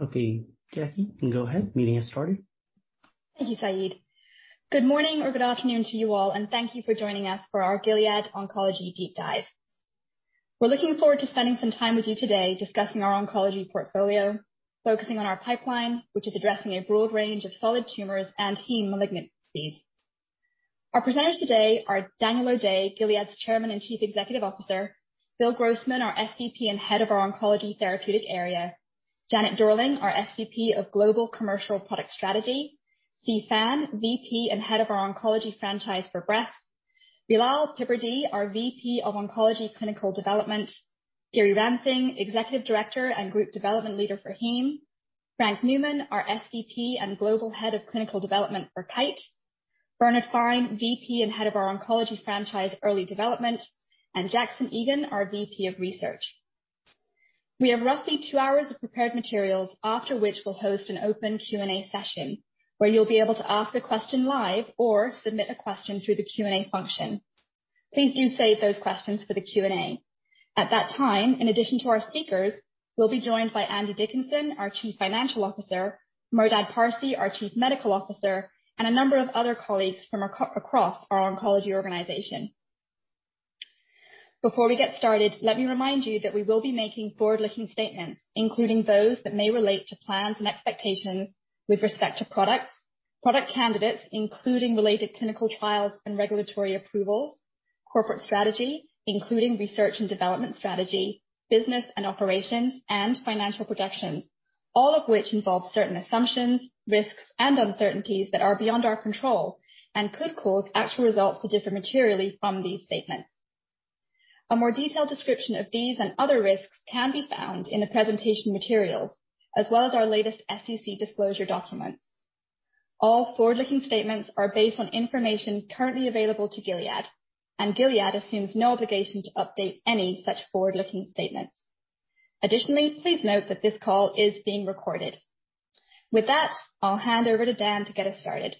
Okay, Jacquie, you can go ahead. Meeting has started. Thank you, Saeed. Good morning or good afternoon to you all, and thank you for joining us for our Gilead Oncology Deep Dive. We're looking forward to spending some time with you today discussing our oncology portfolio, focusing on our pipeline, which is addressing a broad range of solid tumors and heme malignancies. Our presenters today are Daniel O'Day, Gilead's Chairman and Chief Executive Officer, Bill Grossman, our SVP and Head of our Oncology Therapeutic Area, Janet Dorling, our SVP of Global Commercial Product Strategy, See Phan, VP and Head of our Oncology Franchise for Breast, Bilal Piperdi, our VP of Oncology Clinical Development, Giri Ramsingh, Executive Director and Group Development Leader for Heme, Frank Neumann, our SVP and Global Head of Clinical Development for Kite, Bernard Fine, VP and Head of our Oncology Franchise Early Development, and Jackson Egen, our VP of Research. We have roughly two hours of prepared materials, after which we'll host an open Q&A session where you'll be able to ask a question live or submit a question through the Q&A function. Please do save those questions for the Q&A. At that time, in addition to our speakers, we'll be joined by Andy Dickinson, our Chief Financial Officer, Merdad Parsey, our Chief Medical Officer, and a number of other colleagues from across our oncology organization. Before we get started, let me remind you that we will be making forward-looking statements, including those that may relate to plans and expectations with respect to products, product candidates, including related clinical trials and regulatory approvals, corporate strategy, including research and development strategy, business and operations, and financial projections, all of which involve certain assumptions, risks, and uncertainties that are beyond our control and could cause actual results to differ materially from these statements. A more detailed description of these and other risks can be found in the presentation materials as well as our latest SEC disclosure documents. All forward-looking statements are based on information currently available to Gilead, and Gilead assumes no obligation to update any such forward-looking statements. Additionally, please note that this call is being recorded. With that, I'll hand over to Dan to get us started.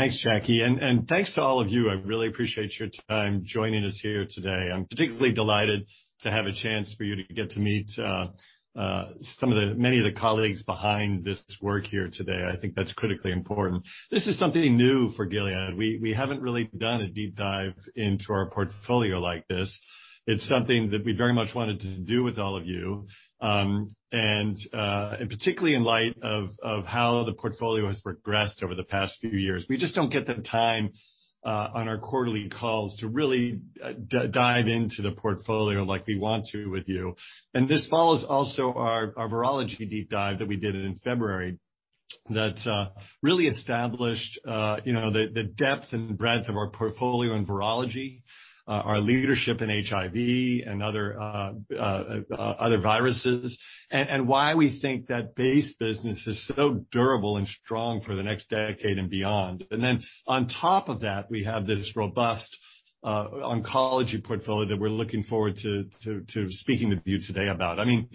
Thanks, Jacquie, and thanks to all of you. I really appreciate your time joining us here today. I'm particularly delighted to have a chance for you to get to meet some of the many colleagues behind this work here today. I think that's critically important. This is something new for Gilead. We haven't really done a deep dive into our portfolio like this. It's something that we very much wanted to do with all of you, and particularly in light of how the portfolio has progressed over the past few years. We just don't get the time on our quarterly calls to really dive into the portfolio like we want to with you. This follows also our virology deep dive that we did in February that really established, you know, the depth and breadth of our portfolio in virology, our leadership in HIV and other viruses, and why we think that base business is so durable and strong for the next decade and beyond. On top of that, we have this robust oncology portfolio that we're looking forward to speaking with you today about. I mean,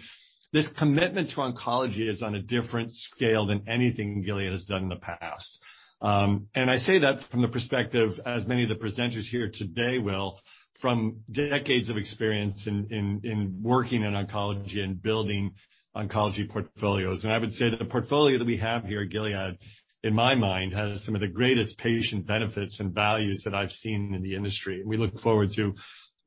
this commitment to oncology is on a different scale than anything Gilead has done in the past. I say that from the perspective, as many of the presenters here today will, from decades of experience in working in oncology and building oncology portfolios. I would say that the portfolio that we have here at Gilead, in my mind, has some of the greatest patient benefits and values that I've seen in the industry. We look forward to, you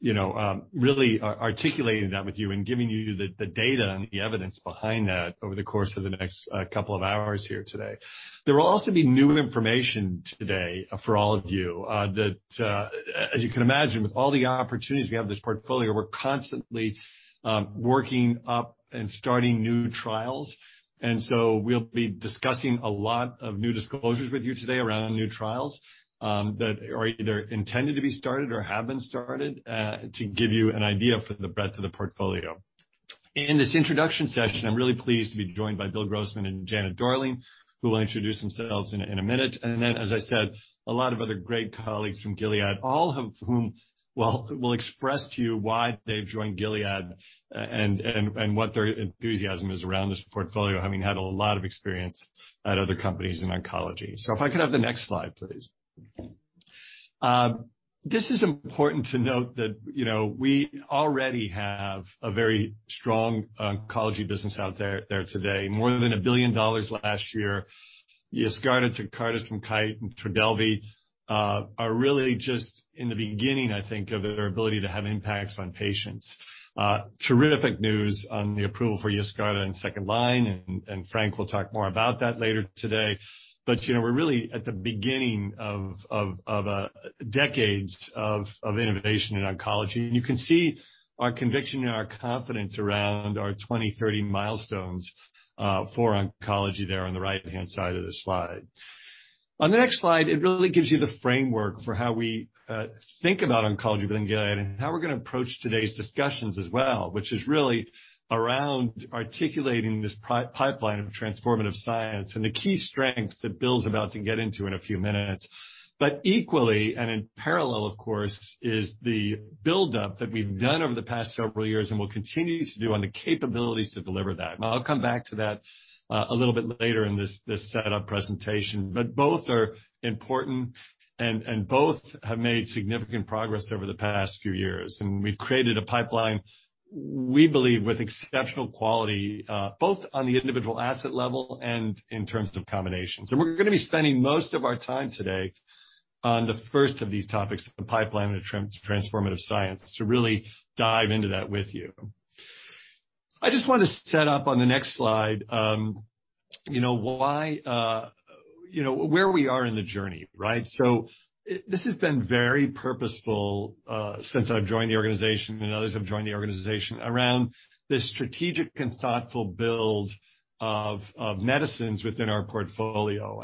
know, really articulating that with you and giving you the data and the evidence behind that over the course of the next couple of hours here today. There will also be new information today for all of you that, as you can imagine, with all the opportunities we have in this portfolio, we're constantly working up and starting new trials. We'll be discussing a lot of new disclosures with you today around new trials that are either intended to be started or have been started to give you an idea for the breadth of the portfolio. In this introduction session, I'm really pleased to be joined by Bill Grossman and Janet Dorling, who will introduce themselves in a minute. Then, as I said, a lot of other great colleagues from Gilead, all of whom will express to you why they've joined Gilead and what their enthusiasm is around this portfolio, having had a lot of experience at other companies in oncology. If I could have the next slide, please. This is important to note that, you know, we already have a very strong oncology business out there today. More than $1 billion last year. Yescarta, Tecartus from Kite and Trodelvy are really just in the beginning, I think, of their ability to have impacts on patients. Terrific news on the approval for Yescarta in second-line, and Frank will talk more about that later today. You know, we're really at the beginning of decades of innovation in oncology. You can see our conviction and our confidence around our 2030 milestones for oncology there on the right-hand side of this slide. On the next slide, it really gives you the framework for how we think about oncology within Gilead and how we're gonna approach today's discussions as well, which is really around articulating this pipeline of transformative science and the key strengths that Bill's about to get into in a few minutes. Equally and in parallel, of course, is the buildup that we've done over the past several years and will continue to do on the capabilities to deliver that. I'll come back to that, a little bit later in this setup presentation. Both are important and both have made significant progress over the past few years. We've created a pipeline, we believe, with exceptional quality, both on the individual asset level and in terms of combinations. We're gonna be spending most of our time today on the first of these topics, the pipeline of transformative science, to really dive into that with you. I just want to set up on the next slide, you know why, you know where we are in the journey, right? This has been very purposeful, since I've joined the organization and others have joined the organization around this strategic and thoughtful build of medicines within our portfolio.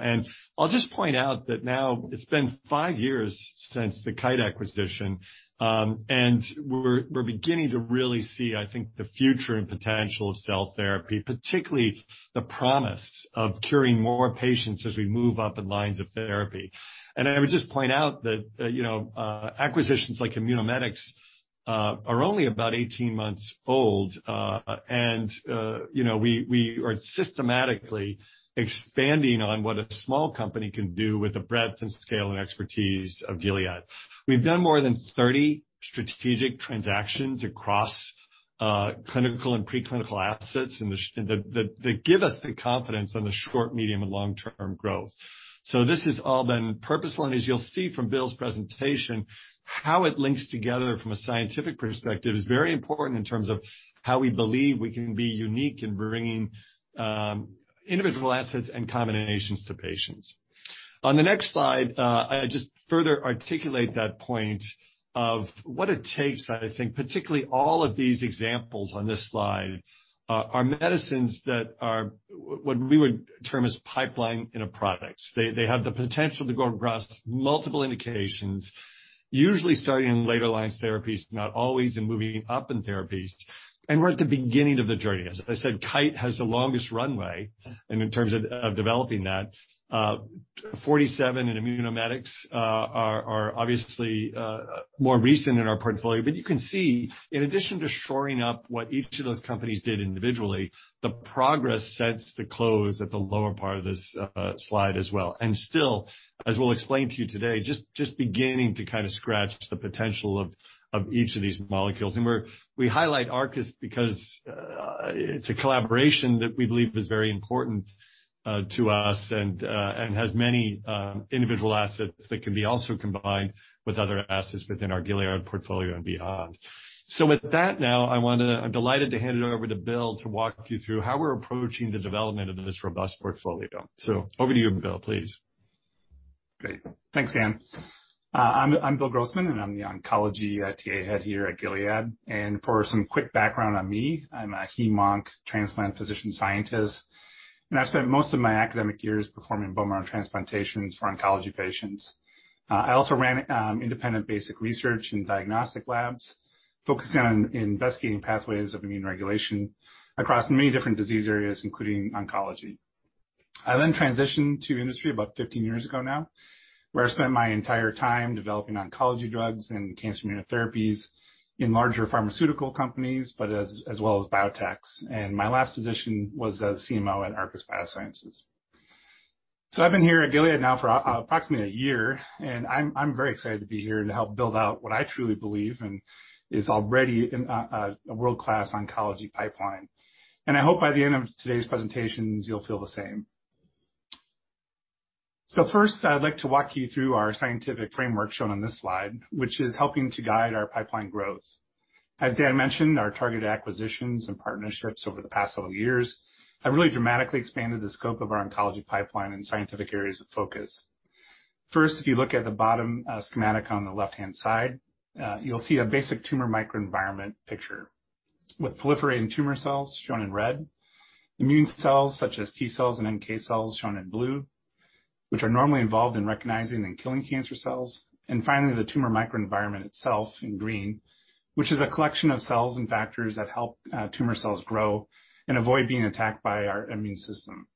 I'll just point out that now it's been five years since the Kite acquisition, and we're beginning to really see, I think, the future and potential of cell therapy, particularly the promise of curing more patients as we move up in lines of therapy. I would just point out that, you know, acquisitions like Immunomedics are only about 18 months old. You know, we are systematically expanding on what a small company can do with the breadth and scale and expertise of Gilead. We've done more than 30 strategic transactions across clinical and pre-clinical assets that give us the confidence on the short, medium and long-term growth. This has all been purposeful. As you'll see from Bill's presentation, how it links together from a scientific perspective is very important in terms of how we believe we can be unique in bringing individual assets and combinations to patients. On the next slide, I just further articulate that point of what it takes. I think particularly all of these examples on this slide are medicines that are what we would term as pipeline in a product. They have the potential to go across multiple indications, usually starting in later line therapies, not always in moving up in therapies. We're at the beginning of the journey. As I said, Kite has the longest runway and in terms of developing that. Forty Seven and Immunomedics are obviously more recent in our portfolio. You can see, in addition to shoring up what each of those companies did individually, the progress since the close at the lower part of this slide as well. Still, as we'll explain to you today, just beginning to kind of scratch the potential of each of these molecules. We highlight Arcus because it's a collaboration that we believe is very important to us and has many individual assets that can be also combined with other assets within our Gilead portfolio and beyond. With that, now I want to. I'm delighted to hand it over to Bill to walk you through how we're approaching the development of this robust portfolio. Over to you, Bill, please. Great. Thanks, Dan. I'm Bill Grossman, and I'm the oncology TA head here at Gilead. For some quick background on me, I'm a heme/onc transplant physician scientist, and I've spent most of my academic years performing bone marrow transplantations for oncology patients. I also ran independent basic research in diagnostic labs, focusing on investigating pathways of immune regulation across many different disease areas, including oncology. I then transitioned to industry about 15 years ago now, where I spent my entire time developing oncology drugs and cancer immunotherapies in larger pharmaceutical companies, as well as biotechs. My last position was as CMO at Arcus Biosciences. I've been here at Gilead now for approximately a year, and I'm very excited to be here and to help build out what I truly believe is already a world-class oncology pipeline. I hope by the end of today's presentations, you'll feel the same. First, I'd like to walk you through our scientific framework shown on this slide, which is helping to guide our pipeline growth. As Dan mentioned, our targeted acquisitions and partnerships over the past several years have really dramatically expanded the scope of our oncology pipeline and scientific areas of focus. First, if you look at the bottom, schematic on the left-hand side, you'll see a basic tumor microenvironment picture with proliferating tumor cells shown in red, immune cells such as T cells and NK cells shown in blue, which are normally involved in recognizing and killing cancer cells. Finally, the tumor microenvironment itself in green, which is a collection of cells and factors that help tumor cells grow and avoid being attacked by our immune system.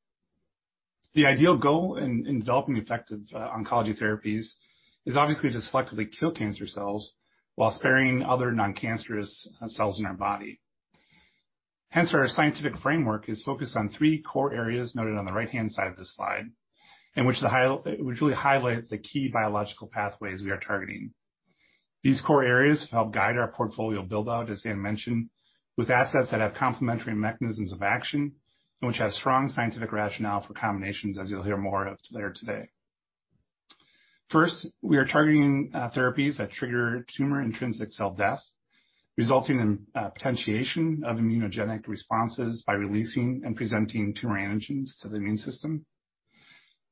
The ideal goal in developing effective oncology therapies is obviously to selectively kill cancer cells while sparing other non-cancerous cells in our body. Hence, our scientific framework is focused on three core areas noted on the right-hand side of this slide, which really highlight the key biological pathways we are targeting. These core areas help guide our portfolio build out, as Dan mentioned, with assets that have complementary mechanisms of action and which have strong scientific rationale for combinations, as you'll hear more of later today. First, we are targeting therapies that trigger tumor intrinsic cell death, resulting in potentiation of immunogenic responses by releasing and presenting tumor antigens to the immune system.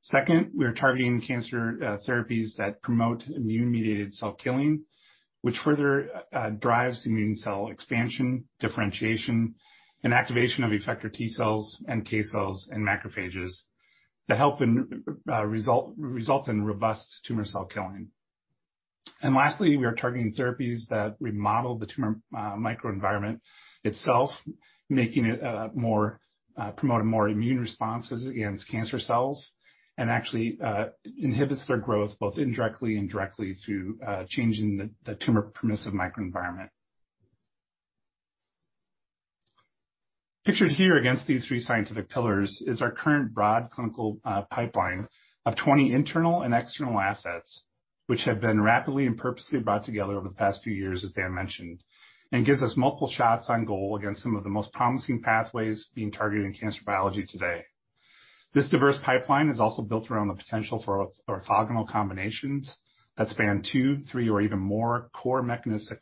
Second, we are targeting cancer therapies that promote immune mediated cell killing, which further drives immune cell expansion, differentiation, and activation of effector T-cells, NK cells, and macrophages to help in result in robust tumor cell killing. Lastly, we are targeting therapies that remodel the tumor microenvironment itself, making it more promote a more immune responses against cancer cells and actually inhibits their growth, both indirectly and directly, through changing the tumor permissive microenvironment. Pictured here against these three scientific pillars is our current broad clinical pipeline of 20 internal and external assets, which have been rapidly and purposely brought together over the past few years, as Dan mentioned, and gives us multiple shots on goal against some of the most promising pathways being targeted in cancer biology today. This diverse pipeline is also built around the potential for orthogonal combinations that span two, three, or even more core mechanistic,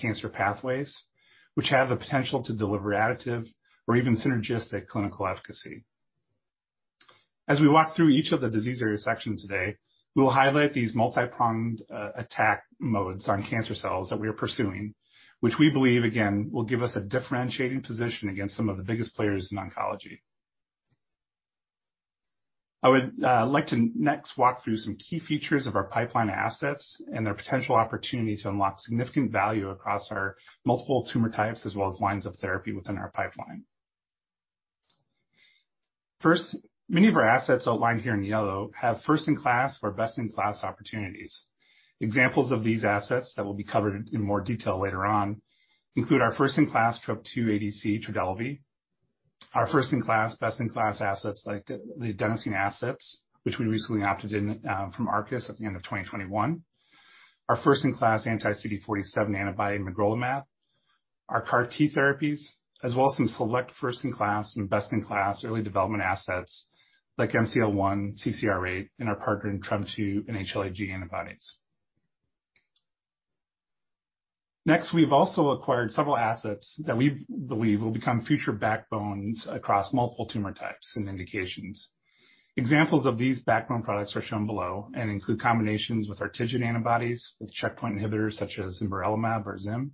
cancer pathways, which have the potential to deliver additive or even synergistic clinical efficacy. As we walk through each of the disease area sections today, we will highlight these multi-pronged, attack modes on cancer cells that we are pursuing, which we believe again will give us a differentiating position against some of the biggest players in oncology. I would like to next walk through some key features of our pipeline assets and their potential opportunity to unlock significant value across our multiple tumor types as well as lines of therapy within our pipeline. First, many of our assets outlined here in yellow have first in class or best in class opportunities. Examples of these assets that will be covered in more detail later on include our first in class Trop-2 ADC Trodelvy, our first in class, best in class assets like the adenosine assets which we recently opted in from Arcus at the end of 2021. Our first in class anti-CD47 antibody magrolimab, our CAR T therapies, as well as some select first in class and best in class early development assets like MCL-1, CCR8, and our partner-in TREM2 and HLA-G antibodies. Next, we've also acquired several assets that we believe will become future backbones across multiple tumor types and indications. Examples of these backbone products are shown below and include combinations with our TIGIT antibodies, with checkpoint inhibitors such as pembrolizumab or ZIM,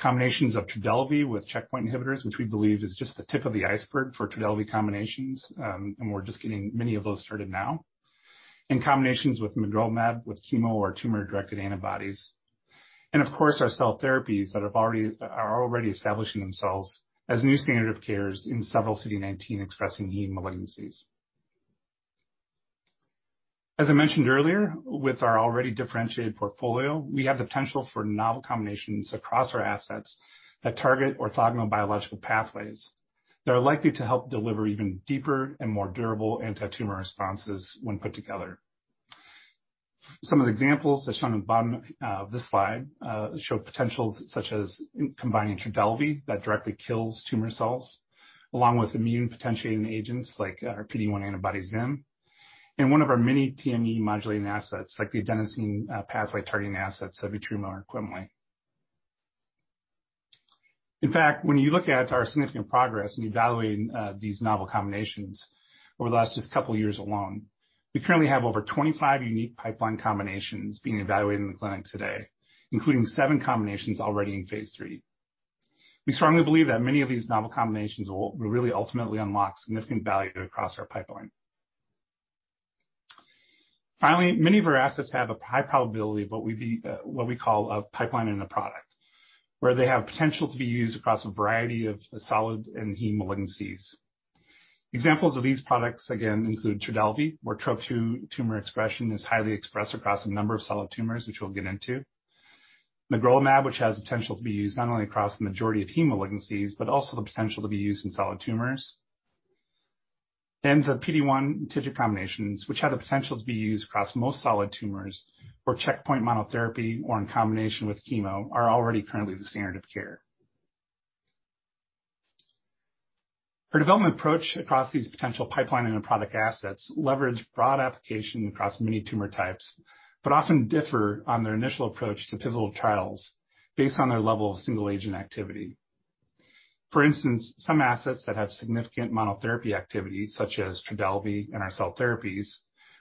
combinations of Trodelvy with checkpoint inhibitors, which we believe is just the tip of the iceberg for Trodelvy combinations, and we're just getting many of those started now. In combinations with magrolimab, with chemo or tumor-directed antibodies, and of course our cell therapies that are already establishing themselves as new standard of cares in several CD19 expressing heme malignancies. As I mentioned earlier, with our already differentiated portfolio, we have the potential for novel combinations across our assets that target orthogonal biological pathways that are likely to help deliver even deeper and more durable antitumor responses when put together. Some of the examples as shown on the bottom of this slide show potentials such as combining Trodelvy that directly kills tumor cells, along with immune potentiating agents like our PD-1 antibody ZIM, and one of our many TME modulating assets like the adenosine pathway targeting assets of etruma and quemli. In fact, when you look at our significant progress in evaluating these novel combinations over the last just couple years alone, we currently have over 25 unique pipeline combinations being evaluated in the clinic today, including seven combinations already in phase III. We strongly believe that many of these novel combinations will really ultimately unlock significant value across our pipeline. Finally, many of our assets have a high probability of what we call a pipeline in a product, where they have potential to be used across a variety of solid and heme malignancies. Examples of these products again include Trodelvy, where Trop-2 tumor expression is highly expressed across a number of solid tumors, which we'll get into. Magrolimab, which has potential to be used not only across the majority of heme malignancies, but also the potential to be used in solid tumors. The PD-1 TIGIT combinations, which have the potential to be used across most solid tumors or checkpoint monotherapy, or in combination with chemo, are already currently the standard of care. Our development approach across these potential pipeline and the product assets leverage broad application across many tumor types, but often differ on their initial approach to pivotal trials based on their level of single agent activity. For instance, some assets that have significant monotherapy activity, such as Trodelvy and our cell therapies,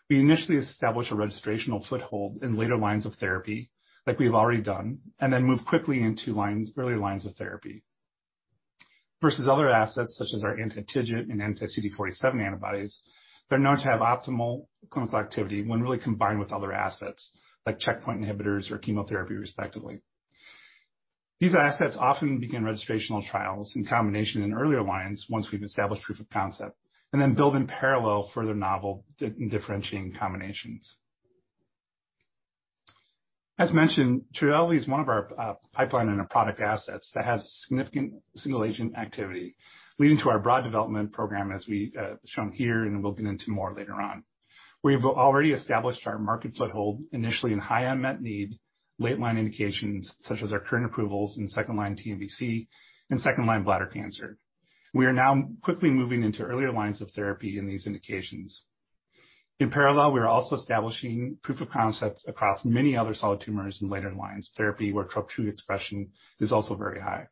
we initially establish a registrational foothold in later lines of therapy like we've already done, and then move quickly into lines, early lines of therapy. Versus other assets such as our anti-TIGIT and anti-CD47 antibodies that are known to have optimal clinical activity when really combined with other assets like checkpoint inhibitors or chemotherapy respectively. These assets often begin registrational trials in combination in earlier lines once we've established proof of concept, and then build in parallel further novel differentiated combinations. As mentioned, Trodelvy is one of our pipeline in our product assets that has significant single agent activity leading to our broad development program as we shown here and we'll get into more later on. We've already established our market foothold initially in high unmet need, late line indications such as our current approvals in second-line TNBC and second-line bladder cancer. We are now quickly moving into earlier lines of therapy in these indications. In parallel, we are also establishing proof of concept across many other solid tumors in later lines therapy where Trop-2 expression is also very high.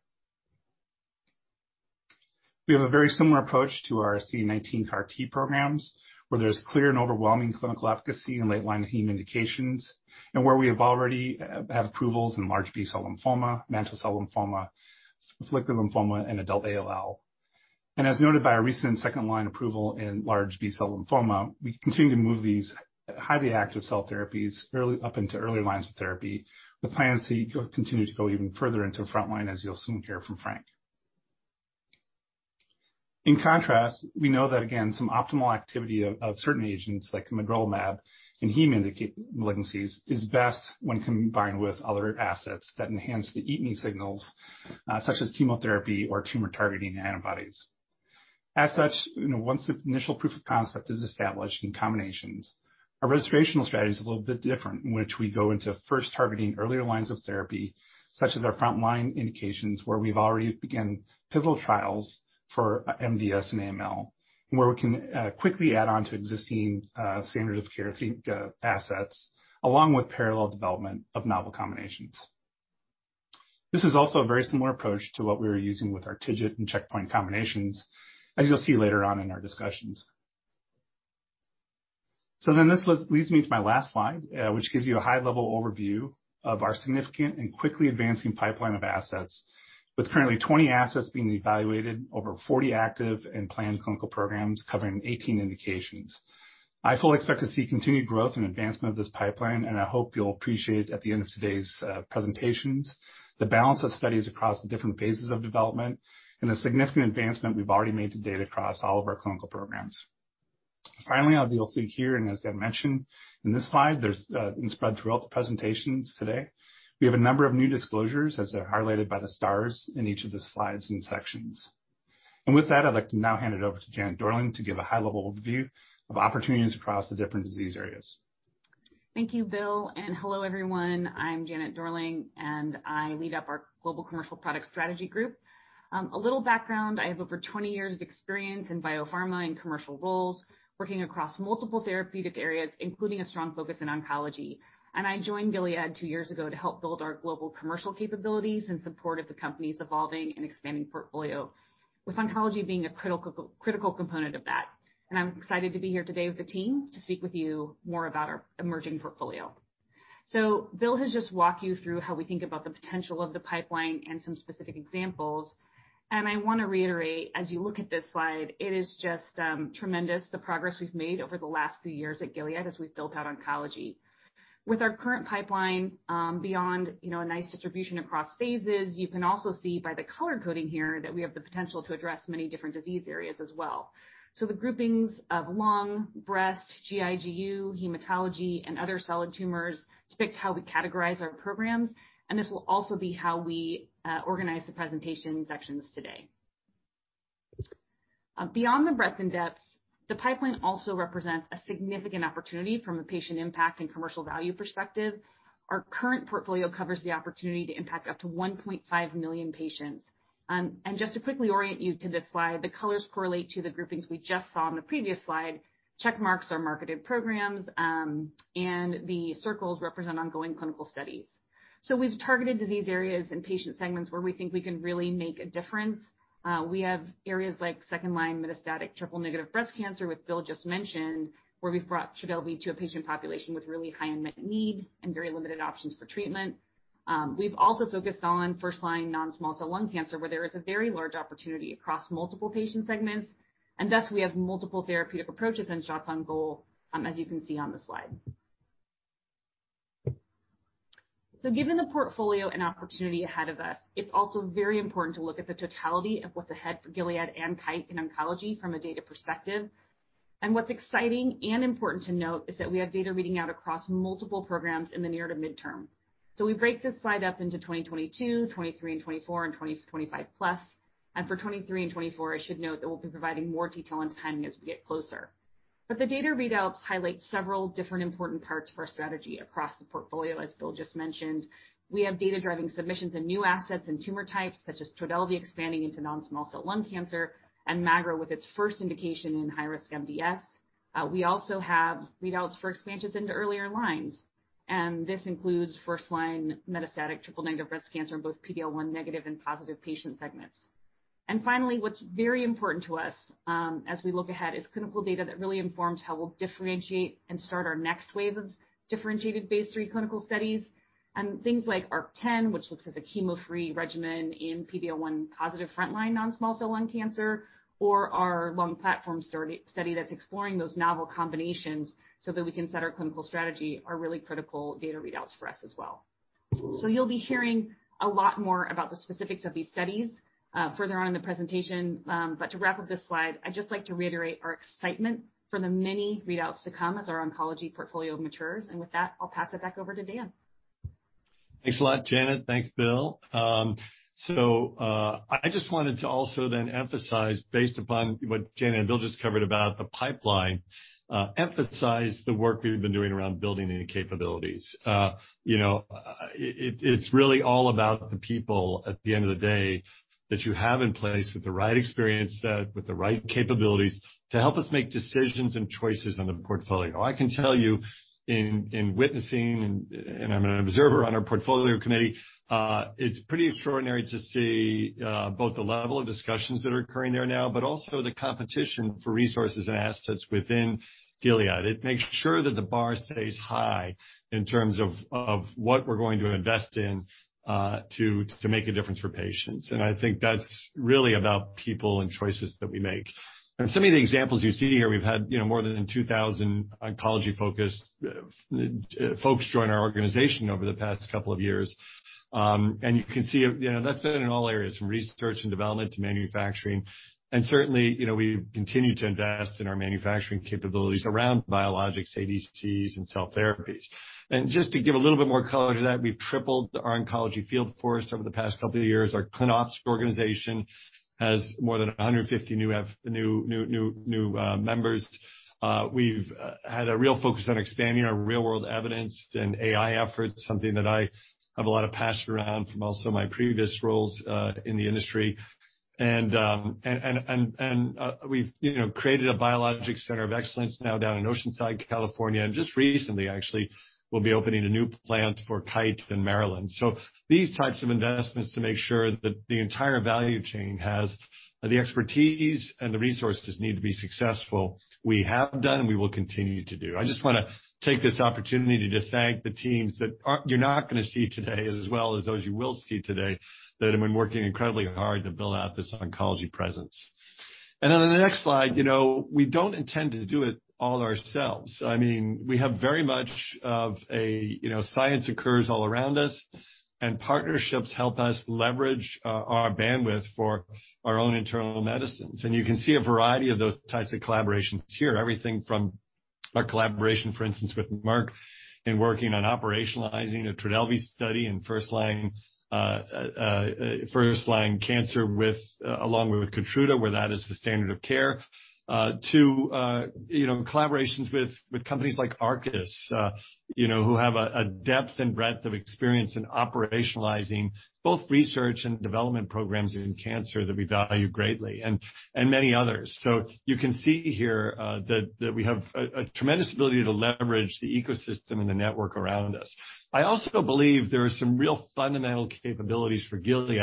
We have a very similar approach to our CD19 CAR T programs, where there's clear and overwhelming clinical efficacy in late line heme indications and where we have already have approvals in large B-cell lymphoma, mantle cell lymphoma, follicular lymphoma, and adult ALL. As noted by our recent second-line approval in large B-cell lymphoma, we continue to move these highly active cell therapies early up into earlier lines of therapy, with plans to continue to go even further into frontline as you'll soon hear from Frank. In contrast, we know that suboptimal activity of certain agents like magrolimab in heme malignancies is best when combined with other assets that enhance the eat-me signals, such as chemotherapy or tumor-targeting antibodies. As such, you know, once the initial proof of concept is established in combinations, our registrational strategy is a little bit different, in which we go into first targeting earlier lines of therapy, such as our frontline indications, where we've already began pivotal trials for MDS and AML, and where we can quickly add on to existing standard of care assets along with parallel development of novel combinations. This is also a very similar approach to what we were using with our TIGIT and checkpoint combinations, as you'll see later on in our discussions. This leads me to my last slide, which gives you a high-level overview of our significant and quickly advancing pipeline of assets, with currently 20 assets being evaluated, over 40 active and planned clinical programs covering 18 indications. I fully expect to see continued growth and advancement of this pipeline, and I hope you'll appreciate at the end of today's presentations, the balance of studies across the different phases of development and the significant advancement we've already made to date across all of our clinical programs. Finally, as you'll see here, and as I mentioned in this slide, there's and spread throughout the presentations today, we have a number of new disclosures as they're highlighted by the stars in each of the slides and sections. With that, I'd like to now hand it over to Janet Dorling to give a high-level view of opportunities across the different disease areas. Thank you, Bill, and hello, everyone. I'm Janet Dorling, and I lead our global commercial product strategy group. A little background. I have over 20 years of experience in biopharma and commercial roles working across multiple therapeutic areas, including a strong focus in oncology. I joined Gilead two years ago to help build our global commercial capabilities in support of the company's evolving and expanding portfolio, with oncology being a critical component of that. I'm excited to be here today with the team to speak with you more about our emerging portfolio. Bill has just walked you through how we think about the potential of the pipeline and some specific examples. I want to reiterate, as you look at this slide, it is just tremendous, the progress we've made over the last few years at Gilead as we've built out oncology. With our current pipeline, beyond, you know, a nice distribution across phases, you can also see by the color coding here that we have the potential to address many different disease areas as well. The groupings of lung, breast, GI/GU, hematology, and other solid tumors depict how we categorize our programs, and this will also be how we organize the presentation sections today. Beyond the breadth and depth, the pipeline also represents a significant opportunity from a patient impact and commercial value perspective. Our current portfolio covers the opportunity to impact up to 1.5 million patients. And just to quickly orient you to this slide, the colors correlate to the groupings we just saw on the previous slide. Check marks are marketed programs, and the circles represent ongoing clinical studies. We've targeted disease areas and patient segments where we think we can really make a difference. We have areas like second-line metastatic triple-negative breast cancer, which Bill just mentioned, where we've brought Trodelvy to a patient population with really high unmet need and very limited options for treatment. We've also focused on first-line non-small cell lung cancer, where there is a very large opportunity across multiple patient segments, and thus we have multiple therapeutic approaches and shots on goal, as you can see on this slide. Given the portfolio and opportunity ahead of us, it's also very important to look at the totality of what's ahead for Gilead and Kite in oncology from a data perspective. What's exciting and important to note is that we have data reading out across multiple programs in the near to midterm. We break this slide up into 2022, 2023 and 2024, and 2025+. For 2023 and 2024, I should note that we'll be providing more detail in time as we get closer. The data readouts highlight several different important parts of our strategy across the portfolio, as Bill just mentioned. We have data-driving submissions and new assets in tumor types such as Trodelvy expanding into non-small cell lung cancer and magrolimab with its first indication in high-risk MDS. We also have readouts for expansions into earlier lines, and this includes first-line metastatic triple-negative breast cancer in both PD-L1 negative and positive patient segments. Finally, what's very important to us, as we look ahead is clinical data that really informs how we'll differentiate and start our next wave of differentiated phase III clinical studies. Things like ARC-10, which looks at the chemo-free regimen in PD-L1 positive frontline non-small cell lung cancer, or our lung platform study that's exploring those novel combinations so that we can set our clinical strategy are really critical data readouts for us as well. You'll be hearing a lot more about the specifics of these studies further on in the presentation. To wrap up this slide, I'd just like to reiterate our excitement for the many readouts to come as our oncology portfolio matures. With that, I'll pass it back over to Dan. Thanks a lot, Janet. Thanks, Bill. I just wanted to also then emphasize, based upon what Janet and Bill just covered about the pipeline, emphasize the work we've been doing around building the capabilities. You know, it's really all about the people at the end of the day that you have in place with the right experience, with the right capabilities to help us make decisions and choices on the portfolio. I can tell you in witnessing, and I'm an observer on our portfolio committee, it's pretty extraordinary to see, both the level of discussions that are occurring there now, but also the competition for resources and assets within Gilead. It makes sure that the bar stays high in terms of what we're going to invest in, to make a difference for patients. I think that's really about people and choices that we make. Some of the examples you see here, we've had, you know, more than 2,000 oncology-focused folks join our organization over the past couple of years. You can see, you know, that's been in all areas from research and development to manufacturing. Certainly, you know, we've continued to invest in our manufacturing capabilities around biologics, ADCs, and cell therapies. Just to give a little bit more color to that, we've tripled our oncology field force over the past couple of years. Our ClinOps organization has more than 150 new members. We've had a real focus on expanding our real-world evidence and AI efforts, something that I have a lot of passion around from also my previous roles in the industry. We've, you know, created a biologic center of excellence now down in Oceanside, California. Just recently, actually, we'll be opening a new plant for Kite in Maryland. These types of investments to make sure that the entire value chain has the expertise and the resources needed to be successful, we have done, and we will continue to do. I just wanna take this opportunity to just thank the teams you're not gonna see today, as well as those you will see today, that have been working incredibly hard to build out this oncology presence. Then on the next slide, you know, we don't intend to do it all ourselves. I mean, we have very much of a, you know, science occurs all around us, and partnerships help us leverage our bandwidth for our own internal medicines. You can see a variety of those types of collaborations here. Everything from our collaboration, for instance, with Merck in working on operationalizing a Trodelvy study in first line cancer along with Keytruda, where that is the standard of care, to you know, collaborations with companies like Arcus, you know, who have a depth and breadth of experience in operationalizing both research and development programs in cancer that we value greatly and many others. You can see here that we have a tremendous ability to leverage the ecosystem and the network around us. I also believe there are some real fundamental capabilities for Gilead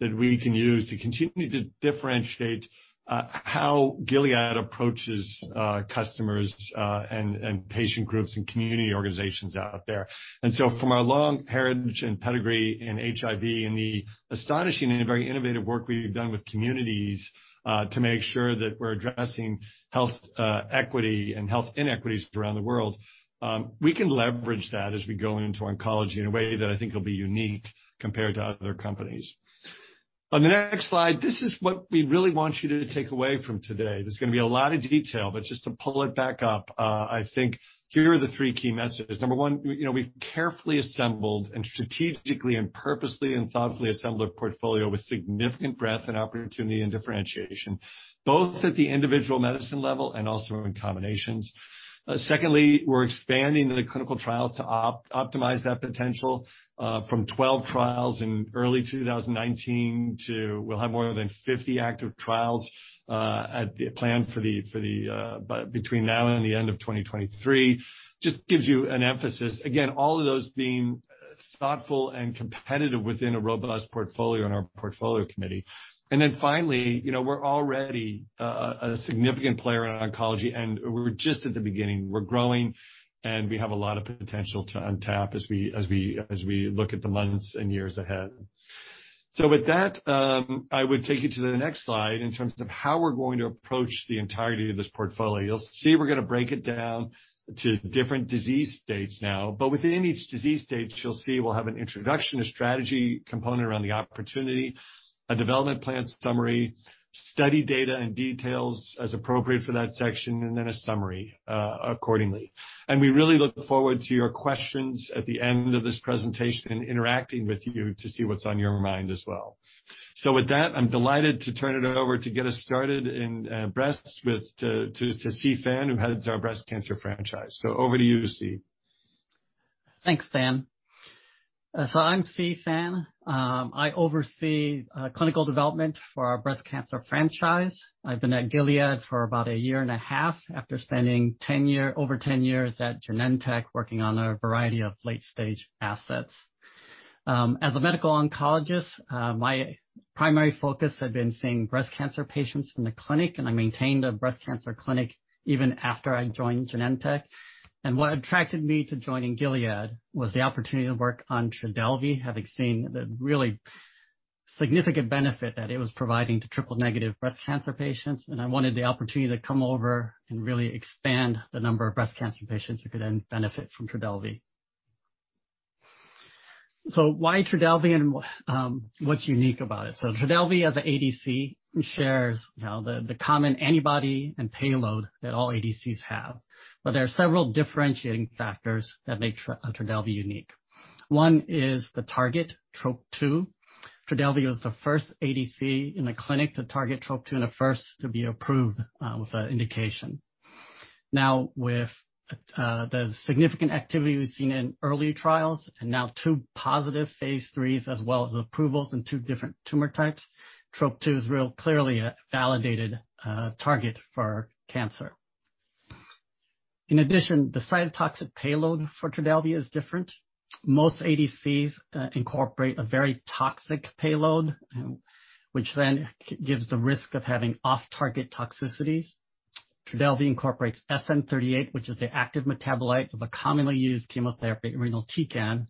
that we can use to continue to differentiate how Gilead approaches customers and patient groups and community organizations out there. From our long heritage and pedigree in HIV and the astonishing and very innovative work we've done with communities, to make sure that we're addressing health equity and health inequities around the world, we can leverage that as we go into oncology in a way that I think will be unique compared to other companies. On the next slide, this is what we really want you to take away from today. There's gonna be a lot of detail, but just to pull it back up, I think here are the three key messages. Number one, you know, we've carefully assembled and strategically and purposely and thoughtfully assembled a portfolio with significant breadth and opportunity and differentiation, both at the individual medicine level and also in combinations. Secondly, we're expanding the clinical trials to optimize that potential from 12 trials in early 2019 to we'll have more than 50 active trials at the plan for the between now and the end of 2023. Just gives you an emphasis. Again, all of those being thoughtful and competitive within a robust portfolio in our portfolio committee. Finally, you know, we're already a significant player in oncology, and we're just at the beginning. We're growing, and we have a lot of potential to untap as we look at the months and years ahead. With that, I would take you to the next slide in terms of how we're going to approach the entirety of this portfolio. You'll see we're gonna break it down to different disease states now, but within each disease states, you'll see we'll have an introduction, a strategy component around the opportunity, a development plan summary, study data and details as appropriate for that section, and then a summary accordingly. We really look forward to your questions at the end of this presentation and interacting with you to see what's on your mind as well. With that, I'm delighted to turn it over to get us started in breast to See Phan, who heads our breast cancer franchise. Over to you, See. Thanks, Dan. I'm See Phan. I oversee clinical development for our breast cancer franchise. I've been at Gilead for about a year and a half after spending over 10 years at Genentech, working on a variety of late-stage assets. As a medical oncologist, my primary focus had been seeing breast cancer patients in the clinic, and I maintained a breast cancer clinic even after I joined Genentech. What attracted me to joining Gilead was the opportunity to work on Trodelvy, having seen the really significant benefit that it was providing to triple-negative breast cancer patients. I wanted the opportunity to come over and really expand the number of breast cancer patients who could then benefit from Trodelvy. Why Trodelvy and what's unique about it? Trodelvy as an ADC shares, you know, the common antibody and payload that all ADCs have, but there are several differentiating factors that make Trodelvy unique. One is the target, Trop-2. Trodelvy was the first ADC in the clinic to target Trop-2 and the first to be approved with an indication. Now, with the significant activity we've seen in early trials and now two positive phase IIIs as well as approvals in two different tumor types, Trop-2 is really clearly a validated target for cancer. In addition, the cytotoxic payload for Trodelvy is different. Most ADCs incorporate a very toxic payload, which then gives the risk of having off-target toxicities. Trodelvy incorporates SN-38, which is the active metabolite of a commonly used chemotherapy, irinotecan.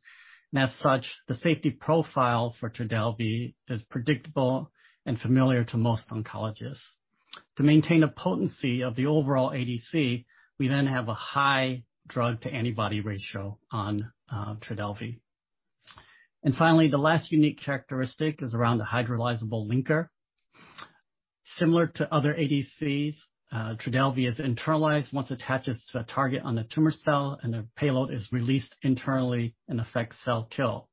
As such, the safety profile for Trodelvy is predictable and familiar to most oncologists. To maintain the potency of the overall ADC, we then have a high drug-to-antibody ratio on Trodelvy. Finally, the last unique characteristic is around the hydrolyzable linker. Similar to other ADCs, Trodelvy is internalized once attaches to a target on the tumor cell, and the payload is released internally and affects cell kill.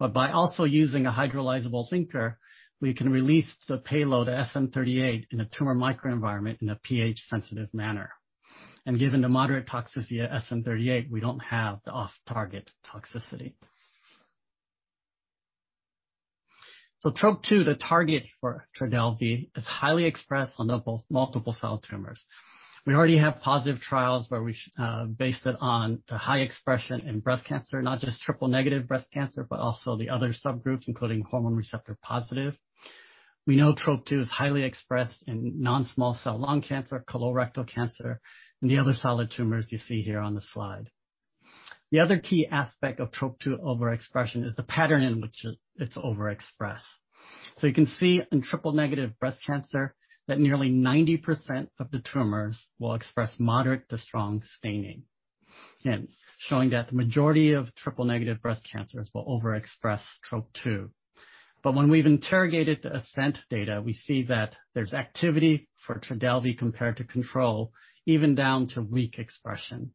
By also using a hydrolyzable linker, we can release the payload, SN-38, in the tumor microenvironment in a pH-sensitive manner. Given the moderate toxicity of SN-38, we don't have the off-target toxicity. Trop-2, the target for Trodelvy, is highly expressed on multiple solid tumors. We already have positive trials where we based it on the high expression in breast cancer, not just triple-negative breast cancer, but also the other subgroups, including hormone receptor positive. We know Trop-2 is highly expressed in non-small cell lung cancer, colorectal cancer, and the other solid tumors you see here on the slide. The other key aspect of Trop-2 overexpression is the pattern in which it's overexpressed. You can see in triple-negative breast cancer that nearly 90% of the tumors will express moderate to strong staining, showing that the majority of triple-negative breast cancers will overexpress Trop-2. When we've interrogated the ASCENT data, we see that there's activity for Trodelvy compared to control, even down to weak expression.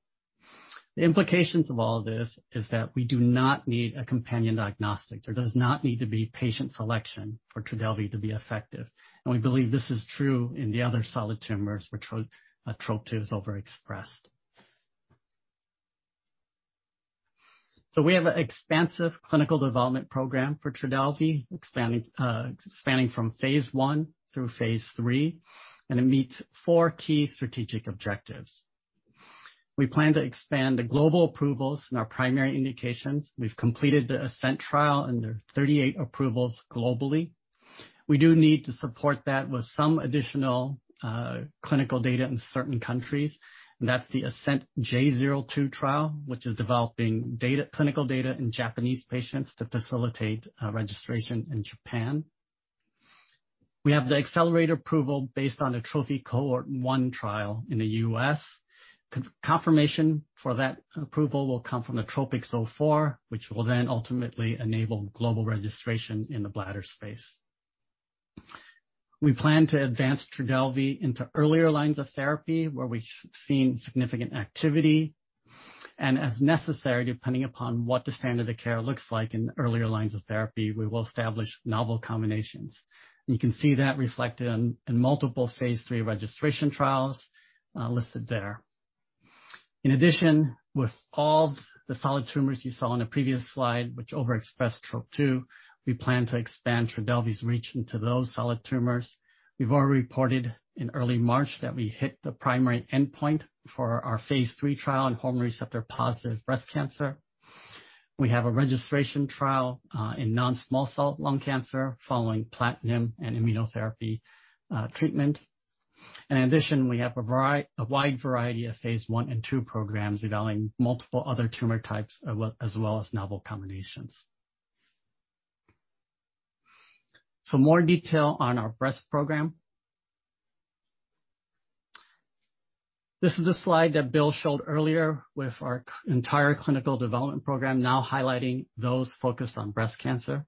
The implications of all this is that we do not need a companion diagnostic. There does not need to be patient selection for Trodelvy to be effective, and we believe this is true in the other solid tumors where Trop-2 is overexpressed. We have an expansive clinical development program for Trodelvy, spanning from phase I through phase III, and it meets four key strategic objectives. We plan to expand the global approvals in our primary indications. We've completed the ASCENT trial, and there are 38 approvals globally. We do need to support that with some additional clinical data in certain countries, and that's the ASCENT-J02 trial which is developing data, clinical data in Japanese patients to facilitate registration in Japan. We have the accelerated approval based on the TROPHY cohort one trial in the U.S. Confirmation for that approval will come from the TROPiCS-04, which will then ultimately enable global registration in the bladder space. We plan to advance Trodelvy into earlier lines of therapy where we have seen significant activity. As necessary, depending upon what the standard of care looks like in the earlier lines of therapy, we will establish novel combinations. You can see that reflected in multiple phase III registration trials listed there. In addition, with all the solid tumors you saw on a previous slide which overexpress Trop-2, we plan to expand Trodelvy's reach into those solid tumors. We've already reported in early March that we hit the primary endpoint for our phase III trial in hormone receptor-positive breast cancer. We have a registration trial in non-small cell lung cancer following platinum and immunotherapy treatment. In addition, we have a wide variety of phase I and II programs evaluating multiple other tumor types as well as novel combinations. For more detail on our breast program. This is the slide that Bill showed earlier with our entire clinical development program now highlighting those focused on breast cancer.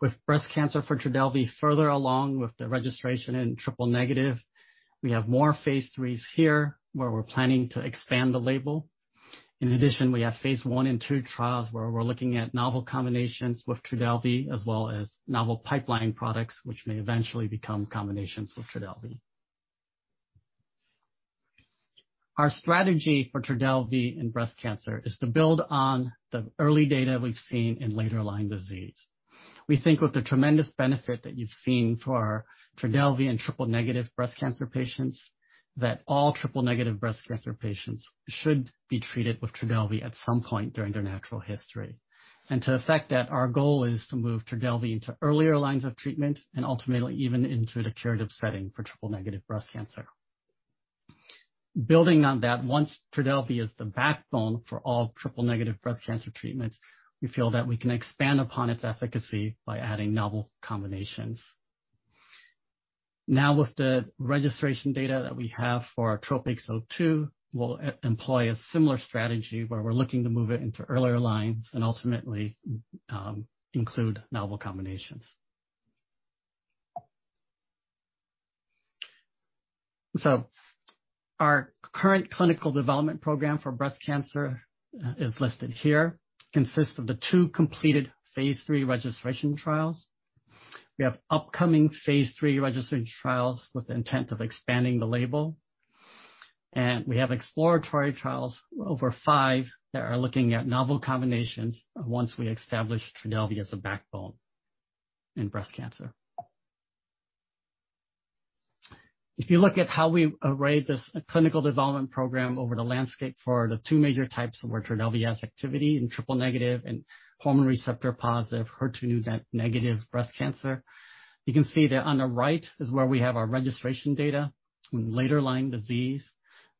With breast cancer for Trodelvy further along with the registration in triple-negative, we have more phase IIIs here, where we're planning to expand the label. In addition, we have phase I and II trials where we're looking at novel combinations with Trodelvy, as well as novel pipeline products which may eventually become combinations with Trodelvy. Our strategy for Trodelvy in breast cancer is to build on the early data we've seen in later line disease. We think with the tremendous benefit that you've seen for Trodelvy in triple-negative breast cancer patients, that all triple-negative breast cancer patients should be treated with Trodelvy at some point during their natural history. To effect that, our goal is to move Trodelvy into earlier lines of treatment and ultimately even into the curative setting for triple-negative breast cancer. Building on that, once Trodelvy is the backbone for all triple-negative breast cancer treatments, we feel that we can expand upon its efficacy by adding novel combinations. Now with the registration data that we have for our TROPiCS-02, we'll employ a similar strategy where we're looking to move it into earlier lines and ultimately include novel combinations. Our current clinical development program for breast cancer is listed here, consists of the two completed phase III registration trials. We have upcoming phase III registration trials with the intent of expanding the label. We have exploratory trials, over five, that are looking at novel combinations once we establish Trodelvy as a backbone in breast cancer. If you look at how we array this clinical development program over the landscape for the two major types of where Trodelvy has activity in triple-negative and hormone receptor positive HER2-negative breast cancer, you can see that on the right is where we have our registration data in later line disease.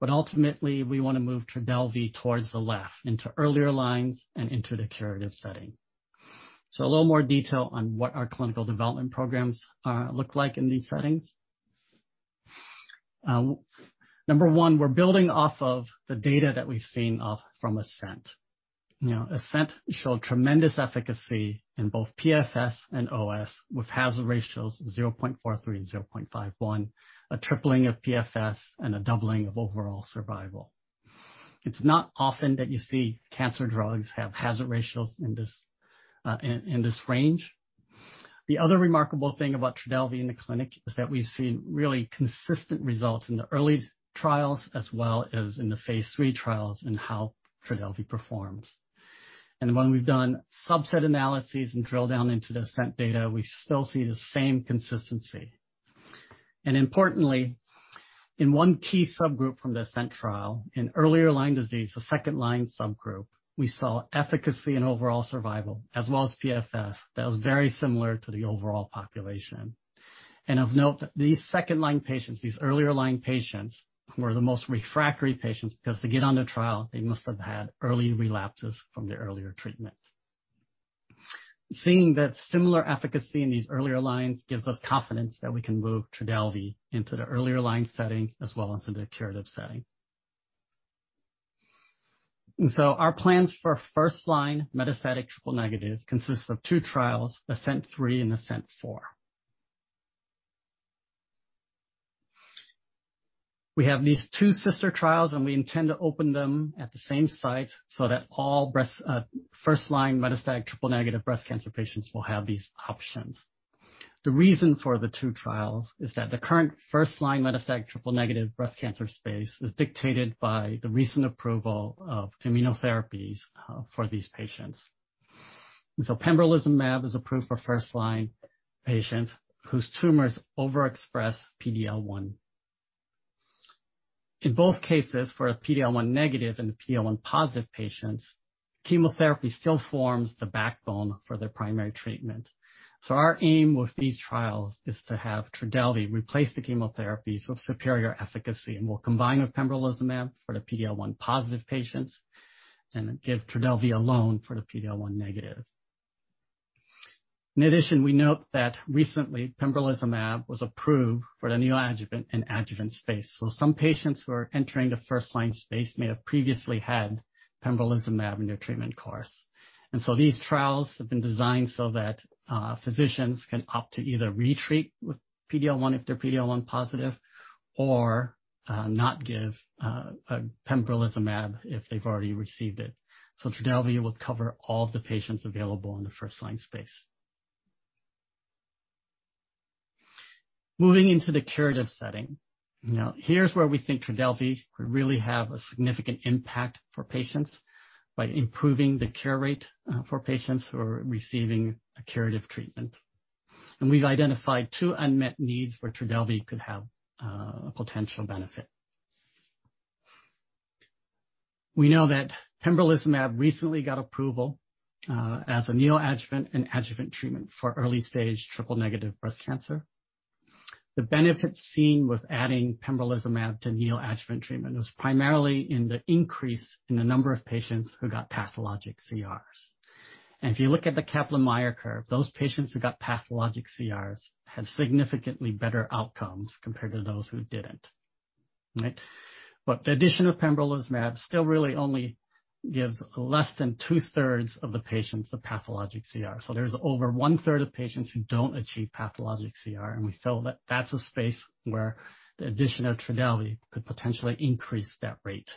Ultimately, we want to move Trodelvy towards the left into earlier lines and into the curative setting. A little more detail on what our clinical development programs look like in these settings. Number one, we're building off of the data that we've seen from ASCENT. You know, ASCENT showed tremendous efficacy in both PFS and OS with hazard ratios 0.43 and 0.51, a tripling of PFS and a doubling of overall survival. It's not often that you see cancer drugs have hazard ratios in this range. The other remarkable thing about Trodelvy in the clinic is that we've seen really consistent results in the early trials as well as in the phase III trials in how Trodelvy performs. When we've done subset analyses and drill down into the ASCENT data, we still see the same consistency. Importantly, in one key subgroup from the ASCENT trial, in earlier line disease, the second-line subgroup, we saw efficacy in overall survival as well as PFS that was very similar to the overall population. Of note, these second-line patients, these earlier line patients, were the most refractory patients because to get on the trial, they must have had early relapses from their earlier treatment. Seeing that similar efficacy in these earlier lines gives us confidence that we can move Trodelvy into the earlier line setting as well as in the curative setting. Our plans for first line metastatic triple-negative consists of two trials, ASCENT-03 and ASCENT-04. We have these two sister trials, and we intend to open them at the same site so that all breast first line metastatic triple-negative breast cancer patients will have these options. The reason for the two trials is that the current first line metastatic triple-negative breast cancer space is dictated by the recent approval of immunotherapies for these patients. Pembrolizumab is approved for first line patients whose tumors overexpress PD-L1. In both cases, for PD-L1 negative and PD-L1 positive patients, chemotherapy still forms the backbone for their primary treatment. Our aim with these trials is to have Trodelvy replace the chemotherapies with superior efficacy and we'll combine with pembrolizumab for the PD-L1 positive patients and then give Trodelvy alone for the PD-L1 negative. In addition, we note that recently pembrolizumab was approved for the neoadjuvant and adjuvant space. Some patients who are entering the first line space may have previously had pembrolizumab in their treatment course. These trials have been designed so that physicians can opt to either retreat with pembrolizumab if they're PD-L1 positive, or not give pembrolizumab if they've already received it. Trodelvy will cover all of the patients available in the first line space. Moving into the curative setting. Now, here's where we think Trodelvy could really have a significant impact for patients by improving the cure rate, for patients who are receiving a curative treatment. We've identified two unmet needs where Trodelvy could have, a potential benefit. We know that pembrolizumab recently got approval, as a neoadjuvant and adjuvant treatment for early stage triple-negative breast cancer. The benefit seen with adding pembrolizumab to neoadjuvant treatment was primarily in the increase in the number of patients who got pathologic CRs. If you look at the Kaplan-Meier curve, those patients who got pathologic CRs had significantly better outcomes compared to those who didn't. Right. The addition of pembrolizumab still really only gives less than 2/3 of the patients a pathologic CR. There's over 1/3 of patients who don't achieve pathologic CR, and we feel that that's a space where the addition of Trodelvy could potentially increase that rate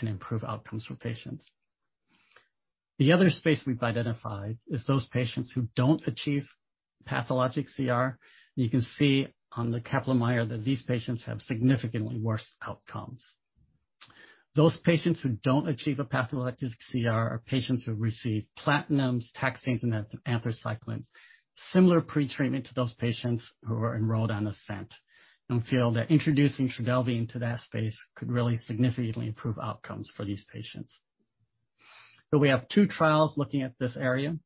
and improve outcomes for patients. The other space we've identified is those patients who don't achieve pathologic CR. You can see on the Kaplan-Meier that these patients have significantly worse outcomes. Those patients who don't achieve a pathologic CR are patients who receive platinums, taxanes and anthracyclines, similar pretreatment to those patients who are enrolled on ASCENT and feel that introducing Trodelvy into that space could really significantly improve outcomes for these patients. We have two trials looking at this area.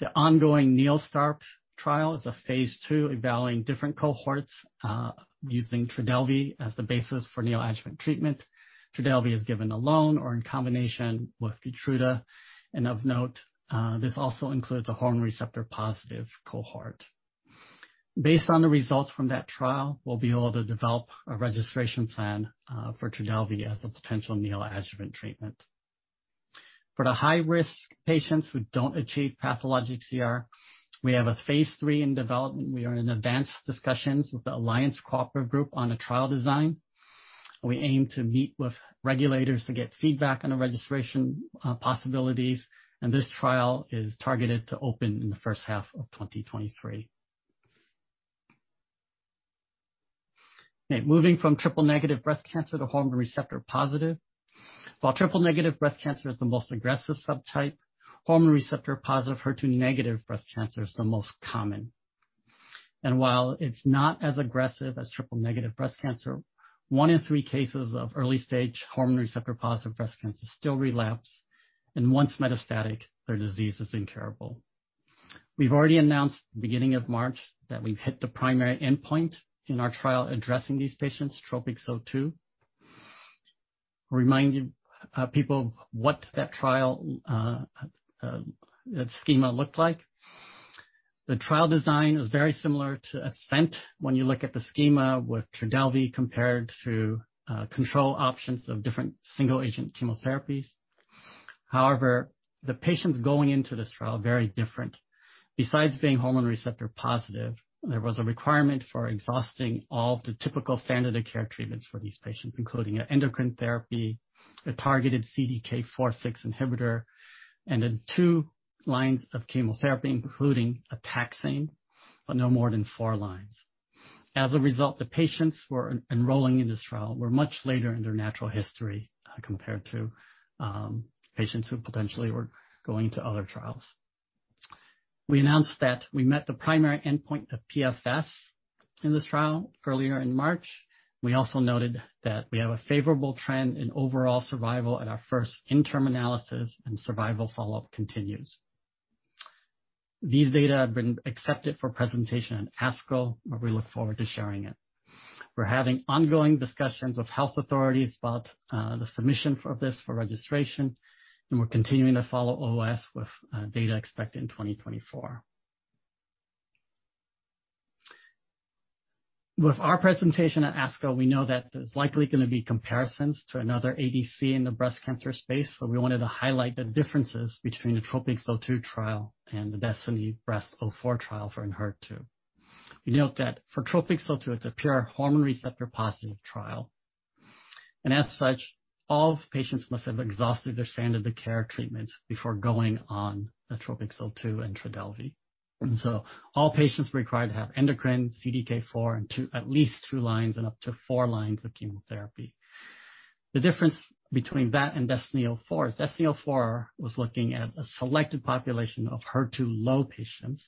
The ongoing NEOSTAR trial is a phase II evaluating different cohorts, using Trodelvy as the basis for neoadjuvant treatment. Trodelvy is given alone or in combination with Keytruda. Of note, this also includes a hormone receptor positive cohort. Based on the results from that trial, we'll be able to develop a registration plan for Trodelvy as a potential neoadjuvant treatment. For the high-risk patients who don't achieve pathologic CR, we have a phase III in development. We are in advanced discussions with the Alliance Cooperative Group on a trial design. We aim to meet with regulators to get feedback on the registration possibilities and this trial is targeted to open in the first half of 2023. Okay, moving from triple-negative breast cancer to hormone receptor positive. While triple-negative breast cancer is the most aggressive subtype, hormone receptor positive HER2 negative breast cancer is the most common. While it's not as aggressive as triple-negative breast cancer, one in three cases of early stage hormone receptor positive breast cancer still relapse. Once metastatic, their disease is incurable. We've already announced the beginning of March that we've hit the primary endpoint in our trial addressing these patients, TROPiCS-02. Reminding people what that trial schema looked like. The trial design was very similar to ASCENT when you look at the schema with Trodelvy compared to control options of different single agent chemotherapies. However, the patients going into this trial are very different. Besides being hormone receptor positive, there was a requirement for exhausting all of the typical standard of care treatments for these patients, including endocrine therapy, a targeted CDK4/6 inhibitor, and then two lines of chemotherapy, including a taxane, but no more than four lines. As a result, the patients who are enrolling in this trial were much later in their natural history compared to patients who potentially were going to other trials. We announced that we met the primary endpoint of PFS in this trial earlier in March. We also noted that we have a favorable trend in overall survival at our first interim analysis and survival follow-up continues. These data have been accepted for presentation at ASCO, where we look forward to sharing it. We're having ongoing discussions with health authorities about the submission for this for registration, and we're continuing to follow OS with data expected in 2024. With our presentation at ASCO, we know that there's likely gonna be comparisons to another ADC in the breast cancer space, so we wanted to highlight the differences between the TROPiCS-02 trial and the DESTINY-Breast04 trial for Enhertu. We note that for TROPiCS-02, it's a pure hormone receptor positive trial. As such, all patients must have exhausted their standard of care treatments before going on the TROPiCS-02 and Trodelvy. All patients required to have endocrine, CDK4/6, and at least two lines and up to four lines of chemotherapy. The difference between that and DESTINY-Breast04 is DESTINY-Breast04 was looking at a selected population of HER2-low patients.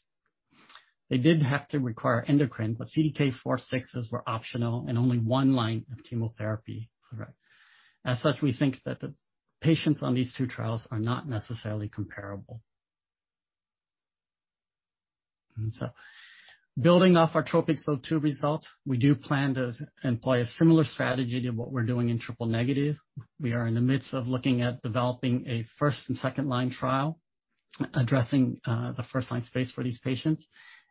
They did have to require endocrine, but CDK4/6s were optional and only one line of chemotherapy, correct. As such, we think that the patients on these two trials are not necessarily comparable. Building off our TROPiCS-02 results, we do plan to employ a similar strategy to what we're doing in triple negative. We are in the midst of looking at developing a first and second line trial addressing the first line space for these patients.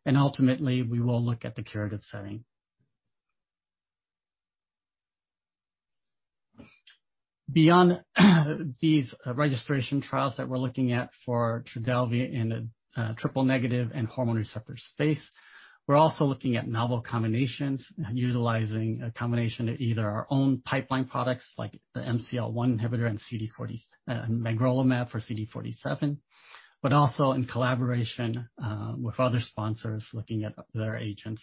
Ultimately, we will look at the curative setting. Beyond these registration trials that we're looking at for Trodelvy in a triple negative and hormone receptor space, we're also looking at novel combinations, utilizing a combination of either our own pipeline products like the MCL-1 inhibitor and CD47, magrolimab for CD47, but also in collaboration with other sponsors looking at their agents,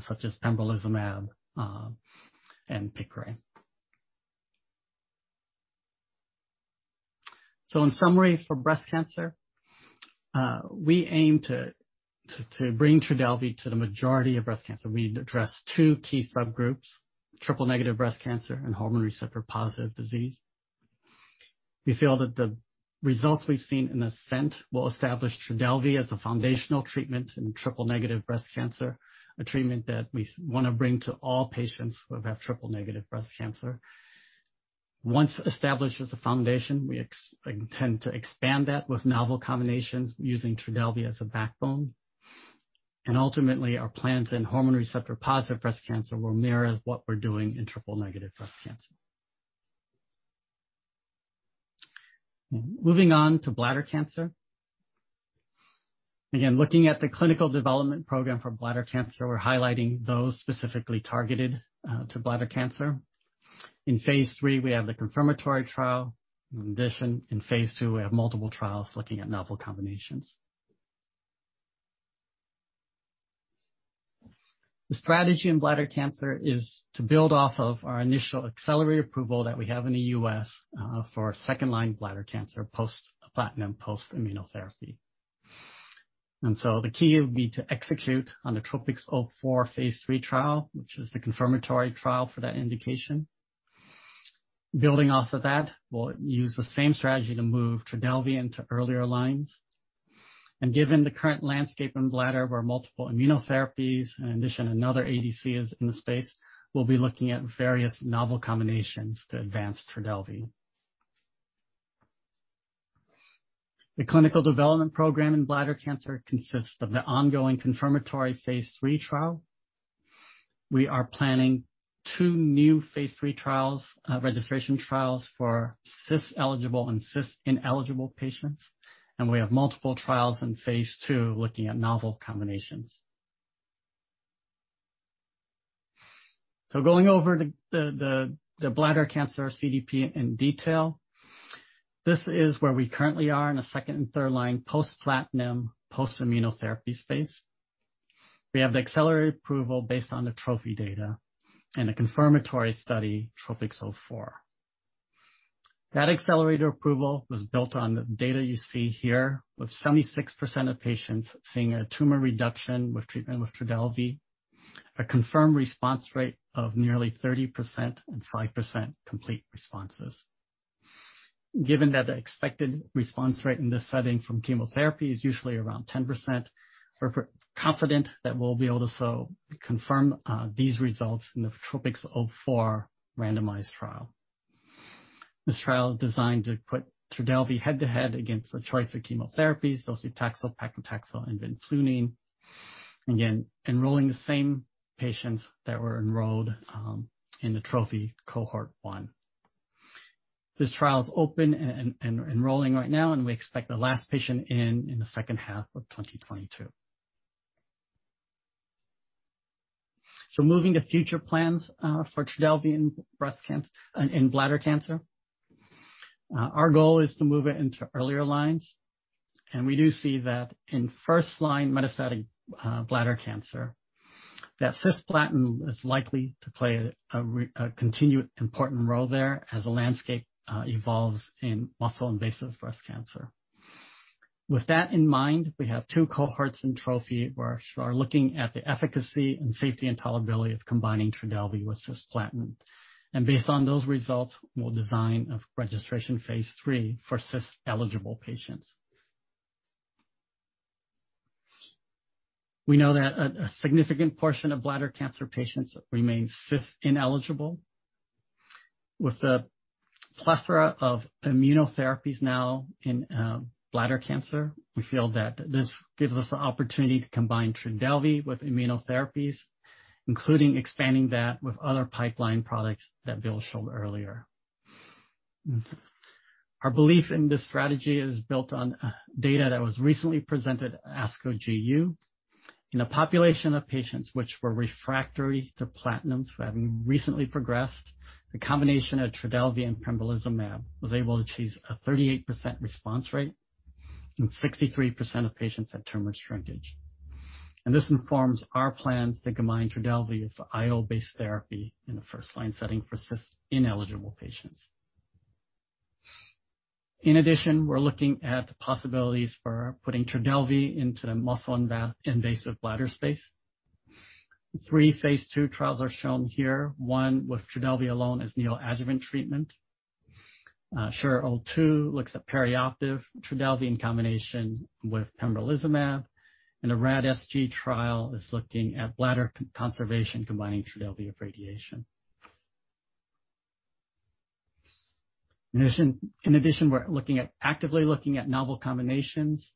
such as pembrolizumab and Piqray. In summary, for breast cancer, we aim to bring Trodelvy to the majority of breast cancer. We need to address two key subgroups, triple negative breast cancer and hormone receptor positive disease. We feel that the results we've seen in ASCENT will establish Trodelvy as a foundational treatment in triple negative breast cancer, a treatment that we wanna bring to all patients who have triple negative breast cancer. Once established as a foundation, we intend to expand that with novel combinations using Trodelvy as a backbone. Ultimately, our plans in hormone receptor-positive breast cancer will mirror what we're doing in triple-negative breast cancer. Moving on to bladder cancer. Again, looking at the clinical development program for bladder cancer, we're highlighting those specifically targeted to bladder cancer. In phase III, we have the confirmatory trial. In addition, in phase II, we have multiple trials looking at novel combinations. The strategy in bladder cancer is to build off of our initial accelerated approval that we have in the U.S. for second-line bladder cancer post-platinum, post-immunotherapy. The key would be to execute on the TROPiCS-04 phase III trial, which is the confirmatory trial for that indication. Building off of that, we'll use the same strategy to move Trodelvy into earlier lines. Given the current landscape in bladder, where multiple immunotherapies, in addition, another ADC is in the space, we'll be looking at various novel combinations to advance Trodelvy. The clinical development program in bladder cancer consists of the ongoing confirmatory phase III trial. We are planning two new phase III trials, registration trials for CIS-eligible and CIS-ineligible patients, and we have multiple trials in phase II looking at novel combinations. Going over the bladder cancer CDP in detail, this is where we currently are in the second and third line post-platinum, post-immunotherapy space. We have the accelerated approval based on the TROPHY data and a confirmatory study, TROPiCS-04. That accelerated approval was built on the data you see here, with 76% of patients seeing a tumor reduction with treatment with Trodelvy, a confirmed response rate of nearly 30% and 5% complete responses. Given that the expected response rate in this setting from chemotherapy is usually around 10%, we're confident that we'll be able to confirm these results in the TROPiCS-04 randomized trial. This trial is designed to put Trodelvy head-to-head against the choice of chemotherapies docetaxel, paclitaxel, and vinflunine. Again, enrolling the same patients that were enrolled in the TROPHY cohort one. This trial is open and enrolling right now, and we expect the last patient in in the second half of 2022. Moving to future plans for Trodelvy in bladder cancer. Our goal is to move it into earlier lines, and we do see that in first-line metastatic bladder cancer, that cisplatin is likely to play a continued important role there as the landscape evolves in muscle-invasive bladder cancer. With that in mind, we have two cohorts in TROPHY where we are looking at the efficacy and safety and tolerability of combining Trodelvy with cisplatin. Based on those results, we'll design a registration phase III for cis-eligible patients. We know that a significant portion of bladder cancer patients remain cis-ineligible. With the plethora of immunotherapies now in bladder cancer, we feel that this gives us the opportunity to combine Trodelvy with immunotherapies, including expanding that with other pipeline products that Bill showed earlier. Our belief in this strategy is built on data that was recently presented at ASCO GU. In a population of patients which were refractory to platinums who haven't recently progressed, the combination of Trodelvy and pembrolizumab was able to achieve a 38% response rate and 63% of patients had tumor shrinkage. This informs our plans to combine Trodelvy with IO-based therapy in the first-line setting for cis-ineligible patients. In addition, we're looking at the possibilities for putting Trodelvy into the muscle-invasive bladder space. Three phase II trials are shown here, one with Trodelvy alone as neoadjuvant treatment. SURE-02 looks at perioperative Trodelvy in combination with pembrolizumab, and the RAD-SG trial is looking at bladder conservation, combining Trodelvy with radiation. We're actively looking at novel combinations.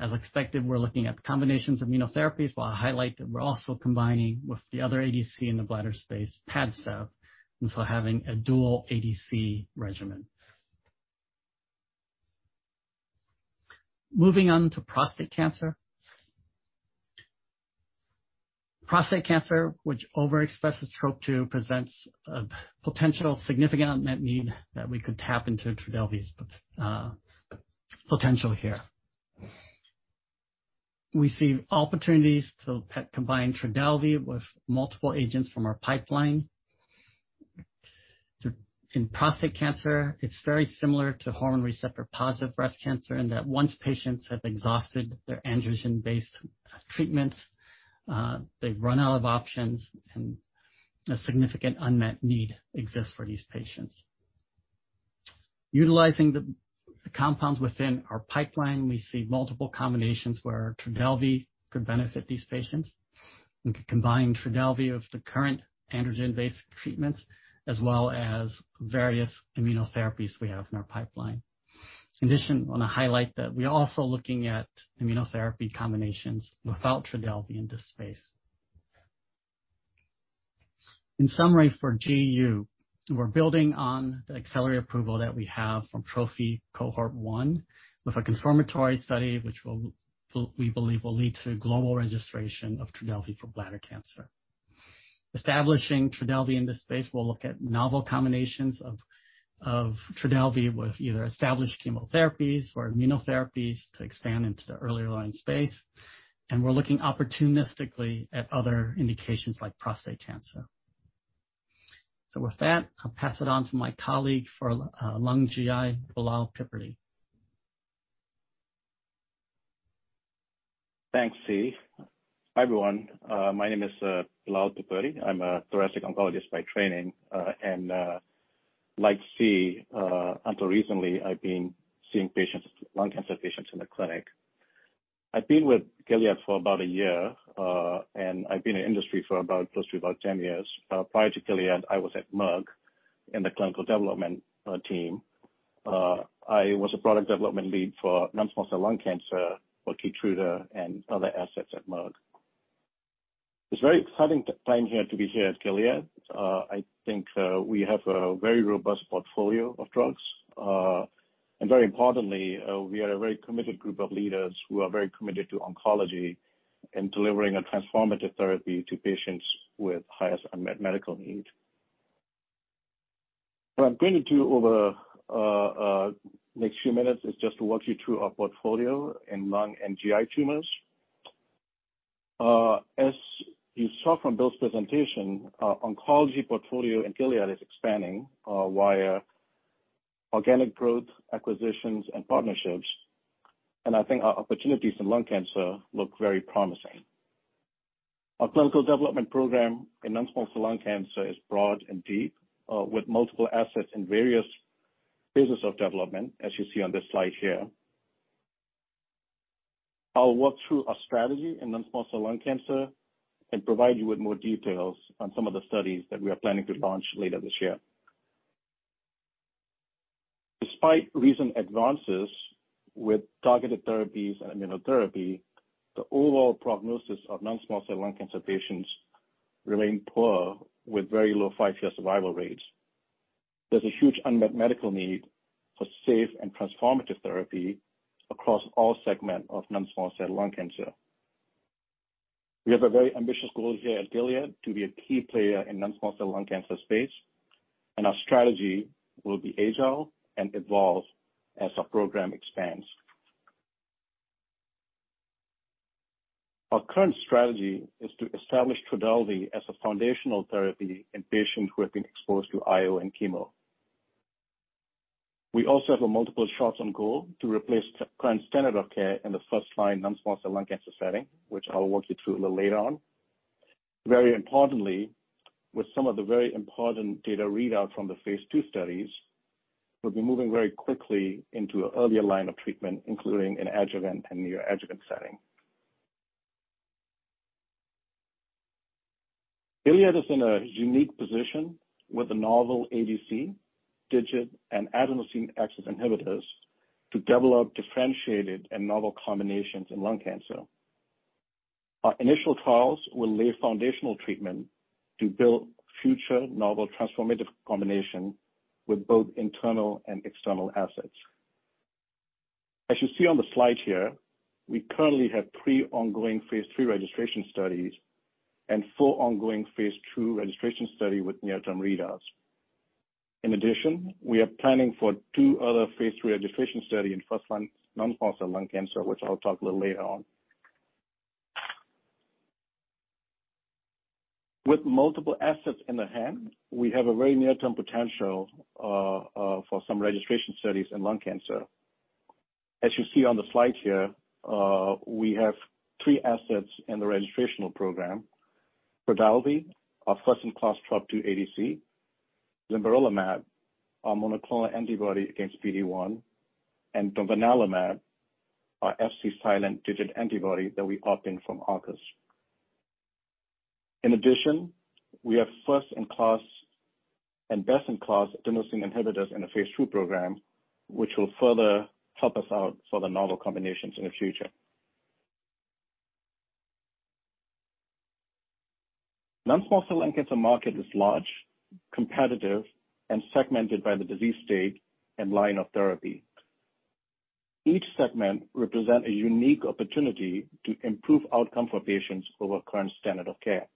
As expected, we're looking at combinations of immunotherapies, while I highlight that we're also combining with the other ADC in the bladder space, PADCEV, and so having a dual ADC regimen. Moving on to prostate cancer. Prostate cancer, which overexpresses Trop-2, presents a potential significant unmet need that we could tap into Trodelvy's potential here. We see opportunities to combine Trodelvy with multiple agents from our pipeline. In prostate cancer, it's very similar to hormone receptor-positive breast cancer, in that once patients have exhausted their androgen-based treatments, they run out of options and a significant unmet need exists for these patients. Utilizing the compounds within our pipeline, we see multiple combinations where Trodelvy could benefit these patients. We could combine Trodelvy with the current androgen-based treatments, as well as various immunotherapies we have in our pipeline. In addition, I wanna highlight that we are also looking at immunotherapy combinations without Trodelvy in this space. In summary, for GU, we're building on the accelerated approval that we have from TROPHY cohort one with a confirmatory study which we believe will lead to global registration of Trodelvy for bladder cancer. Establishing Trodelvy in this space, we'll look at novel combinations of Trodelvy with either established chemotherapies or immunotherapies to expand into the earlier line space. We're looking opportunistically at other indications like prostate cancer. With that, I'll pass it on to my colleague for lung, GI, Bilal Piperdi. Thanks, See. Hi, everyone. My name is Bilal Piperdi. I'm a thoracic oncologist by training. And like See, until recently, I've been seeing patients, lung cancer patients in the clinic. I've been with Gilead for about a year, and I've been in industry for about close to 10 years. Prior to Gilead, I was at Merck in the clinical development team. I was a product development lead for non-small cell lung cancer for Keytruda and other assets at Merck. It's very exciting time here to be here at Gilead. I think we have a very robust portfolio of drugs. And very importantly, we are a very committed group of leaders who are very committed to oncology and delivering a transformative therapy to patients with highest unmet medical need. What I'm going to do over next few minutes is just to walk you through our portfolio in lung and GI tumors. As you saw from Bill's presentation, our oncology portfolio in Gilead is expanding, via organic growth, acquisitions, and partnerships, and I think our opportunities in lung cancer look very promising. Our clinical development program in non-small cell lung cancer is broad and deep, with multiple assets in various phases of development, as you see on this slide here. I'll walk through our strategy in non-small cell lung cancer and provide you with more details on some of the studies that we are planning to launch later this year. Despite recent advances with targeted therapies and immunotherapy, the overall prognosis of non-small cell lung cancer patients remain poor, with very low five-year survival rates. There's a huge unmet medical need for safe and transformative therapy across all segments of non-small cell lung cancer. We have a very ambitious goal here at Gilead to be a key player in non-small cell lung cancer space, and our strategy will be agile and evolve as our program expands. Our current strategy is to establish Trodelvy as a foundational therapy in patients who have been exposed to IO and chemo. We also have multiple shots on goal to replace the current standard of care in the first-line non-small cell lung cancer setting, which I will walk you through a little later on. Very importantly, with some of the very important data readout from the phase II studies, we'll be moving very quickly into an earlier line of treatment, including an adjuvant and neoadjuvant setting. Gilead is in a unique position with a novel ADC, TIGIT, and adenosine axis inhibitors to develop differentiated and novel combinations in lung cancer. Our initial trials will lay foundational treatment to build future novel transformative combination with both internal and external assets. As you see on the slide here, we currently have three ongoing phase III registration studies and four ongoing phase II registration study with near-term readouts. In addition, we are planning for two other phase III registration study in first line non-small cell lung cancer, which I'll talk a little later on. With multiple assets in hand, we have a very near-term potential for some registration studies in lung cancer. As you see on the slide here, we have three assets in the registrational program. Trodelvy, our first-in-class Trop-2 ADC, zimberelimab, our monoclonal antibody against PD-1, and domvanalimab, our Fc-silent TIGIT antibody that we opt in from Arcus. In addition, we have first-in-class and best-in-class adenosine inhibitors in the phase II program, which will further help us out for the novel combinations in the future. Non-small cell lung cancer market is large, competitive, and segmented by the disease state and line of therapy. Each segment represent a unique opportunity to improve outcome for patients over current standard of care.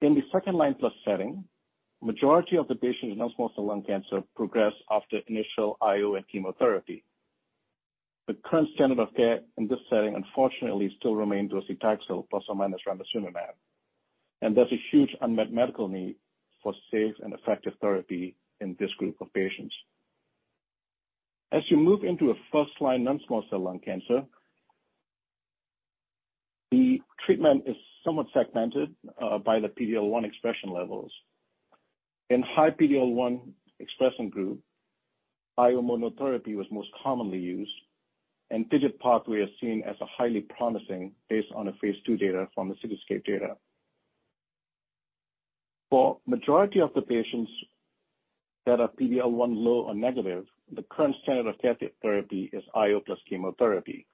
In the second line plus setting, majority of the patients with non-small cell lung cancer progress after initial IO and chemotherapy. The current standard of care in this setting, unfortunately, still remains docetaxel plus or minus ramucirumab, and there's a huge unmet medical need for safe and effective therapy in this group of patients. As you move into a first-line non-small cell lung cancer, the treatment is somewhat segmented by the PD-L1 expression levels. In high PD-L1 expression group, IO monotherapy was most commonly used, and TIGIT pathway is seen as a highly promising based on the phase II data from the CITYSCAPE data. For majority of the patients that are PD-L1 low or negative, the current standard of care therapy is IO plus chemotherapy.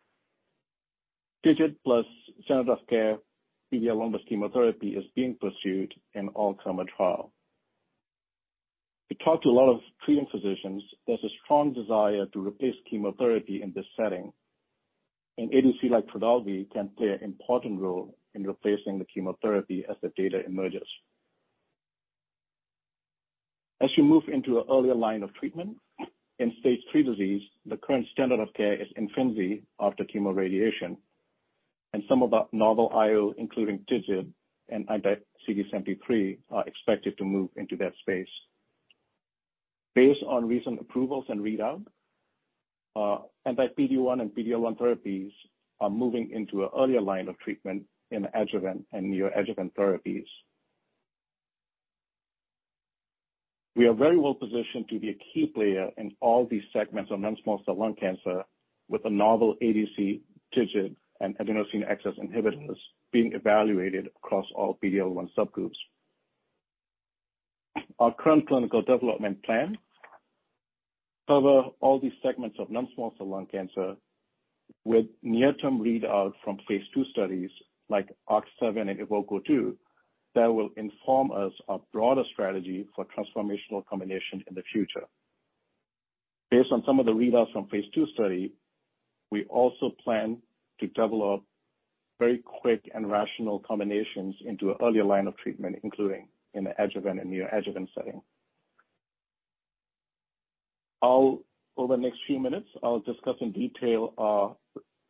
TIGIT plus standard of care PD-L1 plus chemotherapy is being pursued in ARC trial. We talked to a lot of treating physicians. There's a strong desire to replace chemotherapy in this setting, and ADC like Trodelvy can play an important role in replacing the chemotherapy as the data emerges. As you move into an earlier line of treatment, in stage three disease, the current standard of care is immunotherapy after chemoradiation, and some of the novel IO, including TIGIT and anti-CD73 are expected to move into that space. Based on recent approvals and readout, anti-PD-1 and PD-L1 therapies are moving into an earlier line of treatment in adjuvant and neoadjuvant therapies. We are very well positioned to be a key player in all these segments of non-small cell lung cancer with a novel ADC, TIGIT, and adenosine axis inhibitors being evaluated across all PD-L1 subgroups. Our current clinical development plan cover all these segments of non-small cell lung cancer with near-term readout from phase II studies like ARC-7 and EVOKE-02 that will inform our broader strategy for transformational combination in the future. Based on some of the readouts from phase II study, we also plan to develop very quick and rational combinations into an earlier line of treatment, including in the adjuvant and neoadjuvant setting. Over the next few minutes, I'll discuss in detail our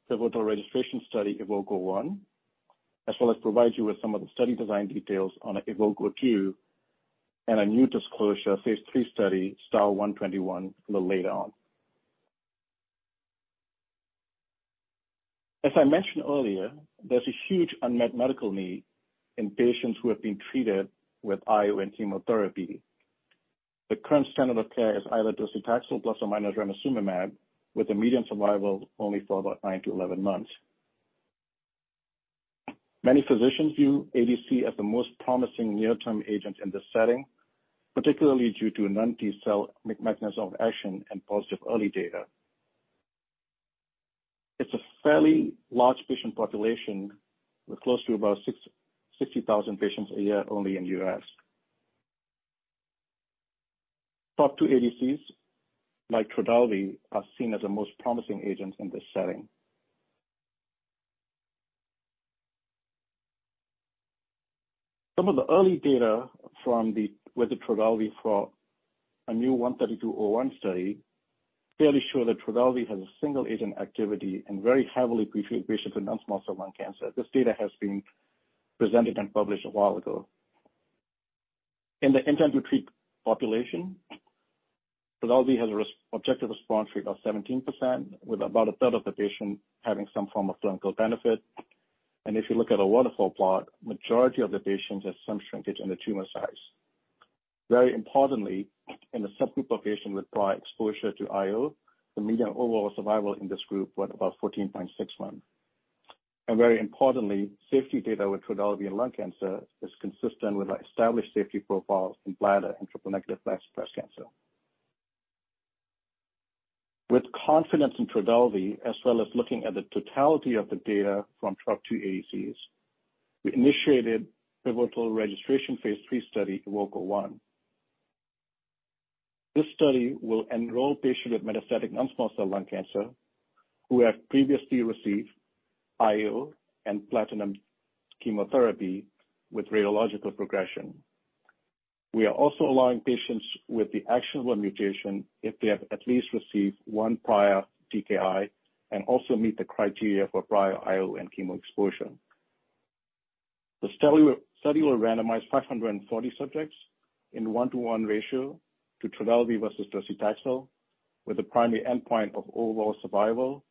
pivotal registration study, EVOKE-01, as well as provide you with some of the study design details on EVOKE-02 and a newly disclosed phase III study, STAR-121, a little later on. As I mentioned earlier, there's a huge unmet medical need in patients who have been treated with IO and chemotherapy. The current standard of care is either docetaxel plus or minus ramucirumab, with a median survival only for about nine to 11 months. Many physicians view ADC as the most promising near-term agent in this setting, particularly due to non-T cell mechanism of action and positive early data. It's a fairly large patient population, with close to about 60,000 patients a year only in the U.S. Top two ADCs, like Trodelvy, are seen as the most promising agent in this setting. Some of the early data with the Trodelvy for the IMMU-132-01 study fairly shows that Trodelvy has single-agent activity in very heavily pretreated patients with non-small cell lung cancer. This data has been presented and published a while ago. In the intent-to-treat population, Trodelvy has an objective response rate of 17%, with about a third of the patients having some form of clinical benefit. If you look at a waterfall plot, majority of the patients have some shrinkage in the tumor size. Very importantly, in the subgroup of patients with prior exposure to IO, the median overall survival in this group was about 14.6 months. Very importantly, safety data with Trodelvy in lung cancer is consistent with our established safety profiles in bladder and triple negative breast cancer. With confidence in Trodelvy, as well as looking at the totality of the data from TROPiCS-02 ADCs, we initiated pivotal registration phase III study EVOKE-01. This study will enroll patients with metastatic non-small cell lung cancer who have previously received IO and platinum chemotherapy with radiological progression. We are also allowing patients with the actionable mutation if they have at least received one prior TKI and also meet the criteria for prior IO and chemo exposure. The study will randomize 540 subjects in 1:1 ratio to Trodelvy versus docetaxel with a primary endpoint of overall survival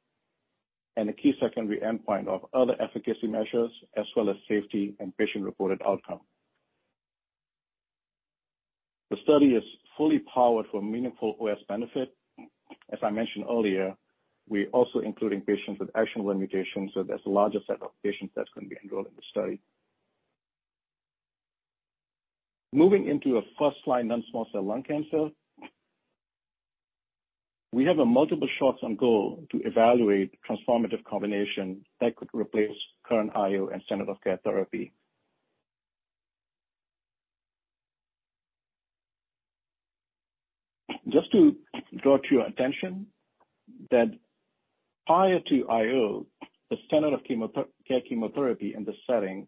and a key secondary endpoint of other efficacy measures as well as safety and patient reported outcome. The study is fully powered for meaningful OS benefit. As I mentioned earlier, we're also including patients with actionable mutations, so there's a larger set of patients that's going to be enrolled in the study. Moving into a first-line non-small cell lung cancer, we have multiple shots on goal to evaluate transformative combination that could replace current IO and standard of care therapy. Just to draw to your attention that prior to IO, the standard of care chemotherapy in this setting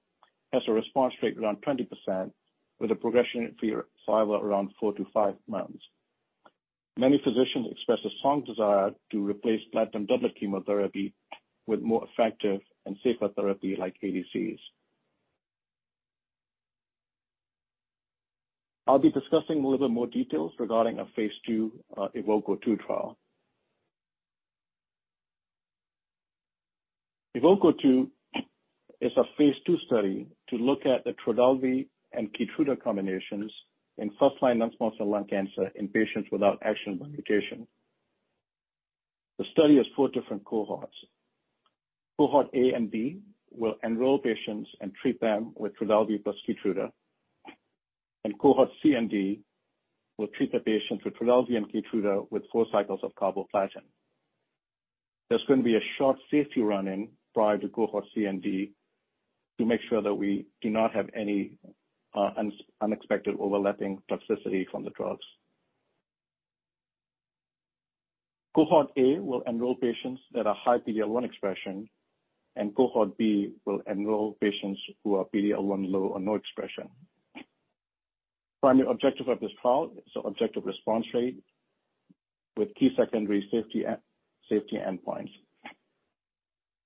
has a response rate around 20% with a progression free survival around four to five months. Many physicians express a strong desire to replace platinum doublet chemotherapy with more effective and safer therapy like ADCs. I'll be discussing a little bit more details regarding our phase II EVOKE-02 trial. EVOKE-02 is a phase II study to look at the Trodelvy and Keytruda combinations in first-line non-small cell lung cancer in patients without actionable mutation. The study has four different cohorts. Cohort A and B will enroll patients and treat them with Trodelvy plus Keytruda. Cohort C and D will treat the patient with Trodelvy and Keytruda with four cycles of carboplatin. There's going to be a short safety run-in prior to cohort C and D to make sure that we do not have any unexpected overlapping toxicity from the drugs. Cohort A will enroll patients that are high PD-L1 expression, and cohort B will enroll patients who are PD-L1 low or no expression. Primary objective of this trial is objective response rate with key secondary safety endpoints.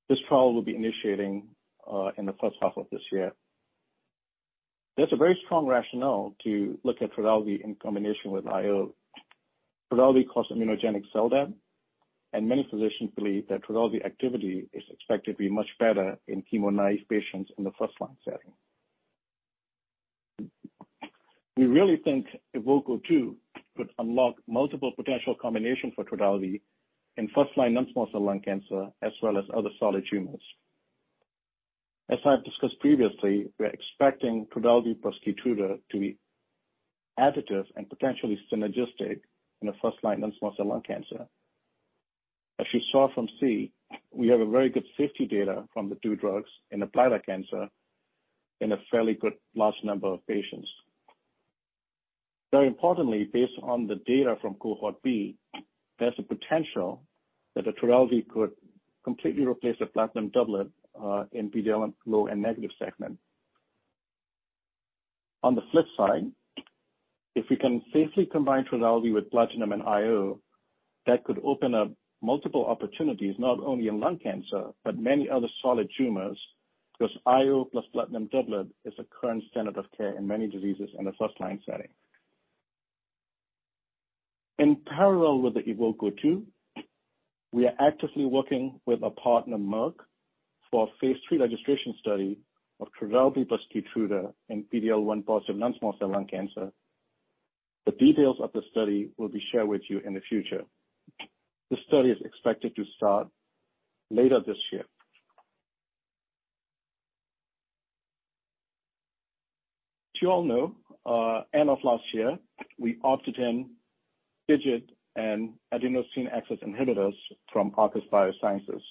This trial will be initiating in the first half of this year. There's a very strong rationale to look at Trodelvy in combination with IO. Trodelvy cause immunogenic cell death, and many physicians believe that Trodelvy activity is expected to be much better in chemo-naive patients in the first-line setting. We really think EVOKE-02 could unlock multiple potential combinations for Trodelvy in first-line non-small cell lung cancer, as well as other solid tumors. As I have discussed previously, we are expecting Trodelvy plus Keytruda to be additive and potentially synergistic in the first-line non-small cell lung cancer. As you saw from C, we have a very good safety data from the two drugs in the bladder cancer in a fairly good large number of patients. Very importantly, based on the data from cohort B, there's a potential that the Trodelvy could completely replace a platinum doublet in PD-L1 low and negative segment. On the flip side, if we can safely combine Trodelvy with platinum and IO, that could open up multiple opportunities not only in lung cancer, but many other solid tumors, because IO plus platinum doublet is a current standard of care in many diseases in the first-line setting. In parallel with the EVOKE-02, we are actively working with our partner, Merck, for phase III registration study of Trodelvy plus Keytruda in PD-L1 positive non-small cell lung cancer. The details of the study will be shared with you in the future. This study is expected to start later this year. As you all know, end of last year, we opted in TIGIT and adenosine axis inhibitors from Arcus Biosciences.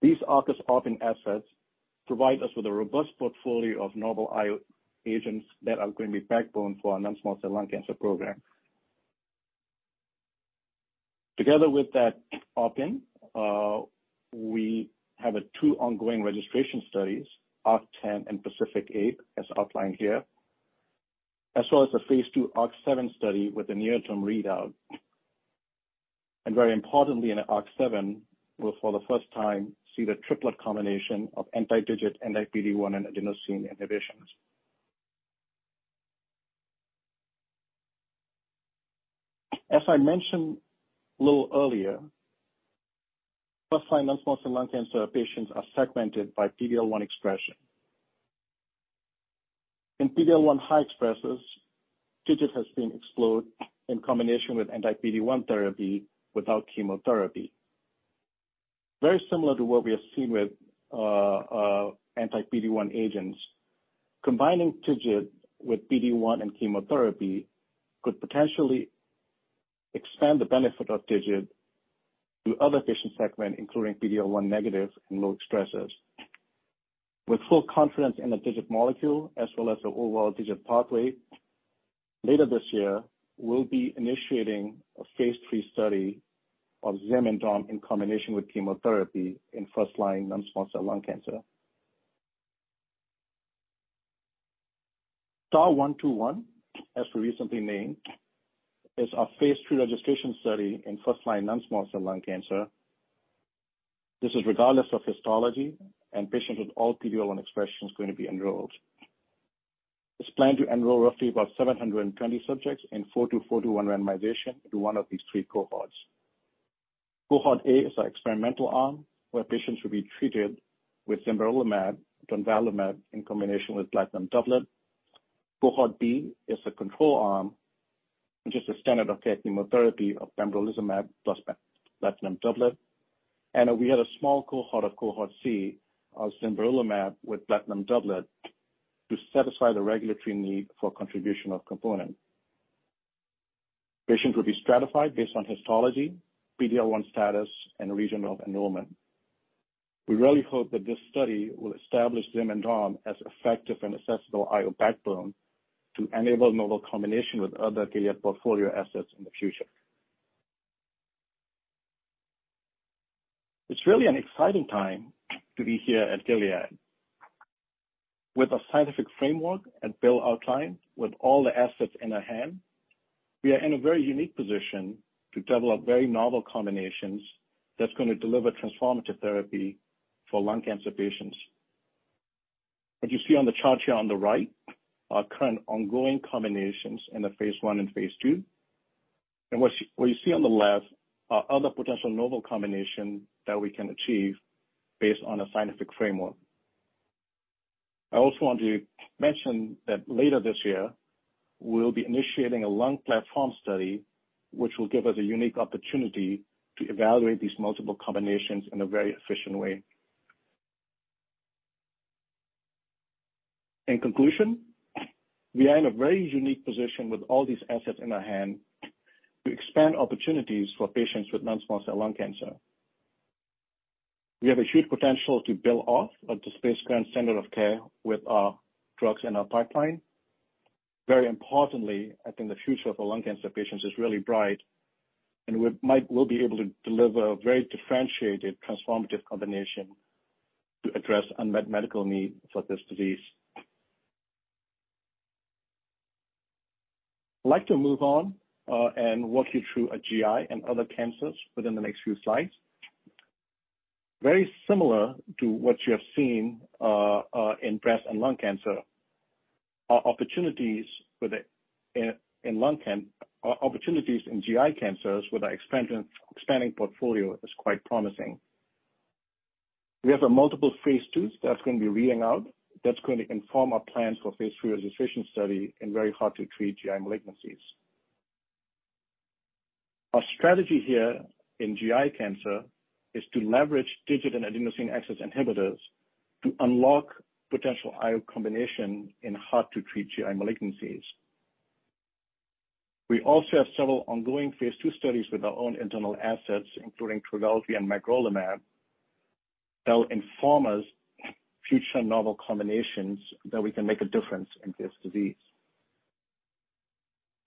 These Arcus opt-in assets provide us with a robust portfolio of novel IO agents that are going to be backbone for our non-small cell lung cancer program. Together with that opt-in, we have two ongoing registration studies, ARC-10 and PACIFIC-8, as outlined here, as well as a phase II ARC-7 study with the near-term readout. Very importantly in ARC-7, we'll for the first time see the triplet combination of anti-TIGIT, anti-PD-1, and adenosine axis inhibition. As I mentioned a little earlier, first-line non-small cell lung cancer patients are segmented by PD-L1 expression. In PD-L1 high expressers, TIGIT has been explored in combination with anti-PD-1 therapy without chemotherapy. Very similar to what we have seen with anti-PD-1 agents, combining TIGIT with PD-1 and chemotherapy could potentially expand the benefit of TIGIT to other patient segment, including PD-L1 negative and low expressers. With full confidence in the TIGIT molecule as well as the overall TIGIT pathway, later this year we'll be initiating a phase III study of zimberelimab in combination with chemotherapy in first-line non-small cell lung cancer. STAR-121, as we recently named, is our phase III registration study in first-line non-small cell lung cancer. This is regardless of histology and patients with all PD-L1 expression is going to be enrolled. It's planned to enroll roughly about 720 subjects in a 4:2:1 randomization into one of these three cohorts. Cohort A is our experimental arm, where patients will be treated with zimberelimab, domvanalimab in combination with platinum doublet. Cohort B is a control arm, and just a standard of care chemotherapy of pembrolizumab plus platinum doublet. We have a small cohort, Cohort C, of zimberelimab with platinum doublet to satisfy the regulatory need for contribution of component. Patients will be stratified based on histology, PD-L1 status, and region of enrollment. We really hope that this study will establish zimberelimab as effective and accessible IO backbone to enable novel combination with other Gilead portfolio assets in the future. It's really an exciting time to be here at Gilead. With a scientific framework and build outline with all the assets in our hand, we are in a very unique position to develop very novel combinations that's gonna deliver transformative therapy for lung cancer patients. As you see on the chart here on the right, our current ongoing combinations in the phase I and phase II. What you see on the left are other potential novel combination that we can achieve based on a scientific framework. I also want to mention that later this year, we'll be initiating a lung platform study, which will give us a unique opportunity to evaluate these multiple combinations in a very efficient way. In conclusion, we are in a very unique position with all these assets in our hand to expand opportunities for patients with non-small cell lung cancer. We have a huge potential to build off of the space current standard of care with our drugs in our pipeline. Very importantly, I think the future for lung cancer patients is really bright, and we will be able to deliver a very differentiated transformative combination to address unmet medical needs for this disease. I'd like to move on and walk you through GI and other cancers within the next few slides. Very similar to what you have seen in breast and lung cancer, our opportunities in GI cancers with our expanding portfolio is quite promising. We have multiple phase IIs that's going to be reading out, that's going to inform our plans for phase III registration study in very hard to treat GI malignancies. Our strategy here in GI cancer is to leverage TIGIT and adenosine axis inhibitors to unlock potential IO combinations in hard to treat GI malignancies. We also have several ongoing phase II studies with our own internal assets, including Trodelvy and magrolimab, that will inform our future novel combinations that we can make a difference in this disease.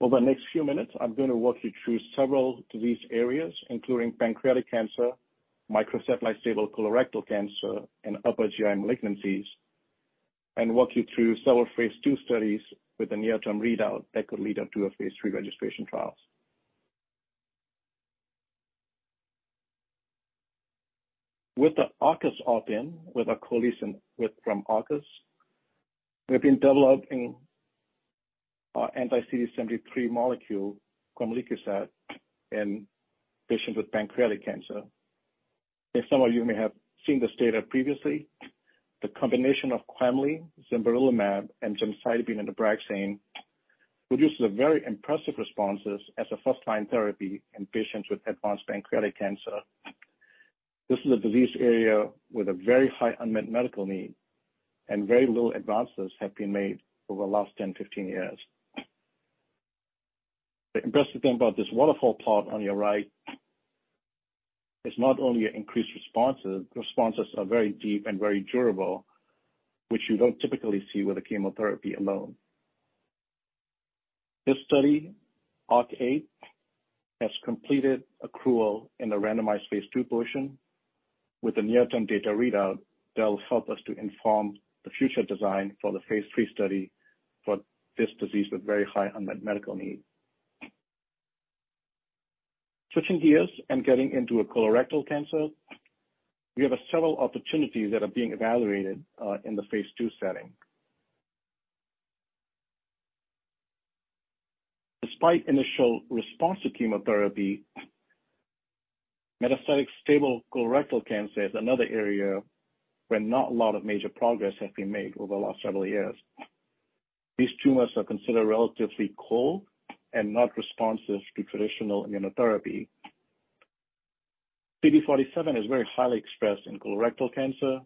Over the next few minutes, I'm gonna walk you through several disease areas, including pancreatic cancer, microsatellite stable colorectal cancer, and upper GI malignancies, and walk you through several phase II studies with a near-term readout that could lead up to a phase III registration trials. With the Arcus opt-in, with a collaboration with—from Arcus, we've been developing our anti-CD73 molecule, quemliclustat, in patients with pancreatic cancer. Some of you may have seen this data previously. The combination of quemli, zimberelimab, and gemcitabine Abraxane produces a very impressive responses as a first-line therapy in patients with advanced pancreatic cancer. This is a disease area with a very high unmet medical need and very little advances have been made over the last 10, 15 years. The impressive thing about this waterfall plot on your right is not only increased responses. Responses are very deep and very durable, which you don't typically see with a chemotherapy alone. This study, ARC-8, has completed accrual in the randomized phase II portion. With the near-term data readout, that will help us to inform the future design for the phase III study for this disease with very high unmet medical need. Switching gears and getting into a colorectal cancer, we have several opportunities that are being evaluated in the phase II setting. Despite initial response to chemotherapy, metastatic colorectal cancer is another area where not a lot of major progress has been made over the last several years. These tumors are considered relatively cold and not responsive to traditional immunotherapy. CD47 is very highly expressed in colorectal cancer,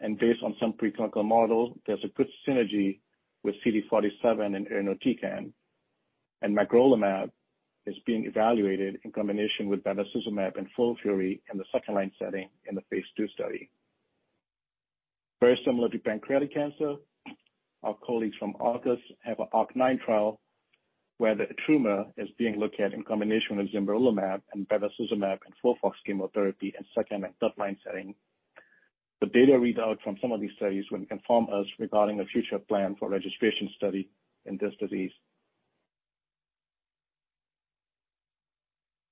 and based on some preclinical models, there's a good synergy with CD47 and [inaudible audio], and magrolimab is being evaluated in combination with bevacizumab and FOLFIRI in the second-line setting in the phase II study. Very similar to pancreatic cancer, our colleagues from Arcus have an ARC-9 trial where the tumor is being looked at in combination with zimberelimab and bevacizumab and FOLFOX chemotherapy in second- and third-line setting. The data readout from some of these studies will inform us regarding a future plan for registration study in this disease.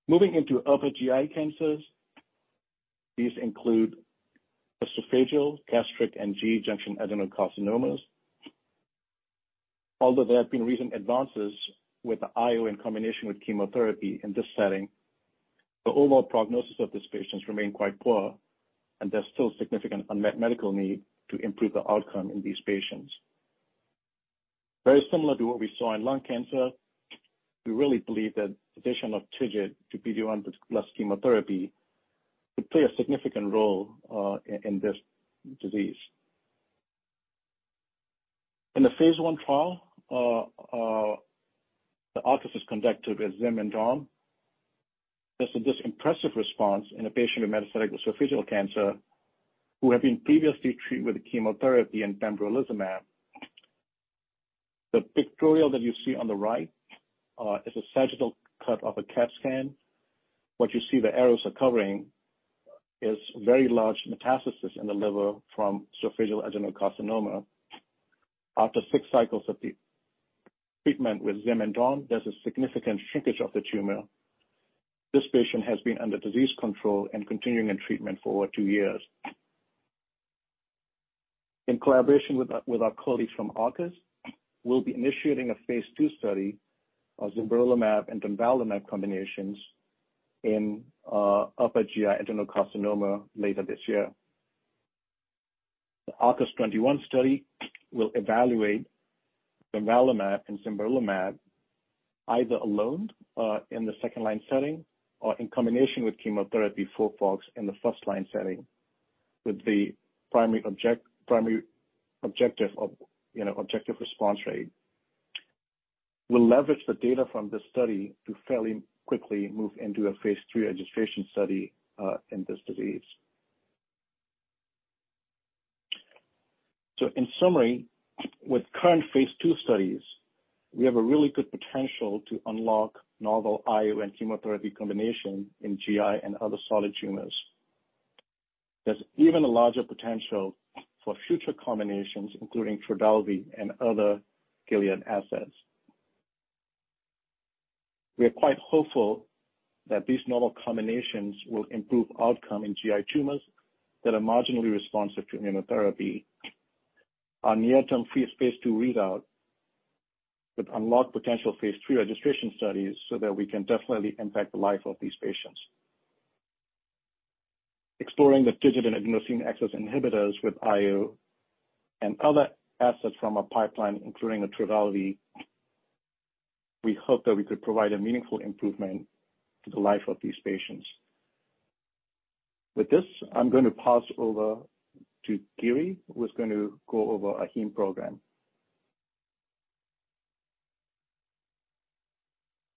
Moving into other GI cancers, these include esophageal, gastric, and GE junction adenocarcinomas. Although there have been recent advances with IO in combination with chemotherapy in this setting, the overall prognosis of these patients remain quite poor, and there's still significant unmet medical need to improve the outcome in these patients. Very similar to what we saw in lung cancer, we really believe that addition of TIGIT to PD-1 plus chemotherapy could play a significant role, in this disease. In the phase I trial, the Arcus is conducted with zimberelimab and domvanalimab. There's this impressive response in a patient with metastatic esophageal cancer who had been previously treated with chemotherapy and pembrolizumab. The pictorial that you see on the right, is a sagittal cut of a CAT scan. What you see the arrows are covering is very large metastasis in the liver from esophageal adenocarcinoma. After six cycles of the treatment with zimberelimab and domvanalimab, there's a significant shrinkage of the tumor. This patient has been under disease control and continuing in treatment for over two years. In collaboration with our colleagues from Arcus, we'll be initiating a phase II study of zimberelimab and tremelimumab combinations in upper GI adenocarcinoma later this year. The ARC-21 study will evaluate tremelimumab and zimberelimab either alone in the second line setting or in combination with chemotherapy FOLFOX in the first line setting with the primary objective of, you know, objective response rate. We'll leverage the data from this study to fairly quickly move into a phase III registration study in this disease. In summary, with current phase II studies, we have a really good potential to unlock novel IO and chemotherapy combination in GI and other solid tumors. There's even a larger potential for future combinations, including Trodelvy and other Gilead assets. We are quite hopeful that these novel combinations will improve outcome in GI tumors that are marginally responsive to immunotherapy. Our near-term phase II readout would unlock potential phase III registration studies so that we can definitely impact the life of these patients. Exploring the TIGIT axis inhibitors with IO and other assets from our pipeline, including Trodelvy, we hope that we could provide a meaningful improvement to the life of these patients. With this, I'm gonna pass over to Giri, who's going to go over our heme program.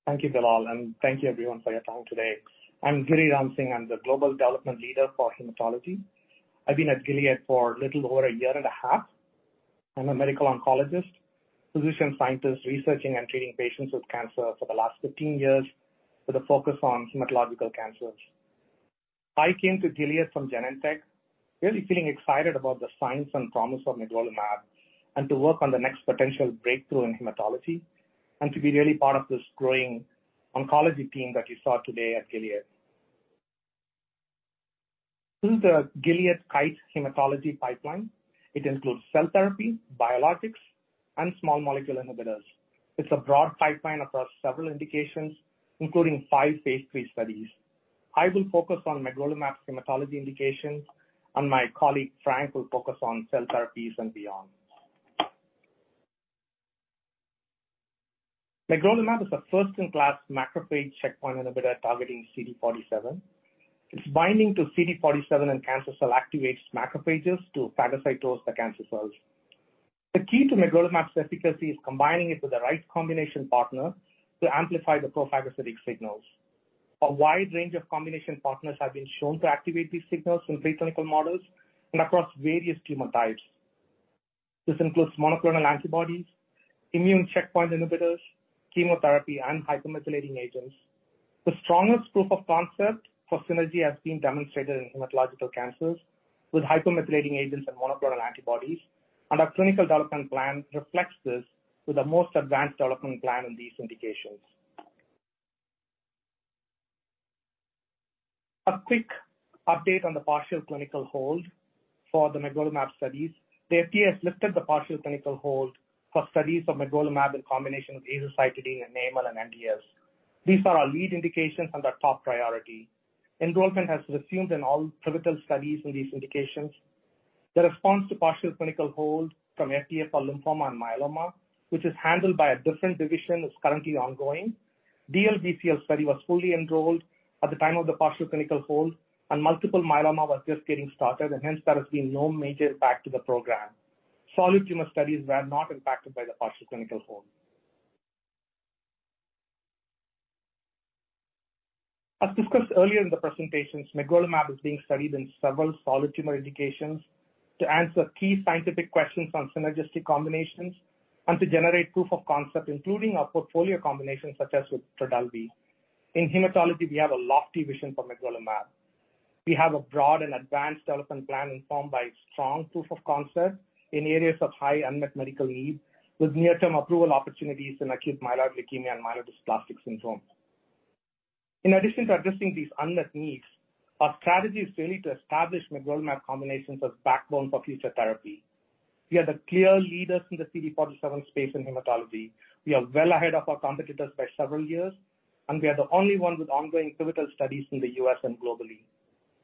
Thank you, Bilal, and thank you everyone for your time today. I'm Giri Ramsingh. I'm the global development leader for hematology. I've been at Gilead for little over a year and a half. I'm a medical oncologist, physician scientist researching and treating patients with cancer for the last 15 years with a focus on hematological cancers. I came to Gilead from Genentech, really feeling excited about the science and promise of magrolimab, and to work on the next potential breakthrough in hematology, and to be really part of this growing oncology team that you saw today at Gilead. This is the Gilead Kite hematology pipeline. It includes cell therapy, biologics, and small molecule inhibitors. It's a broad pipeline across several indications, including five phase III studies. I will focus on magrolimab's hematology indications, and my colleague, Frank, will focus on cell therapies and beyond. Magrolimab is a first-in-class macrophage checkpoint inhibitor targeting CD47. Its binding to CD47 in cancer cells activates macrophages to phagocytose the cancer cells. The key to magrolimab's efficacy is combining it with the right combination partner to amplify the pro-phagocytic signals. A wide range of combination partners have been shown to activate these signals in preclinical models and across various tumor types. This includes monoclonal antibodies, immune checkpoint inhibitors, chemotherapy, and hypomethylating agents. The strongest proof of concept for synergy has been demonstrated in hematological cancers with hypomethylating agents and monoclonal antibodies. Our clinical development plan reflects this with the most advanced development plan in these indications. A quick update on the partial clinical hold for the magrolimab studies. The FDA has lifted the partial clinical hold for studies of magrolimab in combination with azacitidine and AML and MDS. These are our lead indications and our top priority. Enrollment has resumed in all pivotal studies in these indications. The response to partial clinical hold from FDA for lymphoma and myeloma, which is handled by a different division, is currently ongoing. DLBCL study was fully enrolled at the time of the partial clinical hold, and multiple myeloma was just getting started. Hence there has been no major impact to the program. Solid tumor studies were not impacted by the partial clinical hold. As discussed earlier in the presentations, magrolimab is being studied in several solid tumor indications to answer key scientific questions on synergistic combinations and to generate proof of concept, including our portfolio combinations such as with Trodelvy. In hematology, we have a lofty vision for magrolimab. We have a broad and advanced development plan informed by strong proof of concept in areas of high unmet medical need, with near-term approval opportunities in acute myeloid leukemia and myelodysplastic syndrome. In addition to addressing these unmet needs, our strategy is really to establish magrolimab combinations as backbone for future therapy. We are the clear leaders in the CD47 space in hematology. We are well ahead of our competitors by several years, and we are the only ones with ongoing pivotal studies in the U.S. and globally.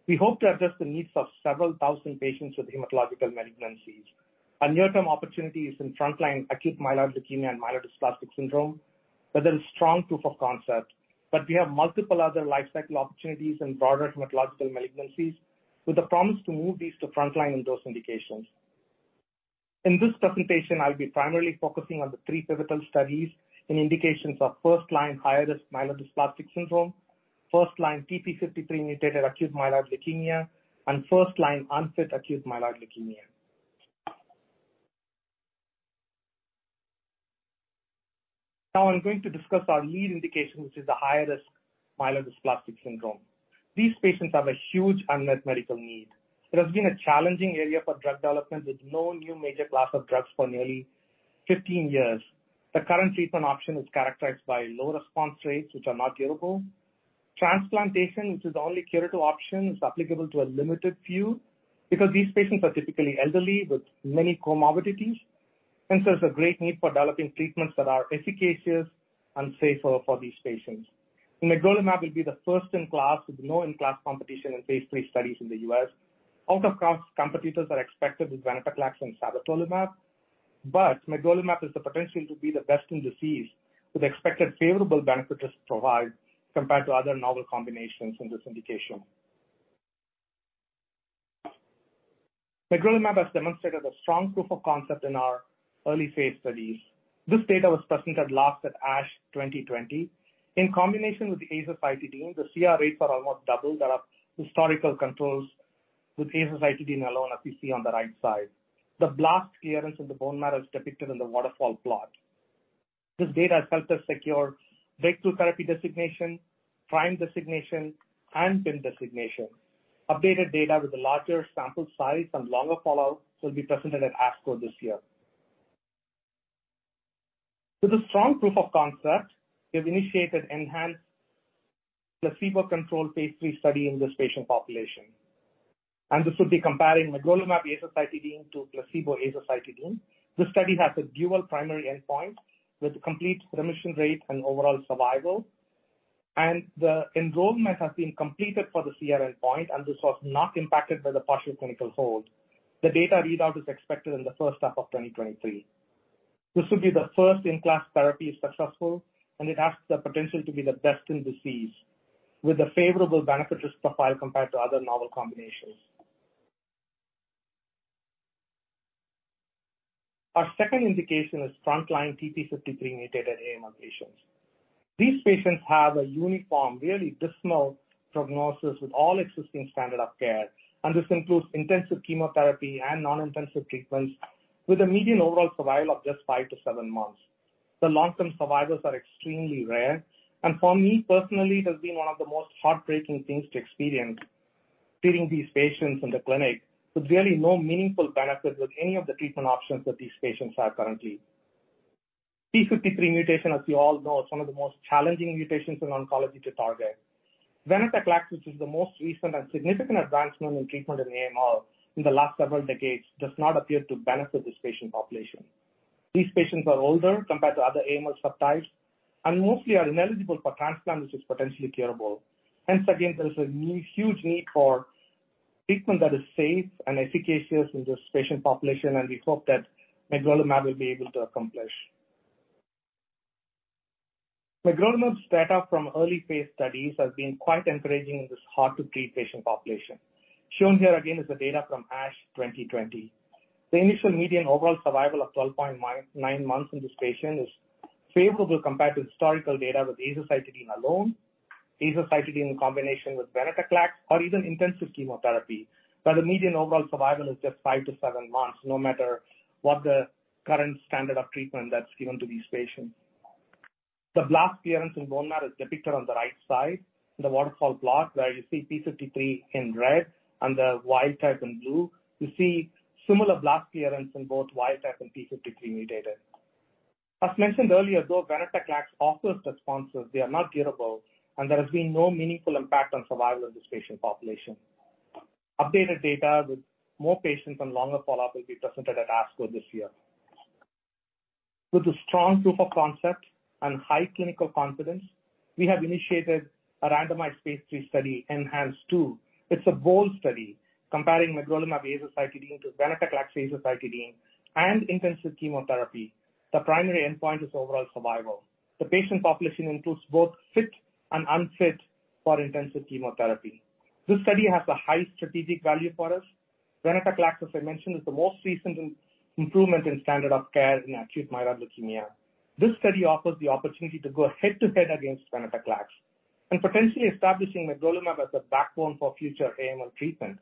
We hope to address the needs of several thousand patients with hematological malignancies and near-term opportunities in frontline acute myeloid leukemia and myelodysplastic syndrome. There is strong proof of concept, but we have multiple other life cycle opportunities in broader hematological malignancies, with the promise to move these to frontline in those indications. In this presentation, I'll be primarily focusing on the three pivotal studies in indications of first-line high-risk myelodysplastic syndrome, first-line TP53 mutated acute myeloid leukemia, and first-line unfit acute myeloid leukemia. Now I'm going to discuss our lead indication, which is the high-risk myelodysplastic syndrome. These patients have a huge unmet medical need. It has been a challenging area for drug development, with no new major class of drugs for nearly 15 years. The current treatment option is characterized by low response rates which are not curable. Transplantation, which is the only curative option, is applicable to a limited few because these patients are typically elderly with many comorbidities. Hence, there's a great need for developing treatments that are efficacious and safer for these patients. Magrolimab will be the first in class with no in-class competition in phase III studies in the U.S. Out-of-class competitors are expected with venetoclax and sabatolimab, but magrolimab has the potential to be the best in disease with expected favorable benefit-risk profile compared to other novel combinations in this indication. Magrolimab has demonstrated a strong proof of concept in our early-phase studies. This data was presented last at ASH 2020. In combination with azacitidine, the CR rates are almost double that of historical controls with azacitidine alone, as we see on the right side. The blast clearance in the bone marrow is depicted in the waterfall plot. This data helped us secure breakthrough therapy designation, PRIME designation, and PIM designation. Updated data with a larger sample size and longer follow-up will be presented at ASH coming this year. With a strong proof of concept, we have initiated ENHANCE placebo-controlled phase III study in this patient population, and this will be comparing magrolimab azacitidine to placebo azacitidine. This study has a dual primary endpoint with complete remission rate and overall survival. The enrollment has been completed for the CR endpoint, and this was not impacted by the partial clinical hold. The data readout is expected in the first half of 2023. This will be the first in-class therapy if successful, and it has the potential to be the best in disease with a favorable benefit risk profile compared to other novel combinations. Our second indication is frontline TP53 mutated AML patients. These patients have a uniform, really dismal prognosis with all existing standard of care, and this includes intensive chemotherapy and non-intensive treatments with a median overall survival of just five to seven months. The long-term survivors are extremely rare, and for me personally, it has been one of the most heartbreaking things to experience treating these patients in the clinic with really no meaningful benefit with any of the treatment options that these patients have currently. TP53 mutation, as you all know, is one of the most challenging mutations in oncology to target. Venetoclax, which is the most recent and significant advancement in treatment in AML in the last several decades, does not appear to benefit this patient population. These patients are older compared to other AML subtypes and mostly are ineligible for transplant, which is potentially curable. Hence again, there is a huge need for treatment that is safe and efficacious in this patient population, and we hope that magrolimab will be able to accomplish. Magrolimab's data from early phase studies has been quite encouraging in this hard-to-treat patient population. Shown here again is the data from ASH 2020. The initial median overall survival of 12.9 months in this patient is favorable compared to historical data with azacitidine alone. Azacitidine in combination with venetoclax or even intensive chemotherapy, but the median overall survival is just five to seven months, no matter what the current standard of treatment that's given to these patients. The blast clearance in bone marrow is depicted on the right side in the waterfall plot where you see P53 in red and the wild type in blue. You see similar blast clearance in both wild type and P53 mutated. As mentioned earlier, though venetoclax offers responses they are not curable, and there has been no meaningful impact on survival in this patient population. Updated data with more patients and longer follow-up will be presented at ASCO this year. With a strong proof of concept and high clinical confidence, we have initiated a randomized phase III study, ENHANCE-2. It's a bold study comparing magrolimab azacitidine to venetoclax azacitidine and intensive chemotherapy. The primary endpoint is overall survival. The patient population includes both fit and unfit for intensive chemotherapy. This study has a high strategic value for us. Venetoclax, as I mentioned, is the most recent improvement in standard of care in acute myeloid leukemia. This study offers the opportunity to go head-to-head against venetoclax and potentially establishing magrolimab as a backbone for future AML treatment.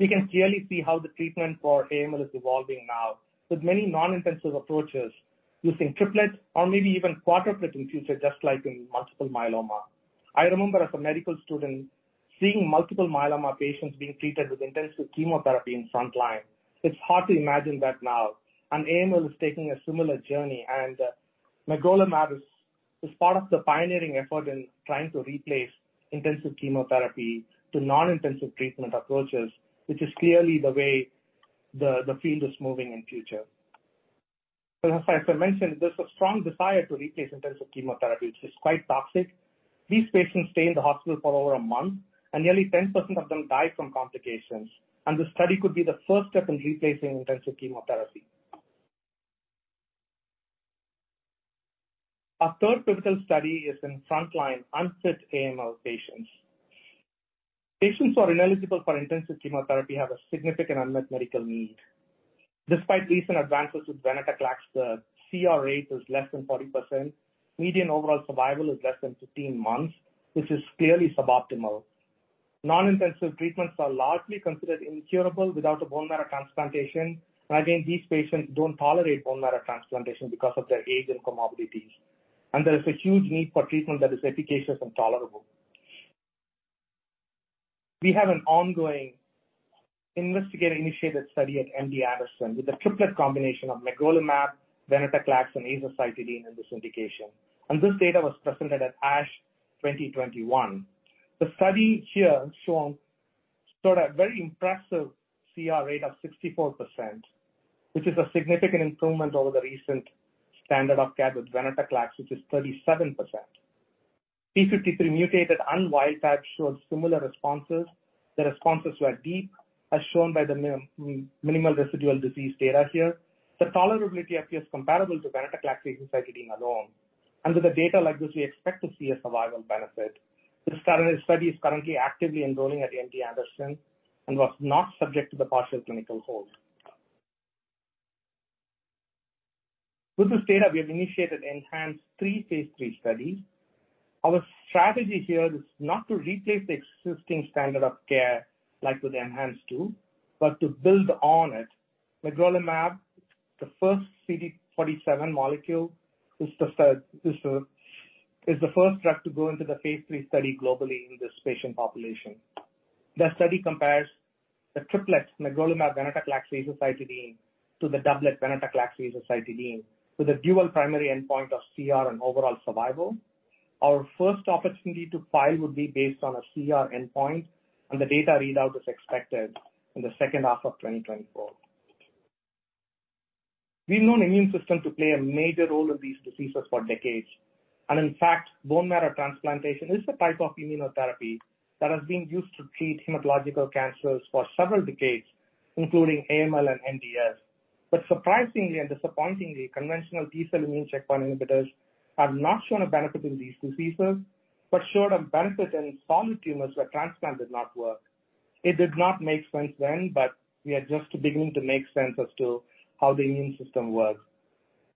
We can clearly see how the treatment for AML is evolving now with many non-intensive approaches using triplet or maybe even quartet in future, just like in multiple myeloma. I remember as a medical student seeing multiple myeloma patients being treated with intensive chemotherapy in front line. It's hard to imagine that now. AML is taking a similar journey, and magrolimab is part of the pioneering effort in trying to replace intensive chemotherapy to non-intensive treatment approaches, which is clearly the way the field is moving in future. As I mentioned, there's a strong desire to replace intensive chemotherapy, which is quite toxic. These patients stay in the hospital for over a month, and nearly 10% of them die from complications. The study could be the first step in replacing intensive chemotherapy. Our third pivotal study is in front line unfit AML patients. Patients who are ineligible for intensive chemotherapy have a significant unmet medical need. Despite recent advances with venetoclax, the CR rate is less than 40%. Median overall survival is less than 15 months, which is clearly suboptimal. Non-intensive treatments are largely considered incurable without a bone marrow transplantation. Again, these patients don't tolerate bone marrow transplantation because of their age and comorbidities. There is a huge need for treatment that is efficacious and tolerable. We have an ongoing investigator-initiated study at MD Anderson with a triplet combination of magrolimab, venetoclax, and azacitidine in this indication, and this data was presented at ASH 2021. The study here shown sort of very impressive CR rate of 64%, which is a significant improvement over the recent standard of care with venetoclax, which is 37%. P53 mutated and wild type showed similar responses. The responses were deep, as shown by the minimal residual disease data here. The tolerability appears comparable to venetoclax azacitidine alone. Under the data like this, we expect to see a survival benefit. The study is currently actively enrolling at MD Anderson and was not subject to the partial clinical hold. With this data, we have initiated ENHANCE-3 phase III study. Our strategy here is not to replace the existing standard of care like with ENHANCE-2, but to build on it. Magrolimab, the first CD-47 molecule, is the first drug to go into the phase III study globally in this patient population. The study compares the triplet magrolimab venetoclax azacitidine to the doublet venetoclax azacitidine with a dual primary endpoint of CR and overall survival. Our first opportunity to file would be based on a CR endpoint, and the data readout is expected in the second half of 2024. We've known immune system to play a major role in these diseases for decades. In fact, bone marrow transplantation is the type of immunotherapy that has been used to treat hematological cancers for several decades, including AML and MDS. Surprisingly and disappointingly, conventional T-cell immune checkpoint inhibitors have not shown a benefit in these diseases, but showed a benefit in solid tumors where transplant did not work. It did not make sense then, but we are just beginning to make sense as to how the immune system works.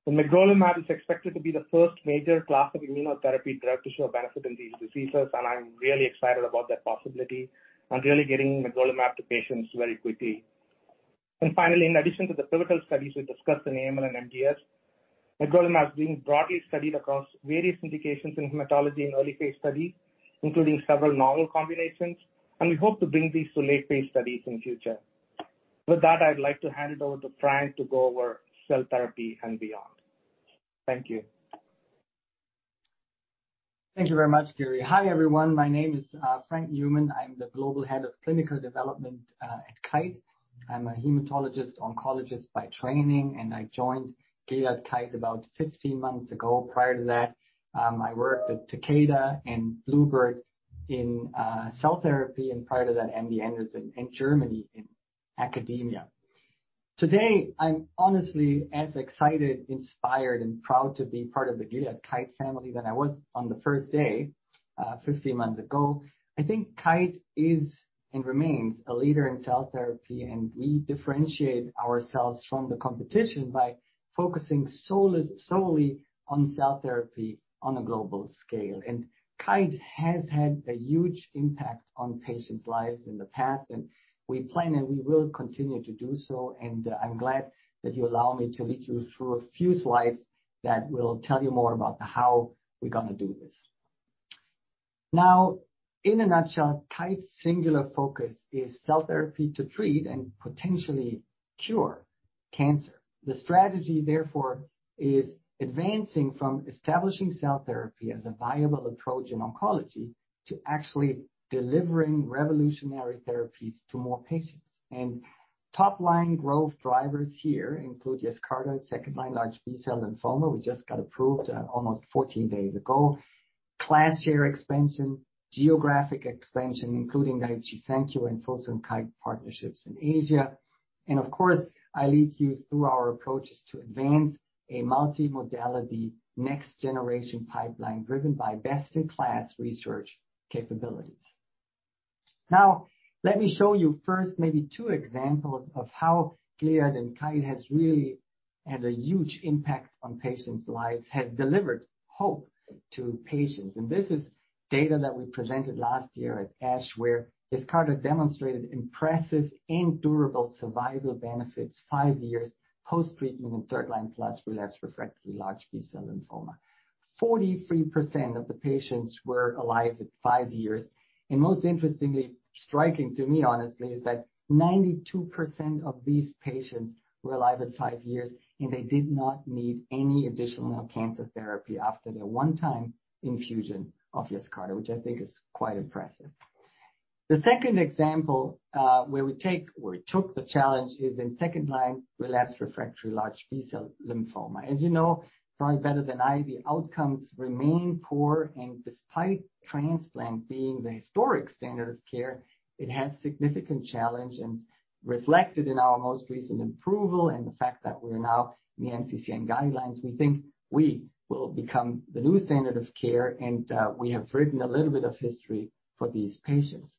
The magrolimab is expected to be the first major class of immunotherapy drug to show benefit in these diseases, and I'm really excited about that possibility and really getting magrolimab to patients very quickly. Finally, in addition to the pivotal studies we discussed in AML and MDS, magrolimab is being broadly studied across various indications in hematology in early phase studies, including several novel combinations, and we hope to bring these to late phase studies in future. With that, I'd like to hand it over to Frank to go over cell therapy and beyond. Thank you. Thank you very much, Giri. Hi, everyone. My name is Frank Neumann. I'm the global head of clinical development at Kite. I'm a hematologist oncologist by training, and I joined Gilead-Kite about 15 months ago. Prior to that, I worked at Takeda and Bluebird in cell therapy and prior to that MD Anderson in Germany in academia. Today, I'm honestly as excited, inspired, and proud to be part of the Gilead-Kite family than I was on the first day 15 months ago. I think Kite is and remains a leader in cell therapy, and we differentiate ourselves from the competition by focusing solely on cell therapy on a global scale. Kite has had a huge impact on patients' lives in the past, and we plan and we will continue to do so. I'm glad that you allow me to lead you through a few slides that will tell you more about the how we're gonna do this. Now, in a nutshell, Kite's singular focus is cell therapy to treat and potentially cure cancer. The strategy, therefore, is advancing from establishing cell therapy as a viable approach in oncology to actually delivering revolutionary therapies to more patients. Top-line growth drivers here include Yescarta, second-line large B-cell lymphoma. We just got approved almost 14 days ago. Class share expansion, geographic expansion, including Daiichi Sankyo and Fosun Kite partnerships in Asia. Of course, I lead you through our approaches to advance a multimodality next generation pipeline driven by best-in-class research capabilities. Now, let me show you first maybe two examples of how Gilead and Kite has really had a huge impact on patients' lives, has delivered hope to patients. This is data that we presented last year at ASH, where Yescarta demonstrated impressive and durable survival benefits five years post-treatment in third-line plus relapsed/refractory large B-cell lymphoma. 43% of the patients were alive at five years. Most interestingly, striking to me honestly, is that 92% of these patients were alive at five years, and they did not need any additional cancer therapy after their one-time infusion of Yescarta, which I think is quite impressive. The second example, where we take or took the challenge is in second-line relapsed/refractory large B-cell lymphoma. As you know, probably better than I, the outcomes remain poor, and despite transplant being the historic standard of care, it has significant challenge and reflected in our most recent approval and the fact that we're now in the NCCN guidelines. We think we will become the new standard of care, and we have written a little bit of history for these patients.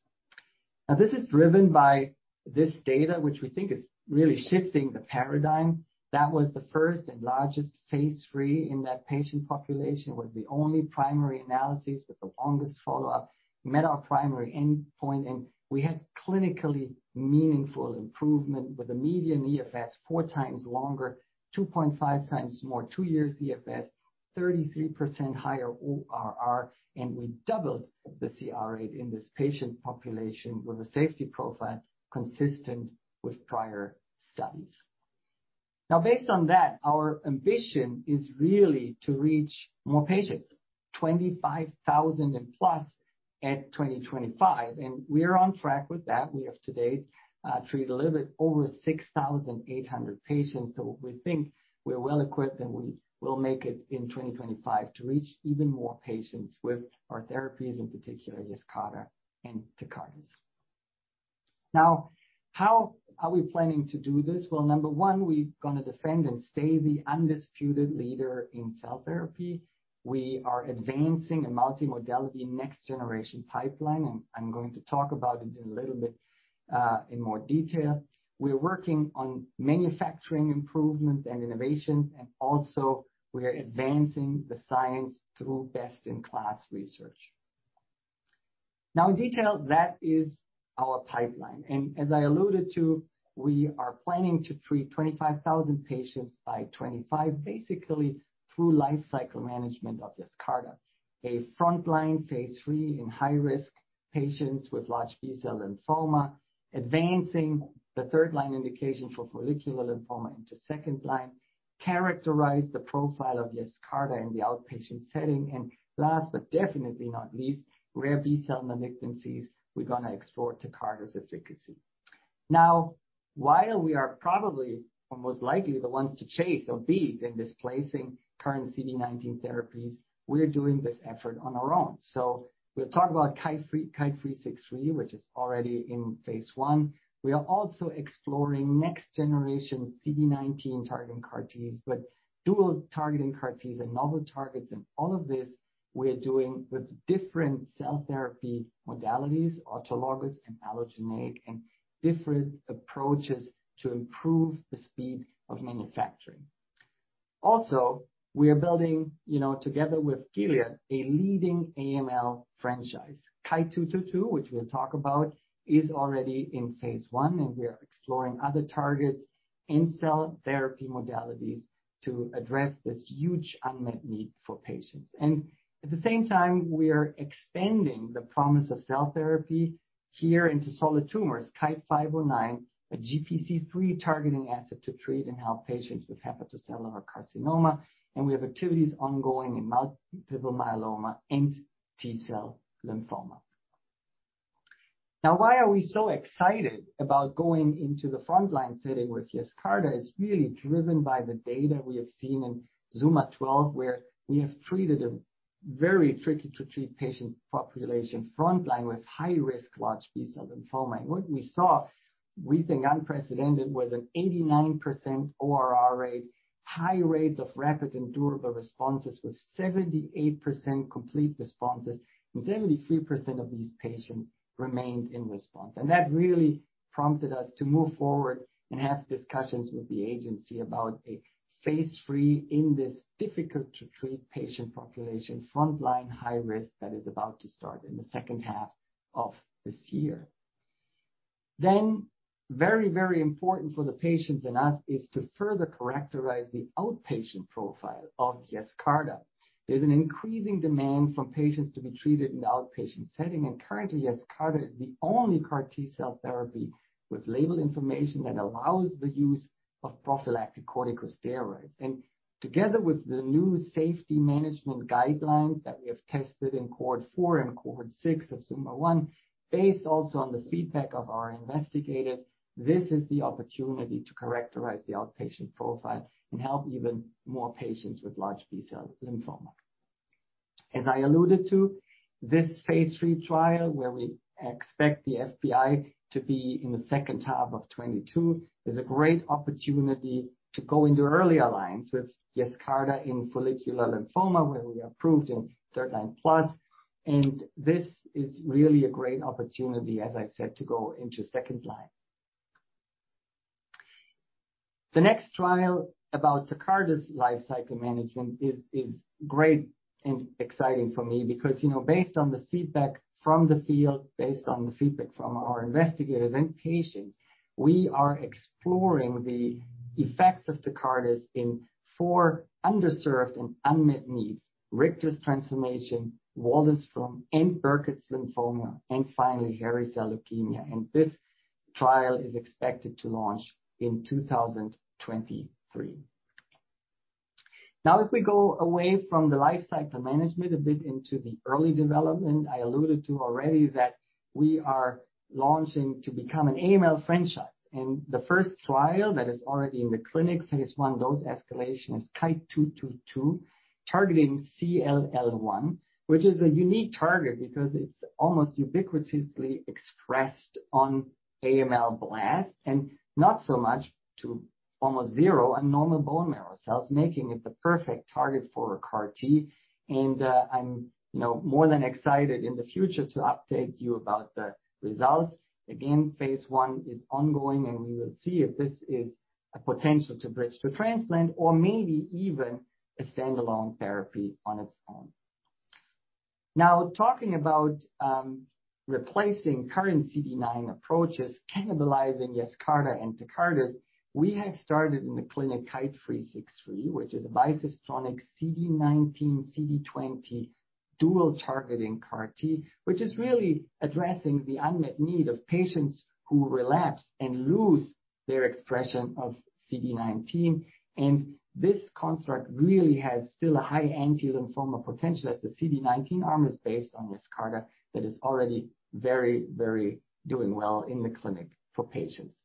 Now, this is driven by this data, which we think is really shifting the paradigm. That was the first and largest phase III in that patient population. It was the only primary analysis with the longest follow-up. Met our primary endpoint, and we had clinically meaningful improvement with a median EFS 4x longer, 2.5x more, two-year EFS, 33% higher ORR, and we doubled the CR rate in this patient population with a safety profile consistent with prior studies. Now, based on that, our ambition is really to reach more patients, 25,000+ at 2025, and we are on track with that. We have to date treated a little bit over 6,800 patients. We think we're well equipped, and we will make it in 2025 to reach even more patients with our therapies, in particular Yescarta and Tecartus. Now, how are we planning to do this? Well, number one, we're gonna defend and stay the undisputed leader in cell therapy. We are advancing a multimodality next generation pipeline, and I'm going to talk about it in a little bit, in more detail. We're working on manufacturing improvements and innovations, and also we are advancing the science through best-in-class research. Now in detail, that is our pipeline. As I alluded to, we are planning to treat 25,000 patients by 2025, basically through life cycle management of Yescarta. A frontline phase III in high-risk patients with large B-cell lymphoma, advancing the third-line indication for follicular lymphoma into second line, characterize the profile of Yescarta in the outpatient setting. Last but definitely not least, rare B-cell malignancies, we're gonna explore Tecartus efficacy. Now, while we are probably or most likely the ones to chase or beat in displacing current CD19 therapies, we're doing this effort on our own. We'll talk about KITE-363, which is already in phase I. We are also exploring next generation CD19 targeting CAR Ts, but dual targeting CAR Ts and novel targets. All of this we're doing with different cell therapy modalities, autologous and allogeneic, and different approaches to improve the speed of manufacturing. Also, we are building, you know, together with Gilead, a leading AML franchise. KITE-222, which we'll talk about, is already in phase I, and we are exploring other targets in cell therapy modalities to address this huge unmet need for patients. At the same time, we are expanding the promise of cell therapy here into solid tumors, KITE-509, a GPC3 targeting asset to treat and help patients with hepatocellular carcinoma. We have activities ongoing in multiple myeloma and T-cell lymphoma. Now, why are we so excited about going into the frontline setting with Yescarta is really driven by the data we have seen in ZUMA-12, where we have treated very tricky to treat patient population frontline with high-risk large B-cell lymphoma. What we saw, we think unprecedented, was an 89% ORR rate, high rates of rapid and durable responses with 78% complete responses, and 73% of these patients remained in response. That really prompted us to move forward and have discussions with the agency about a phase III in this difficult to treat patient population, frontline high risk that is about to start in the second half of this year. Very, very important for the patients and us is to further characterize the outpatient profile of Yescarta. There's an increasing demand from patients to be treated in outpatient setting, and currently, Yescarta is the only CAR T-cell therapy with label information that allows the use of prophylactic corticosteroids. Together with the new safety management guideline that we have tested in cohort four and cohort six of ZUMA-1, based also on the feedback of our investigators, this is the opportunity to characterize the outpatient profile and help even more patients with large B-cell lymphoma. As I alluded to, this phase III trial, where we expect the FPI to be in the second half of 2022, is a great opportunity to go into earlier lines with Yescarta in follicular lymphoma, where we approved in third-line plus. This is really a great opportunity, as I said, to go into second line. The next trial about Tecartus lifecycle management is great and exciting for me because, you know, based on the feedback from the field, based on the feedback from our investigators and patients, we are exploring the effects of Tecartus in four underserved and unmet needs, Richter's transformation, Waldenström and Burkitt's lymphoma, and finally, hairy cell leukemia. This trial is expected to launch in 2023. Now, if we go away from the lifecycle management a bit into the early development, I alluded to already that we are launching to become an AML franchise, and the first trial that is already in the clinic, phase I dose escalation, is KITE-222, targeting CLL1, which is a unique target because it's almost ubiquitously expressed on AML blast and not so much to almost zero on normal bone marrow cells, making it the perfect target for a CAR T. I'm more than excited in the future to update you about the results. Again, phase I is ongoing, and we will see if this is a potential to bridge to transplant or maybe even a stand-alone therapy on its own. Now, talking about replacing current CD19 approaches, cannibalizing Yescarta and Tecartus, we have started in the clinic KITE-363, which is a bicistronic CD19, CD20 dual targeting CAR T, which is really addressing the unmet need of patients who relapse and lose their expression of CD19. This construct really has still a high anti-lymphoma potential as the CD19 arm is based on Yescarta that is already very, very doing well in the clinic for patients.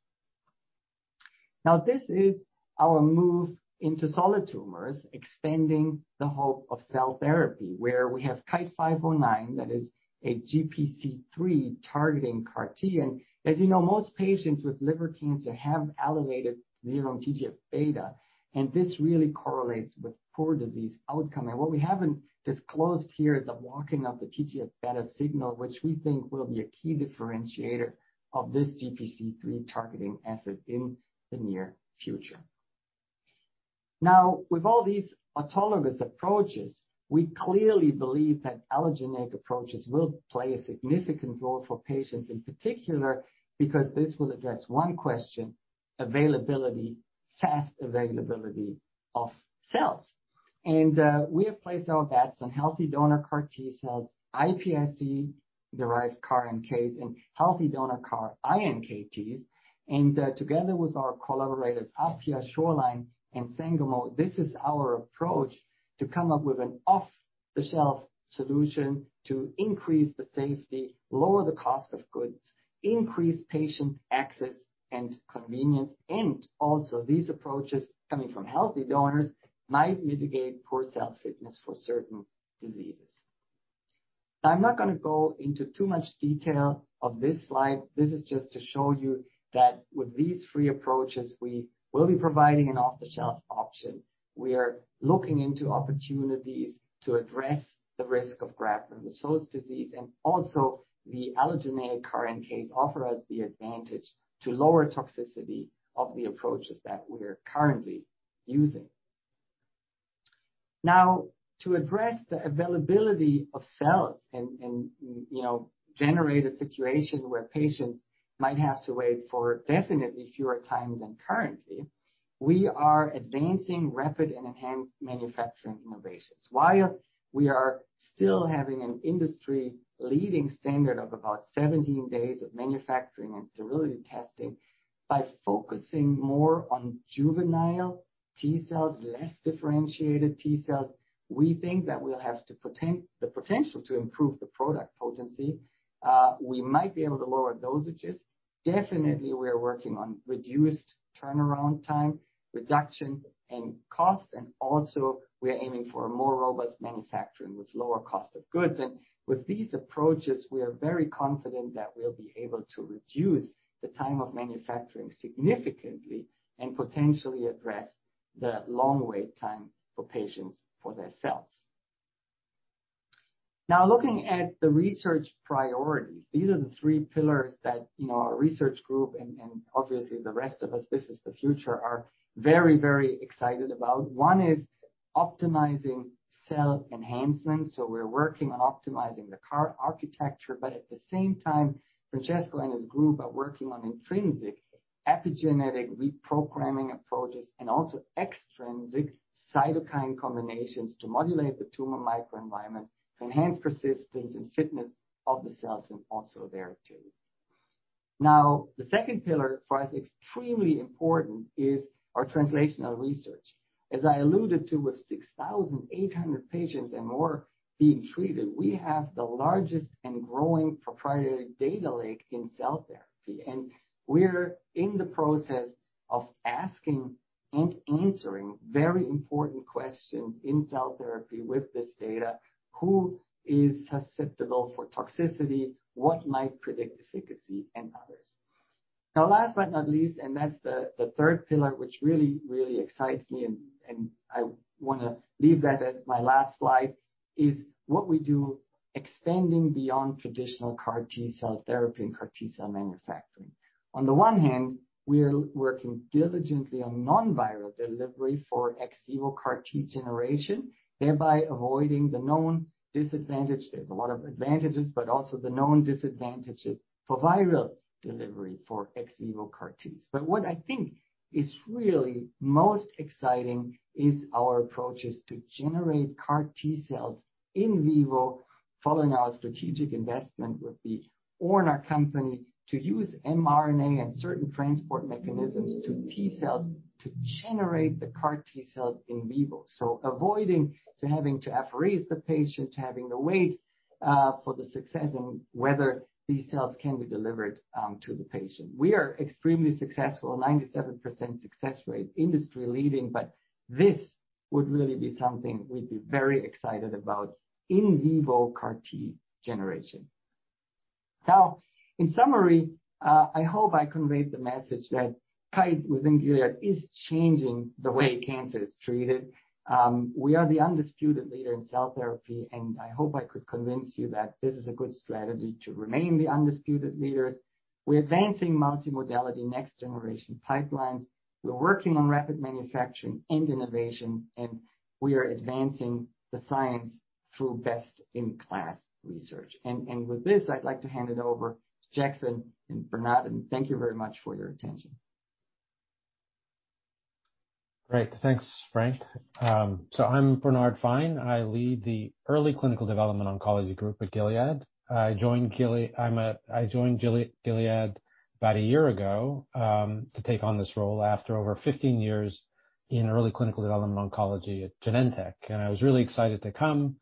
Now, this is our move into solid tumors, expanding the scope of cell therapy, where we have KITE-509 that is a GPC3 targeting CAR T. As you know, most patients with liver cancer have elevated serum TGF-beta, and this really correlates with poor disease outcome. What we haven't disclosed here is the blocking of the TGF-beta signal, which we think will be a key differentiator of this GPC3 targeting asset in the near future. Now, with all these autologous approaches, we clearly believe that allogeneic approaches will play a significant role for patients in particular, because this will address one question, availability, fast availability of cells. We have placed our bets on healthy donor CAR T-cells, iPSC-derived CAR NKs, and healthy donor CAR iNKTs. Together with our collaborators, Appia, Shoreline and Sangamo, this is our approach to come up with an off-the-shelf solution to increase the safety, lower the cost of goods, increase patient access and convenience. Also these approaches coming from healthy donors might mitigate poor cell fitness for certain diseases. I'm not going to go into too much detail of this slide. This is just to show you that with these three approaches, we will be providing an off-the-shelf option. We are looking into opportunities to address the risk of graft versus host disease. Also the allogeneic CAR NKs offer us the advantage to lower toxicity of the approaches that we are currently using. Now, to address the availability of cells and, you know, generate a situation where patients might have to wait for definitely fewer time than currently, we are advancing rapid and enhanced manufacturing innovations. While we are still having an industry-leading standard of about 17 days of manufacturing and sterility testing, by focusing more on juvenile T-cells, less differentiated T-cells, we think that we'll have the potential to improve the product potency. We might be able to lower dosages. Definitely, we are working on reduced turnaround time, reduction in costs, and also we are aiming for a more robust manufacturing with lower cost of goods. With these approaches, we are very confident that we'll be able to reduce the time of manufacturing significantly and potentially address the long wait time for patients for their cells. Now looking at the research priorities, these are the three pillars that, you know, our research group and obviously the rest of us, this is the future, are very, very excited about. One is optimizing cell enhancement. So we're working on optimizing the CAR architecture, but at the same time, Francesco and his group are working on intrinsic epigenetic reprogramming approaches and also extrinsic cytokine combinations to modulate the tumor microenvironment to enhance persistence and fitness of the cells, and also there too. Now, the second pillar for us, extremely important, is our translational research. As I alluded to, with 6,800 patients and more being treated, we have the largest and growing proprietary data lake in cell therapy, and we're in the process of asking and answering very important questions in cell therapy with this data. Who is susceptible for toxicity? What might predict efficacy and others. Now, last but not least, that's the third pillar, which really excites me and I wanna leave that as my last slide, is what we do extending beyond traditional CAR T-cell therapy and CAR T-cell manufacturing. On the one hand, we are working diligently on non-viral delivery for ex vivo CAR T generation, thereby avoiding the known disadvantage. There's a lot of advantages, but also the known disadvantages for viral delivery for ex vivo CAR T's. What I think is really most exciting is our approaches to generate CAR T-cells in vivo following our strategic investment with the Orna company to use mRNA and certain transport mechanisms to T-cells to generate the CAR T-cells in vivo. Avoiding to having to apheresis the patient, having to wait, for the success and whether these cells can be delivered, to the patient. We are extremely successful, 97% success rate, industry-leading, but this would really be something we'd be very excited about in vivo CAR T generation. Now, in summary, I hope I conveyed the message that Kite within Gilead is changing the way cancer is treated. We are the undisputed leader in cell therapy, and I hope I could convince you that this is a good strategy to remain the undisputed leaders. We're advancing multimodality next generation pipelines. We're working on rapid manufacturing and innovation, and we are advancing the science through best-in-class research. With this, I'd like to hand it over to Jackson and Bernard, and thank you very much for your attention. Great. Thanks, Frank. I'm Bernard Fine. I lead the early clinical development oncology group at Gilead. I joined Gilead about a year ago to take on this role after over 15 years in early clinical development oncology at Genentech. I was really excited to come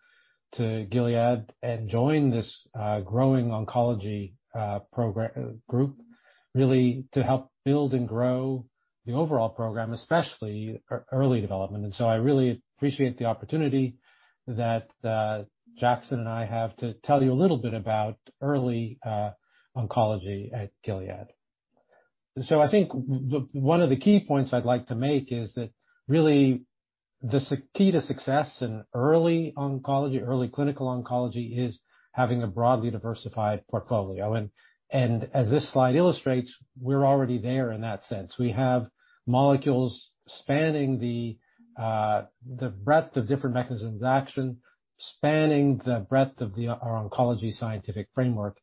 to Gilead and join this growing oncology group, really to help build and grow the overall program, especially early development. I really appreciate the opportunity that Jackson and I have to tell you a little bit about early oncology at Gilead. I think one of the key points I'd like to make is that really the key to success in early oncology, early clinical oncology, is having a broadly diversified portfolio. As this slide illustrates, we're already there in that sense. We have molecules spanning the breadth of different mechanisms of action, spanning the breadth of our oncology scientific framework.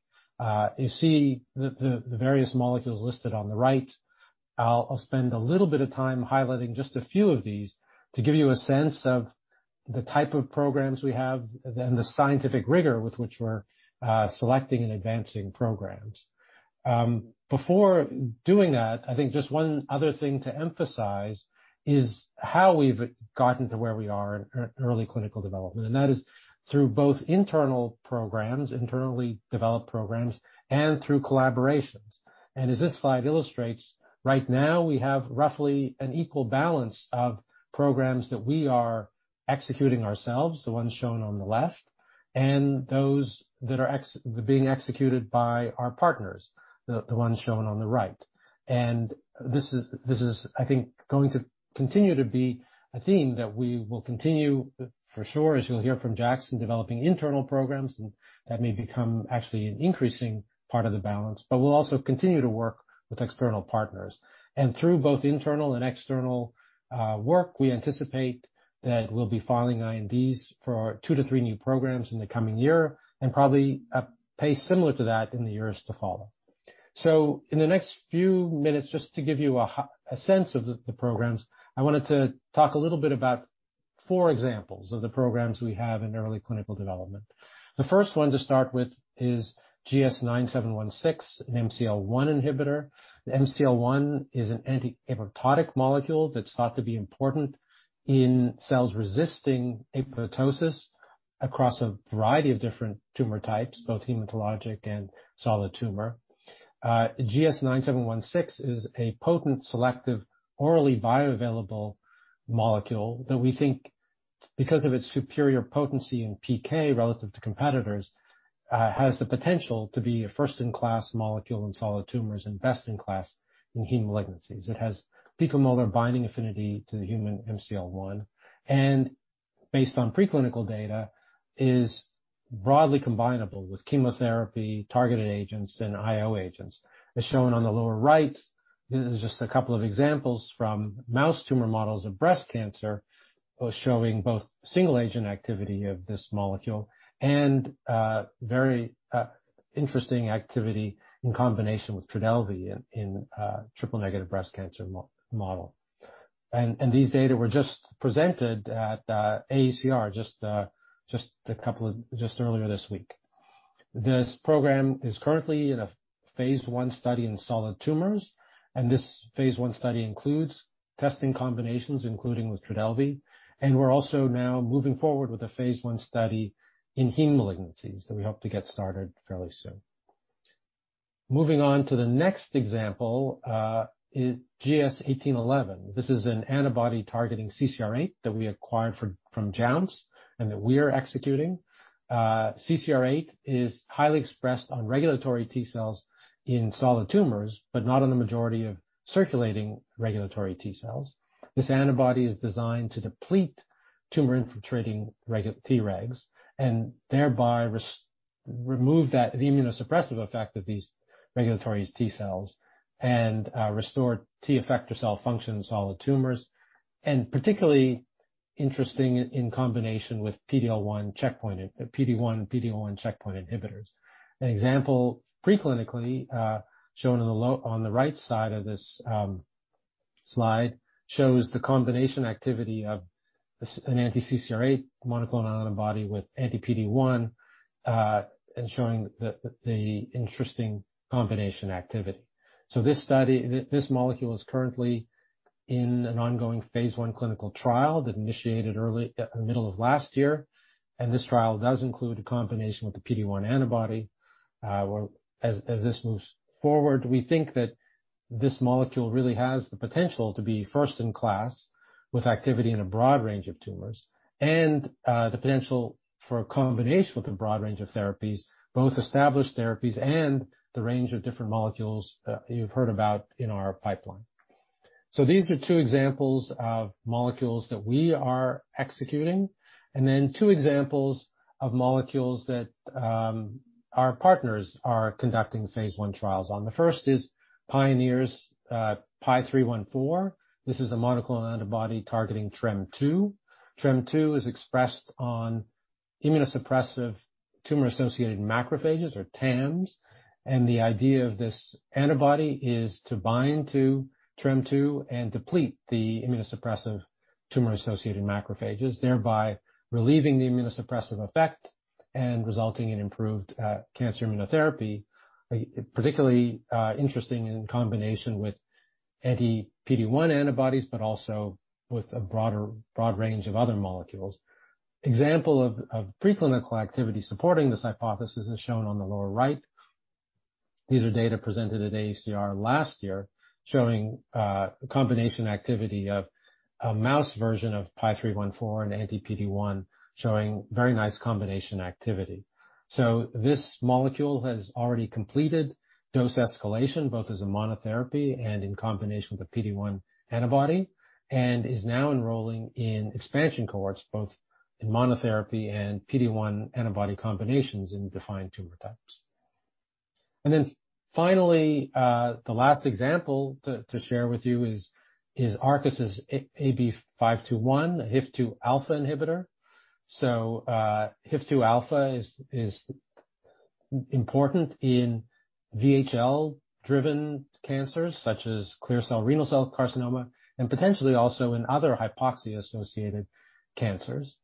You see the various molecules listed on the right. I'll spend a little bit of time highlighting just a few of these to give you a sense of the type of programs we have and the scientific rigor with which we're selecting and advancing programs. Before doing that, I think just one other thing to emphasize is how we've gotten to where we are in early clinical development, and that is through both internal programs, internally developed programs, and through collaborations. As this slide illustrates, right now we have roughly an equal balance of programs that we are executing ourselves, the ones shown on the left, and those that are being executed by our partners, the ones shown on the right. This is I think going to continue to be a theme that we will continue for sure, as you'll hear from Jackson, developing internal programs, and that may become actually an increasing part of the balance, but we'll also continue to work with external partners. Through both internal and external work, we anticipate that we'll be filing INDs for two to three new programs in the coming year and probably a pace similar to that in the years to follow. In the next few minutes, just to give you a sense of the programs, I wanted to talk a little bit about four examples of the programs we have in early clinical development. The first one to start with is GS-9716, an MCL-1 inhibitor. MCL-1 is an anti-apoptotic molecule that's thought to be important in cells resisting apoptosis across a variety of different tumor types, both hematologic and solid tumor. GS-9716 is a potent, selective, orally bioavailable molecule that we think, because of its superior potency in PK relative to competitors, has the potential to be a first-in-class molecule in solid tumors and best-in-class in heme malignancies. It has picomolar binding affinity to the human MCL-1 and based on preclinical data is broadly combinable with chemotherapy, targeted agents and IO agents. As shown on the lower right, this is just a couple of examples from mouse tumor models of breast cancer, showing both single agent activity of this molecule and very interesting activity in combination with Trodelvy in triple negative breast cancer model. These data were just presented at AACR just earlier this week. This program is currently in a phase I study in solid tumors, and this phase I study includes testing combinations, including with Trodelvy. We're also now moving forward with a phase I study in heme malignancies that we hope to get started fairly soon. Moving on to the next example is GS-1811. This is an antibody targeting CCR8 that we acquired from Jounce and that we are executing. CCR8 is highly expressed on regulatory T-cells in solid tumors, but not on the majority of circulating regulatory T-cells. This antibody is designed to deplete tumor-infiltrating Tregs, and thereby remove that, the immunosuppressive effect of these regulatory T-cells and restore T effector cell function in solid tumors, and particularly interesting in combination with PD-L1 checkpoint, PD-1, PD-L1 checkpoint inhibitors. An example, pre-clinically, shown on the right side of this slide, shows the combination activity of this, an anti-CCR8 monoclonal antibody with anti-PD-1, and showing the interesting combination activity. This molecule is currently in an ongoing phase I clinical trial that initiated early in the middle of last year, and this trial does include a combination with the PD-1 antibody. As this moves forward, we think that this molecule really has the potential to be first in class with activity in a broad range of tumors and the potential for a combination with a broad range of therapies, both established therapies and the range of different molecules that you've heard about in our pipeline. These are two examples of molecules that we are executing, and then two examples of molecules that our partners are conducting phase I trials on. The first is Pionyr's PY314. This is a monoclonal antibody targeting TREM2. TREM2 is expressed on immunosuppressive tumor-associated macrophages or TAMs. The idea of this antibody is to bind to TREM2 and deplete the immunosuppressive tumor-associated macrophages, thereby relieving the immunosuppressive effect and resulting in improved cancer immunotherapy. Particularly interesting in combination with anti-PD-1 antibodies, but also with a broad range of other molecules. Example of pre-clinical activity supporting this hypothesis is shown on the lower right. These are data presented at AACR last year showing a combination activity of a mouse version of PY314 and anti-PD-1 showing very nice combination activity. This molecule has already completed dose escalation, both as a monotherapy and in combination with the PD-1 antibody, and is now enrolling in expansion cohorts, both in monotherapy and PD-1 antibody combinations in defined tumor types. The last example to share with you is Arcus' AB521, HIF-2 alpha inhibitor. HIF-2 alpha is important in VHL-driven cancers such as clear cell renal cell carcinoma and potentially also in other hypoxia-associated cancers.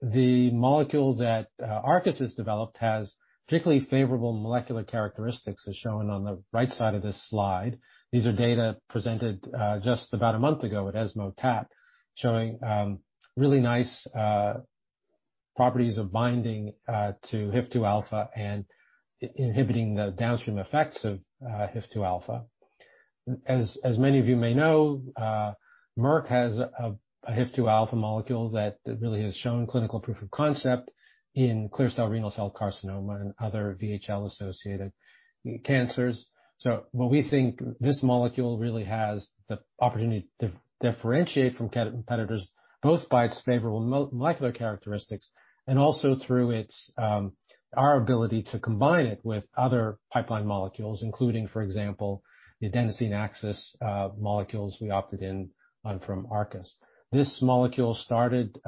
The molecule that Arcus has developed has particularly favorable molecular characteristics, as shown on the right side of this slide. These are data presented just about a month ago at ESMO TAT, showing really nice properties of binding to HIF-2 alpha and inhibiting the downstream effects of HIF-2 alpha. As many of you may know, Merck has a HIF-2 alpha molecule that really has shown clinical proof of concept in clear cell renal cell carcinoma and other VHL-associated cancers. What we think this molecule really has the opportunity to differentiate from competitors, both by its favorable molecular characteristics and also through its our ability to combine it with other pipeline molecules, including, for example, the adenosine axis molecules we opted in on from Arcus. This molecule started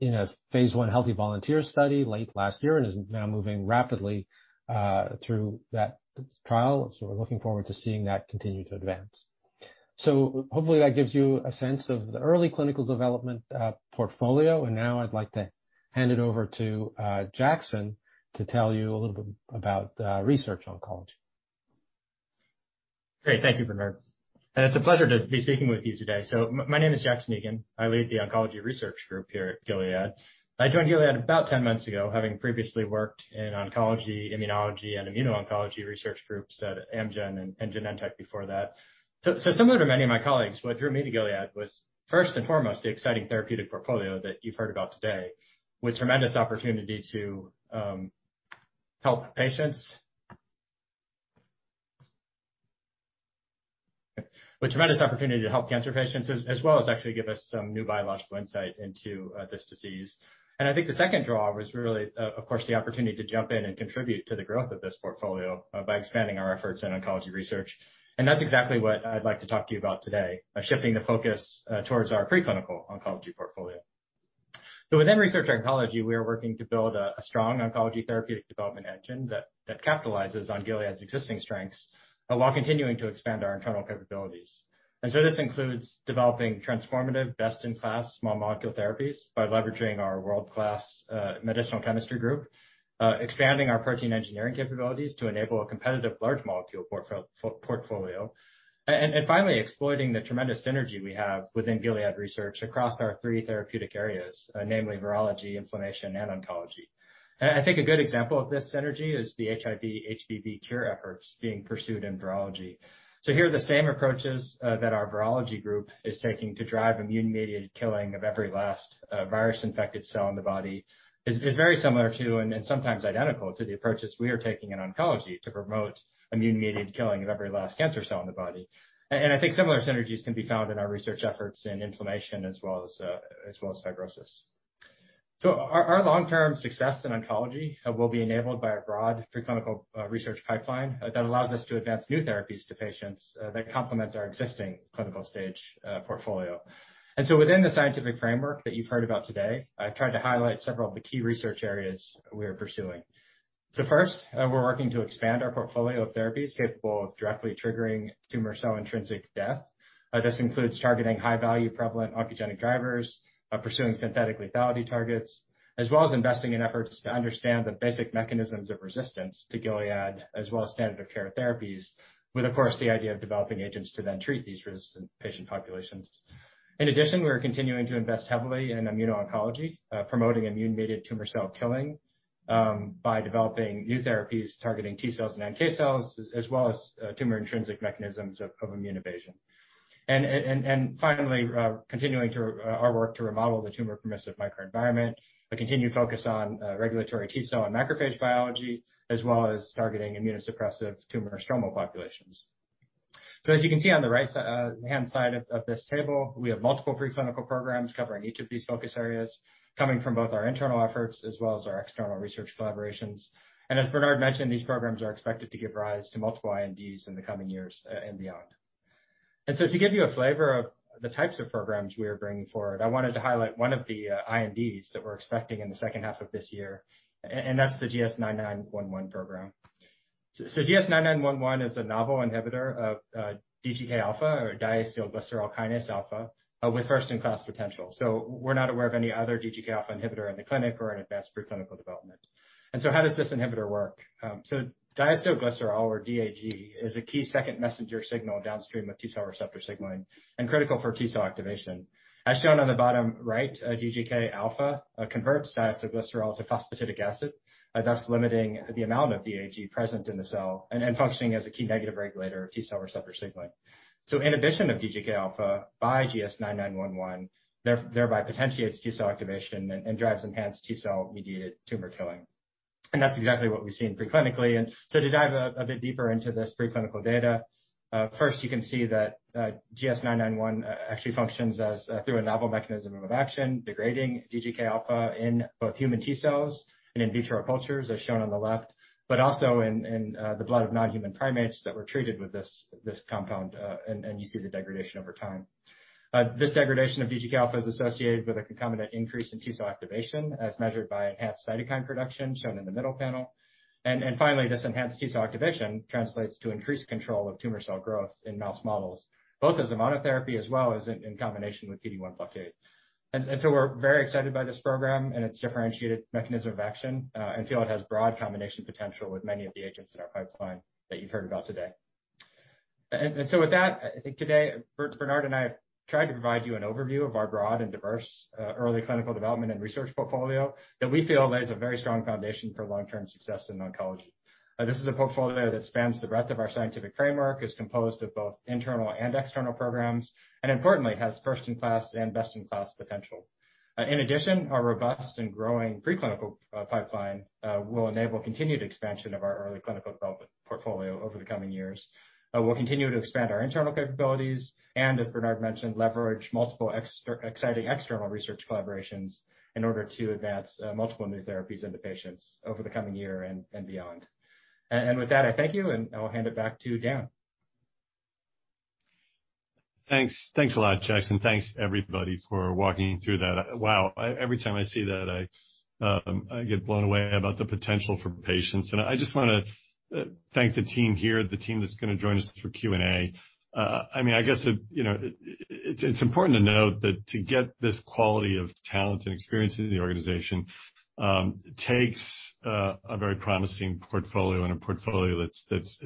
in a phase I healthy volunteer study late last year and is now moving rapidly through that trial. We're looking forward to seeing that continue to advance. Hopefully that gives you a sense of the early clinical development portfolio. Now I'd like to hand it over to Jackson to tell you a little bit about research oncology. Great. Thank you, Bernard. It's a pleasure to be speaking with you today. My name is Jackson Egen. I lead the oncology research group here at Gilead. I joined Gilead about 10 months ago, having previously worked in oncology, immunology, and immuno-oncology research groups at Amgen and Genentech before that. Similar to many of my colleagues, what drew me to Gilead was, first and foremost, the exciting therapeutic portfolio that you've heard about today, with tremendous opportunity to help cancer patients as well as actually give us some new biological insight into this disease. I think the second draw was really, of course, the opportunity to jump in and contribute to the growth of this portfolio by expanding our efforts in oncology research. That's exactly what I'd like to talk to you about today, by shifting the focus towards our preclinical oncology portfolio. Within research oncology, we are working to build a strong oncology therapeutic development engine that capitalizes on Gilead's existing strengths, while continuing to expand our internal capabilities. This includes developing transformative best-in-class small molecule therapies by leveraging our world-class medicinal chemistry group, expanding our protein engineering capabilities to enable a competitive large molecule portfolio. And finally exploiting the tremendous synergy we have within Gilead research across our three therapeutic areas, namely virology, inflammation, and oncology. I think a good example of this synergy is the HIV, HBV cure efforts being pursued in virology. Here are the same approaches that our virology group is taking to drive immune-mediated killing of every last virus-infected cell in the body is very similar to, and sometimes identical to the approaches we are taking in oncology to promote immune-mediated killing of every last cancer cell in the body. I think similar synergies can be found in our research efforts in inflammation as well as fibrosis. Our long-term success in oncology will be enabled by a broad preclinical research pipeline that allows us to advance new therapies to patients that complement our existing clinical stage portfolio. Within the scientific framework that you've heard about today, I've tried to highlight several of the key research areas we are pursuing. First, we're working to expand our portfolio of therapies capable of directly triggering tumor cell intrinsic death. This includes targeting high-value prevalent oncogenic drivers, pursuing synthetic lethality targets, as well as investing in efforts to understand the basic mechanisms of resistance to Gilead, as well as standard of care therapies with, of course, the idea of developing agents to then treat these resistant patient populations. In addition, we are continuing to invest heavily in immuno-oncology, promoting immune-mediated tumor cell killing by developing new therapies targeting T-cells and NK cells, as well as tumor intrinsic mechanisms of immune evasion. Finally, continuing our work to remodel the tumor permissive microenvironment, a continued focus on regulatory T-cell and macrophage biology, as well as targeting immunosuppressive tumor stromal populations. As you can see on the right-hand side of this table, we have multiple preclinical programs covering each of these focus areas coming from both our internal efforts as well as our external research collaborations. As Bernard mentioned, these programs are expected to give rise to multiple INDs in the coming years, and beyond. To give you a flavor of the types of programs we are bringing forward, I wanted to highlight one of the INDs that we're expecting in the second half of this year, and that's the GS-9911 program. GS-9911 is a novel inhibitor of DGK alpha or diacylglycerol kinase alpha, with first-in-class potential. We're not aware of any other DGK alpha inhibitor in the clinic or in advanced preclinical development. How does this inhibitor work? Diacylglycerol or DAG is a key second messenger signal downstream of T-cell receptor signaling and critical for T-cell activation. As shown on the bottom right, DGK alpha converts diacylglycerol to phosphatidic acid, thus limiting the amount of DAG present in the cell and functioning as a key negative regulator of T-cell receptor signaling. Inhibition of DGK alpha by GS-9911 thereby potentiates T-cell activation and drives enhanced T-cell mediated tumor killing. That's exactly what we see in preclinical. To dive a bit deeper into this preclinical data, first you can see that GS-9911 actually functions through a novel mechanism of action, degrading DGK alpha in both human T-cells and in vitro cultures, as shown on the left, but also in the blood of non-human primates that were treated with this compound. You see the degradation over time. This degradation of DGK alpha is associated with a concomitant increase in T-cell activation, as measured by enhanced cytokine production shown in the middle panel. Finally, this enhanced T-cell activation translates to increased control of tumor cell growth in mouse models, both as a monotherapy as well as in combination with PD-1 blockade. We're very excited by this program and its differentiated mechanism of action, and feel it has broad combination potential with many of the agents in our pipeline that you've heard about today. With that, I think today, Bernard and I have tried to provide you an overview of our broad and diverse early clinical development and research portfolio that we feel lays a very strong foundation for long-term success in oncology. This is a portfolio that spans the breadth of our scientific framework, is composed of both internal and external programs, and importantly, has first in class and best in class potential. In addition, our robust and growing preclinical pipeline will enable continued expansion of our early clinical development portfolio over the coming years. We'll continue to expand our internal capabilities and, as Bernard mentioned, leverage multiple exciting external research collaborations in order to advance multiple new therapies into patients over the coming year and beyond. With that, I thank you, and I will hand it back to Dan. Thanks. Thanks a lot, Jackson. Thanks everybody for walking through that. Wow. Every time I see that, I get blown away about the potential for patients. I just wanna thank the team here, the team that's gonna join us for Q&A. I mean, I guess, you know, it's important to note that to get this quality of talent and experience into the organization takes a very promising portfolio and a portfolio that's,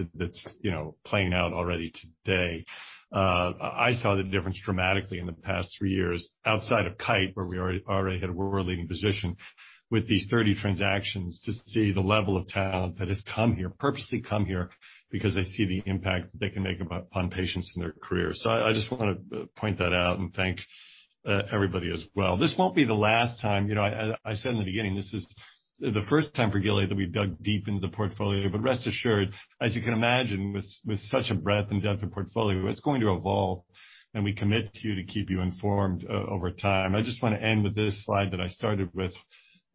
you know, playing out already today. I saw the difference dramatically in the past three years outside of Kite, where we already had a world-leading position with these 30 transactions to see the level of talent that has come here, purposely come here because they see the impact they can make upon patients in their career. I just want to point that out and thank everybody as well. This won't be the last time. I said in the beginning, this is the first time for Gilead that we've dug deep into the portfolio. Rest assured, as you can imagine, with such a breadth and depth of portfolio, it's going to evolve, and we commit to you to keep you informed over time. I just want to end with this slide that I started with.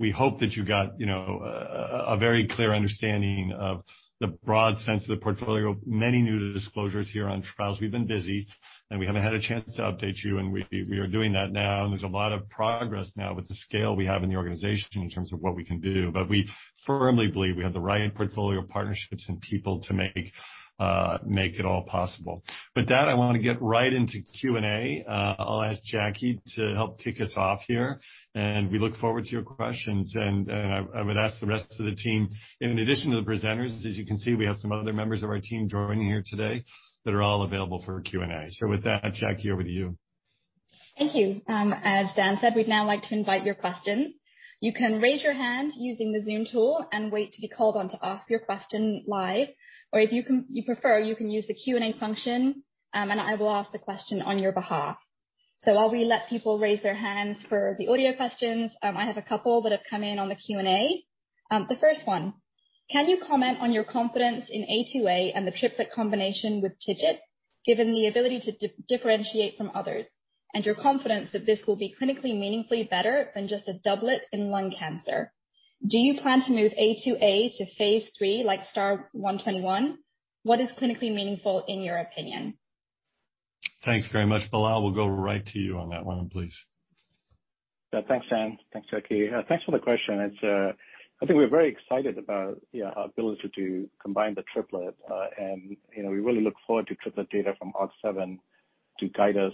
We hope that you got a very clear understanding of the broad sense of the portfolio. Many new disclosures here on trials. We've been busy, and we haven't had a chance to update you, and we are doing that now. There's a lot of progress now with the scale we have in the organization in terms of what we can do. We firmly believe we have the right portfolio, partnerships and people to make it all possible. With that, I wanna get right into Q&A. I'll ask Jacquie to help kick us off here, and we look forward to your questions. I would ask the rest of the team, in addition to the presenters, as you can see, we have some other members of our team joining here today that are all available for Q&A. With that, Jacquie, over to you. Thank you. As Dan said, we'd now like to invite your questions. You can raise your hand using the Zoom tool and wait to be called on to ask your question live. Or, if you prefer, you can use the Q&A function, and I will ask the question on your behalf. While we let people raise their hands for the audio questions, I have a couple that have come in on the Q&A. The first one, can you comment on your confidence in A2A and the triplet combination with TIGIT, given the ability to differentiate from others and your confidence that this will be clinically meaningfully better than just a doublet in lung cancer? Do you plan to move A2A to phase III like STAR-121? What is clinically meaningful in your opinion? Thanks very much. Bilal, we'll go right to you on that one, please. Yeah, thanks, Dan. Thanks, Jacquie. Thanks for the question. It's, I think we're very excited about, you know, our ability to combine the triplet, and, you know, we really look forward to triplet data from ARC-7 to guide us,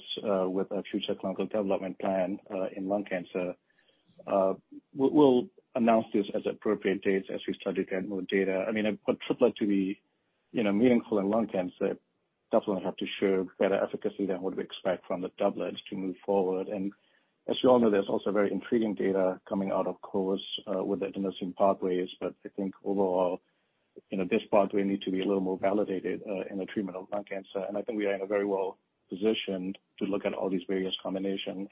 with our future clinical development plan, in lung cancer. We'll announce this as appropriate dates as we study more data. I mean, for triplet to be, you know, meaningful in lung cancer, definitely have to show better efficacy than what we expect from the doublets to move forward. As you all know, there's also very intriguing data coming out, of course, with the adenosine pathways. But I think overall, you know, this pathway needs to be a little more validated, in the treatment of lung cancer. I think we are in a very well positioned to look at all these various combination.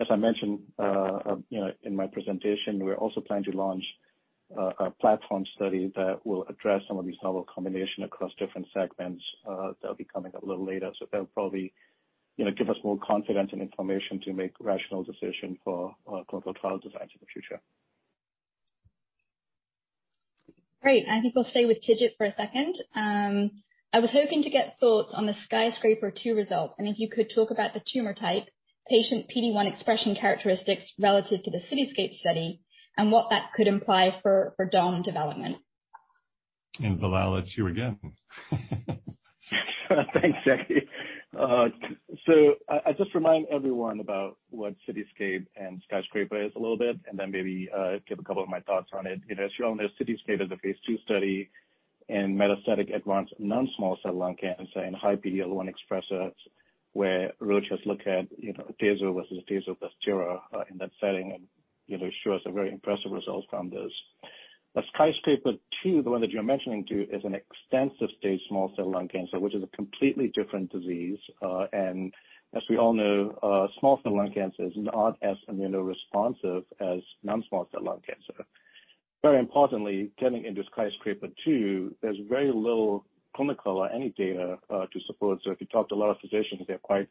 As I mentioned, you know, in my presentation, we're also planning to launch a platform study that will address some of these novel combination across different segments. That'll be coming a little later. That'll probably, you know, give us more confidence and information to make rational decisions for clinical trial designs in the future. Great. I think we'll stay with TIGIT for a second. I was hoping to get thoughts on the SKYSCRAPER-02 result, and if you could talk about the tumor type, patient PD-1 expression characteristics relative to the CITYSCAPE study and what that could imply for domvanalimab development. Bilal, it's you again. Thanks, Jacquie. I just remind everyone about what CITYSCAPE and SKYSCRAPER is a little bit and then maybe give a couple of my thoughts on it. You know, as you all know, CITYSCAPE is a phase II study in metastatic advanced non-small cell lung cancer in high PD-L1 expressers, where really just look at, you know, Atezo versus Atezo plus Tira in that setting and, you know, show us a very impressive results from this. SKYSCRAPER-02, the one that you're mentioning too, is an extensive stage small cell lung cancer, which is a completely different disease. And as we all know, small cell lung cancers aren't as immunoresponsive as non-small cell lung cancer. Very importantly, getting into SKYSCRAPER-02, there's very little clinical or any data to support. If you talk to a lot of physicians, they're quite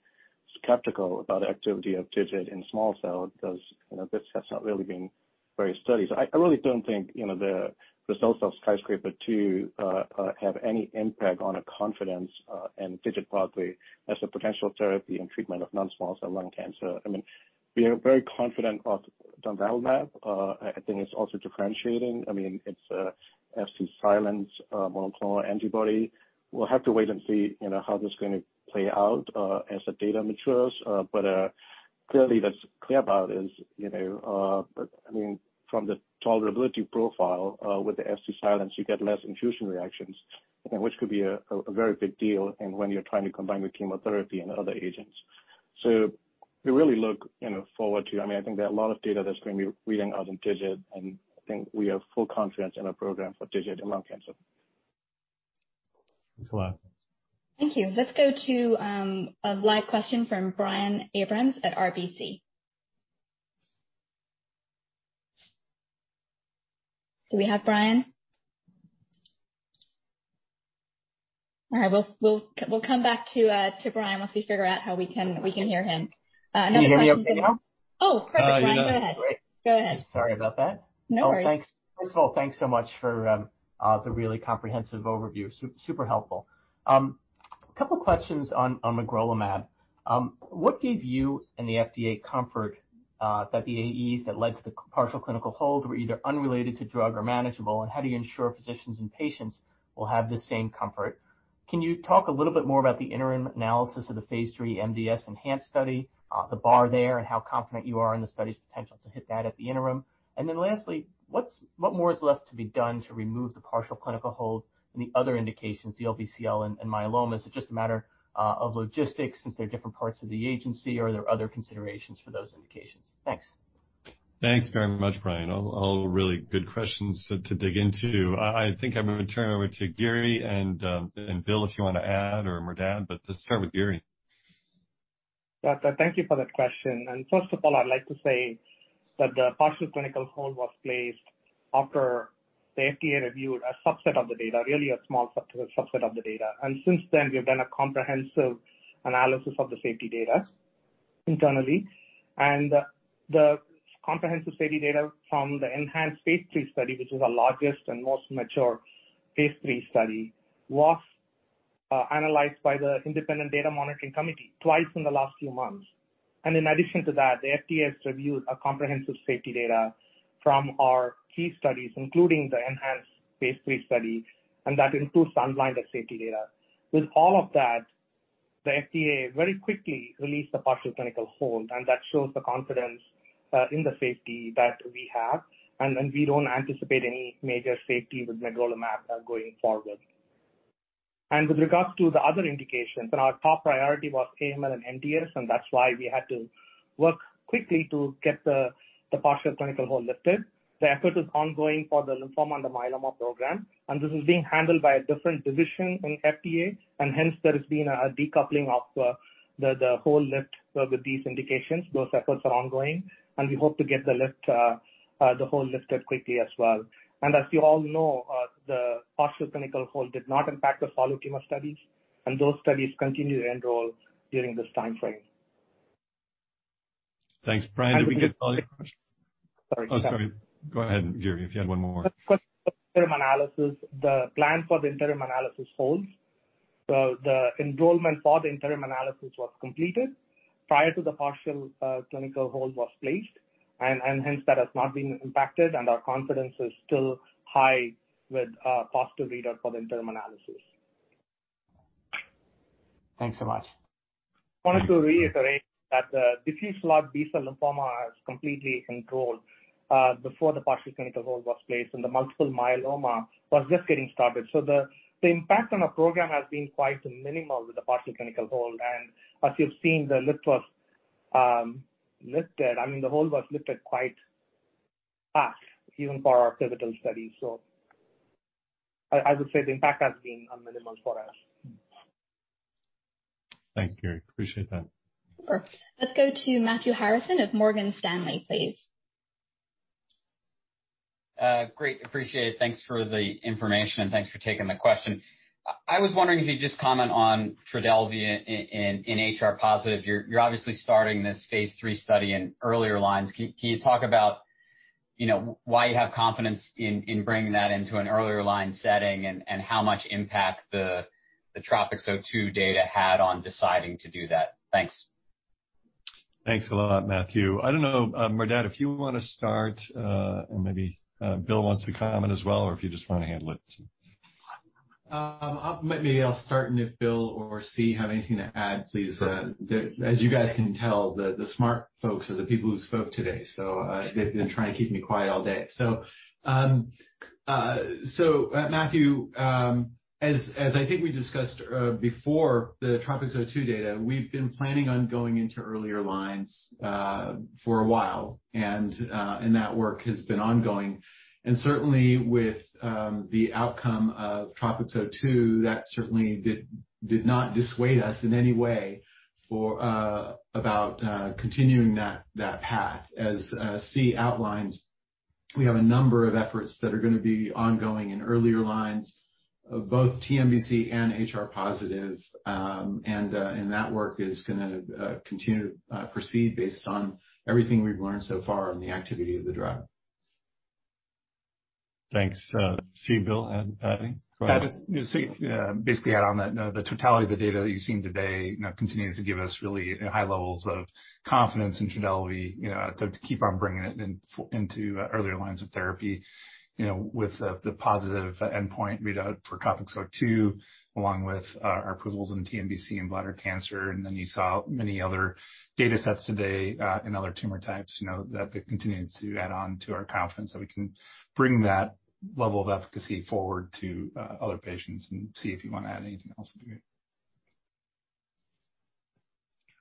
skeptical about activity of TIGIT in small-cell because, you know, this has not really been very studied. I really don't think, you know, the results of SKYSCRAPER-02 have any impact on our confidence in the TIGIT pathway as a potential therapy and treatment of non-small cell lung cancer. I mean, we are very confident of domvanalimab. I think it's also differentiating. I mean, it's Fc-silent monoclonal antibody. We'll have to wait and see, you know, how this is gonna play out as the data matures. From the tolerability profile, with the Fc-silent, you get less infusion reactions, you know, which could be a very big deal especially when you're trying to combine with chemotherapy and other agents. We really look forward to, you know. I mean, I think there are a lot of data that's gonna be reading out in TIGIT, and I think we have full confidence in our program for TIGIT in lung cancer. Thanks, Bilal. Thank you. Let's go to a live question from Brian Abrahams at RBC. Do we have Brian? All right, we'll come back to Brian once we figure out how we can hear him. Next question- Can you hear me okay now? Oh, perfect, Brian. Go ahead. Great. Go ahead. Sorry about that. No worries. Oh, thanks. First of all, thanks so much for the really comprehensive overview. Super helpful. Couple questions on magrolimab. What gave you and the FDA comfort that the AEs that led to the partial clinical hold were either unrelated to drug or manageable, and how do you ensure physicians and patients will have the same comfort? Can you talk a little bit more about the interim analysis of the phase III MDS ENHANCE study, the bar there, and how confident you are in the study's potential to hit that at the interim? And then lastly, what more is left to be done to remove the partial clinical hold in the other indications, the LBCL and myeloma? Is it just a matter of logistics since they're different parts of the agency, or are there other considerations for those indications? Thanks. Thanks very much, Brian. All really good questions to dig into. I think I'm gonna turn it over to Giri and Bill, if you wanna add or Merdad, but let's start with Giri. Yeah. Thank you for that question. First of all, I'd like to say that the partial clinical hold was placed after the FDA reviewed a subset of the data, really a small sub-subset of the data. Since then, we've done a comprehensive analysis of the safety data internally. The comprehensive safety data from the ENHANCE phase III study, which is our largest and most mature phase III study, was analyzed by the independent data monitoring committee twice in the last few months. In addition to that, the FDA has reviewed a comprehensive safety data from our key studies, including the ENHANCE phase III study, and that includes unblinded safety data. With all of that, the FDA very quickly released a partial clinical hold, and that shows the confidence in the safety that we have. We don't anticipate any major safety with magrolimab going forward. With regards to the other indications, our top priority was AML and MDS, and that's why we had to work quickly to get the partial clinical hold lifted. The effort is ongoing for the lymphoma and the myeloma program, and this is being handled by a different division in FDA, and hence there has been a decoupling of the hold lift with these indications. Those efforts are ongoing, and we hope to get the hold lifted quickly as well. As you all know, the partial clinical hold did not impact the solid tumor studies, and those studies continue to enroll during this timeframe. Thanks. Brian, did we get all your questions? Sorry. Oh, sorry. Go ahead, Giri, if you had one more. The question of interim analysis. The plan for the interim analysis holds. The enrollment for the interim analysis was completed prior to the partial clinical hold was placed, and hence that has not been impacted and our confidence is still high with a positive readout for the interim analysis. Thanks so much. I wanted to reiterate that the diffuse large B-cell lymphoma has completely enrolled before the partial clinical hold was placed and the multiple myeloma was just getting started. The impact on our program has been quite minimal with the partial clinical hold. As you've seen, I mean, the hold was lifted quite fast, even for our pivotal study. I would say the impact has been minimal for us. Thanks, Giri. Appreciate that. Sure. Let's go to Matthew Harrison of Morgan Stanley, please. Great. Appreciate it. Thanks for the information and thanks for taking the question. I was wondering if you'd just comment on Trodelvy in HR positive. You're obviously starting this phase III study in earlier lines. Can you talk about, you know, why you have confidence in bringing that into an earlier line setting and how much impact the TROPiCS-02 data had on deciding to do that? Thanks. Thanks a lot, Matthew. I don't know, Merdad, if you wanna start, and maybe Bill wants to comment as well, or if you just wanna handle it. Maybe I'll start, and if Bill or See have anything to add, please. Sure. As you guys can tell, the smart folks are the people who spoke today. They've been trying to keep me quiet all day. Matthew, as I think we discussed, before the TROPiCS-02 data, we've been planning on going into earlier lines for a while, and that work has been ongoing. Certainly with the outcome of TROPiCS-02, that certainly did not dissuade us in any way for about continuing that path. As See outlined, we have a number of efforts that are gonna be ongoing in earlier lines of both TNBC and HR positive, and that work is gonna continue to proceed based on everything we've learned so far in the activity of the drug. Thanks. See, Bill, go ahead. I'll just basically add on that the totality of the data that you've seen today, you know, continues to give us really high levels of confidence in Trodelvy, you know, to keep on bringing it into earlier lines of therapy, you know, with the positive endpoint readout for TROPiCS-02, along with our approvals in TNBC and bladder cancer. Then you saw many other datasets today in other tumor types, you know, that it continues to add on to our confidence that we can bring that level of efficacy forward to other patients. See, if you wanna add anything else.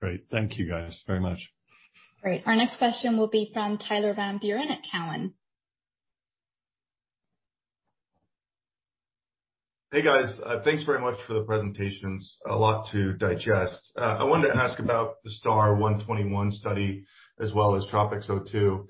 Great. Thank you, guys, very much. Great. Our next question will be from Tyler Van Buren at Cowen. Hey, guys. Thanks very much for the presentations. A lot to digest. I wanted to ask about the STAR-121 study as well as TROPiCS-02.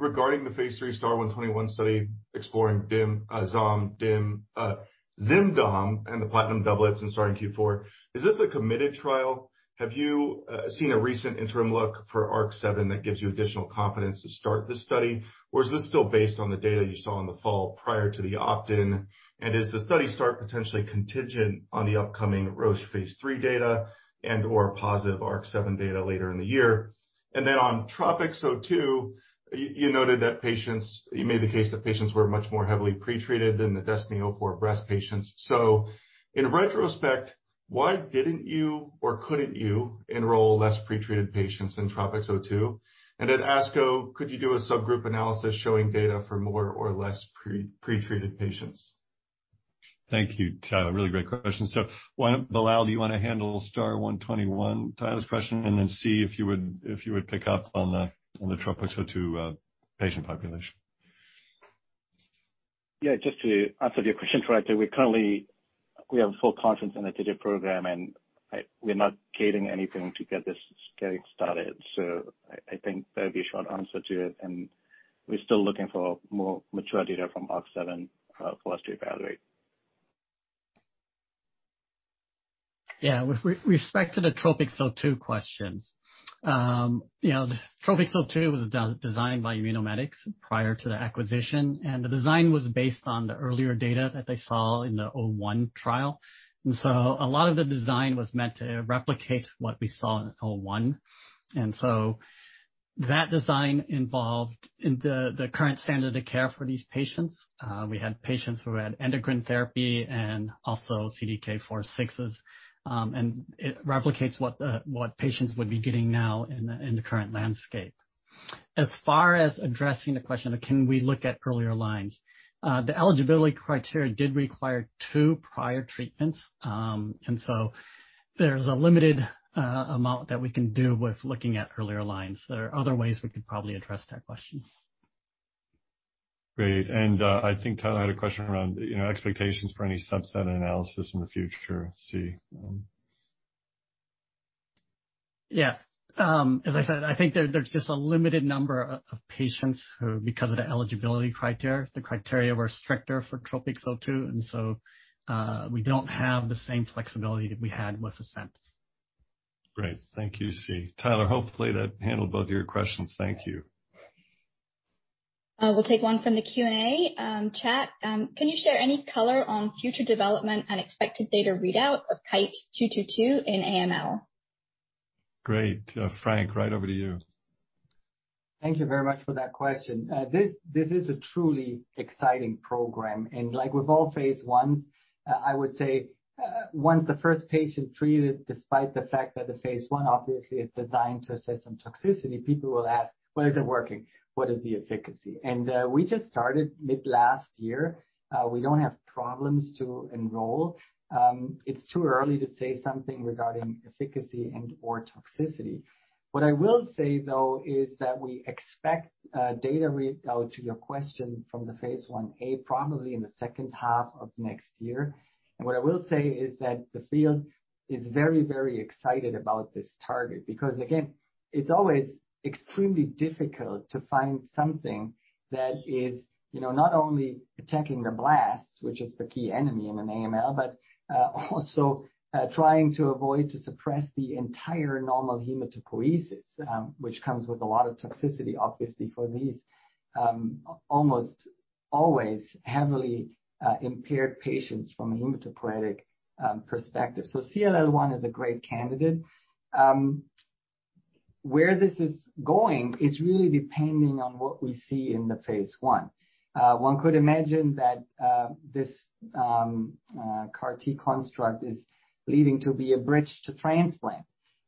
Regarding the phase III STAR-121 study exploring zimberelimab and domvanalimab and the platinum doublets and starting Q4, is this a committed trial? Have you seen a recent interim look for ARC-7 that gives you additional confidence to start this study? Or is this still based on the data you saw in the fall prior to the opt-in? And is the study start potentially contingent on the upcoming Roche phase III data and/or positive ARC-7 data later in the year? And then on TROPiCS-02, you noted that patients were much more heavily pretreated than the DESTINY-Breast04 breast patients. You made the case that patients were much more heavily pretreated than the DESTINY-Breast04 breast patients. In retrospect, why didn't you or couldn't you enroll less pretreated patients in TROPiCS-02? At ASCO, could you do a subgroup analysis showing data for more or less pretreated patients? Thank you, Tyler. Really great question. Why don't, Bilal, do you wanna handle STAR-121, Tyler's question, and then See, if you would pick up on the, on the TROPiCS-02 patient population. Yeah, just to answer your question correctly, we currently have full confidence in the data program, and we're not gating anything to get this started. I think that'd be a short answer to it, and we're still looking for more mature data from ARC-7 for us to evaluate. Yeah. With respect to the TROPiCS-02 questions. You know, TROPiCS-02 was designed by Immunomedics prior to the acquisition, and the design was based on the earlier data that they saw in the IMMU-132-01 trial. A lot of the design was meant to replicate what we saw in IMMU-132-01. That design involved in the current standard of care for these patients. We had patients who had endocrine therapy and also CDK4/6. It replicates what patients would be getting now in the current landscape. As far as addressing the question of can we look at earlier lines, the eligibility criteria did require two prior treatments. There's a limited amount that we can do with looking at earlier lines. There are other ways we could probably address that question. Great. I think Tyler had a question around, you know, expectations for any subset analysis in the future, See. Yeah. As I said, I think there's just a limited number of patients who, because of the eligibility criteria, the criteria were stricter for TROPiCS-02, so we don't have the same flexibility that we had with ASCENT. Great. Thank you, See. Tyler, hopefully that handled both of your questions. Thank you. We'll take one from the Q&A chat. Can you share any color on future development and expected data readout of KITE-222 in AML? Great. Frank, right over to you. Thank you very much for that question. This is a truly exciting program. Like with all phase I's, I would say, once the first patient treated, despite the fact that the phase I obviously is designed to assess some toxicity, people will ask, "Well, is it working? What is the efficacy?" We just started mid last year. We don't have problems to enroll. It's too early to say something regarding efficacy and/or toxicity. What I will say, though, is that we expect data readout to your question from the phase I A probably in the second half of next year. What I will say is that the field is very, very excited about this target, because again, it's always extremely difficult to find something that is, you know, not only attacking the blasts, which is the key enemy in an AML, but also trying to avoid to suppress the entire normal hematopoiesis, which comes with a lot of toxicity, obviously, for these almost always heavily impaired patients from a hematopoietic perspective. CLL-1 is a great candidate. Where this is going is really depending on what we see in the phase I. One could imagine that this CAR T construct is leading to be a bridge to transplant.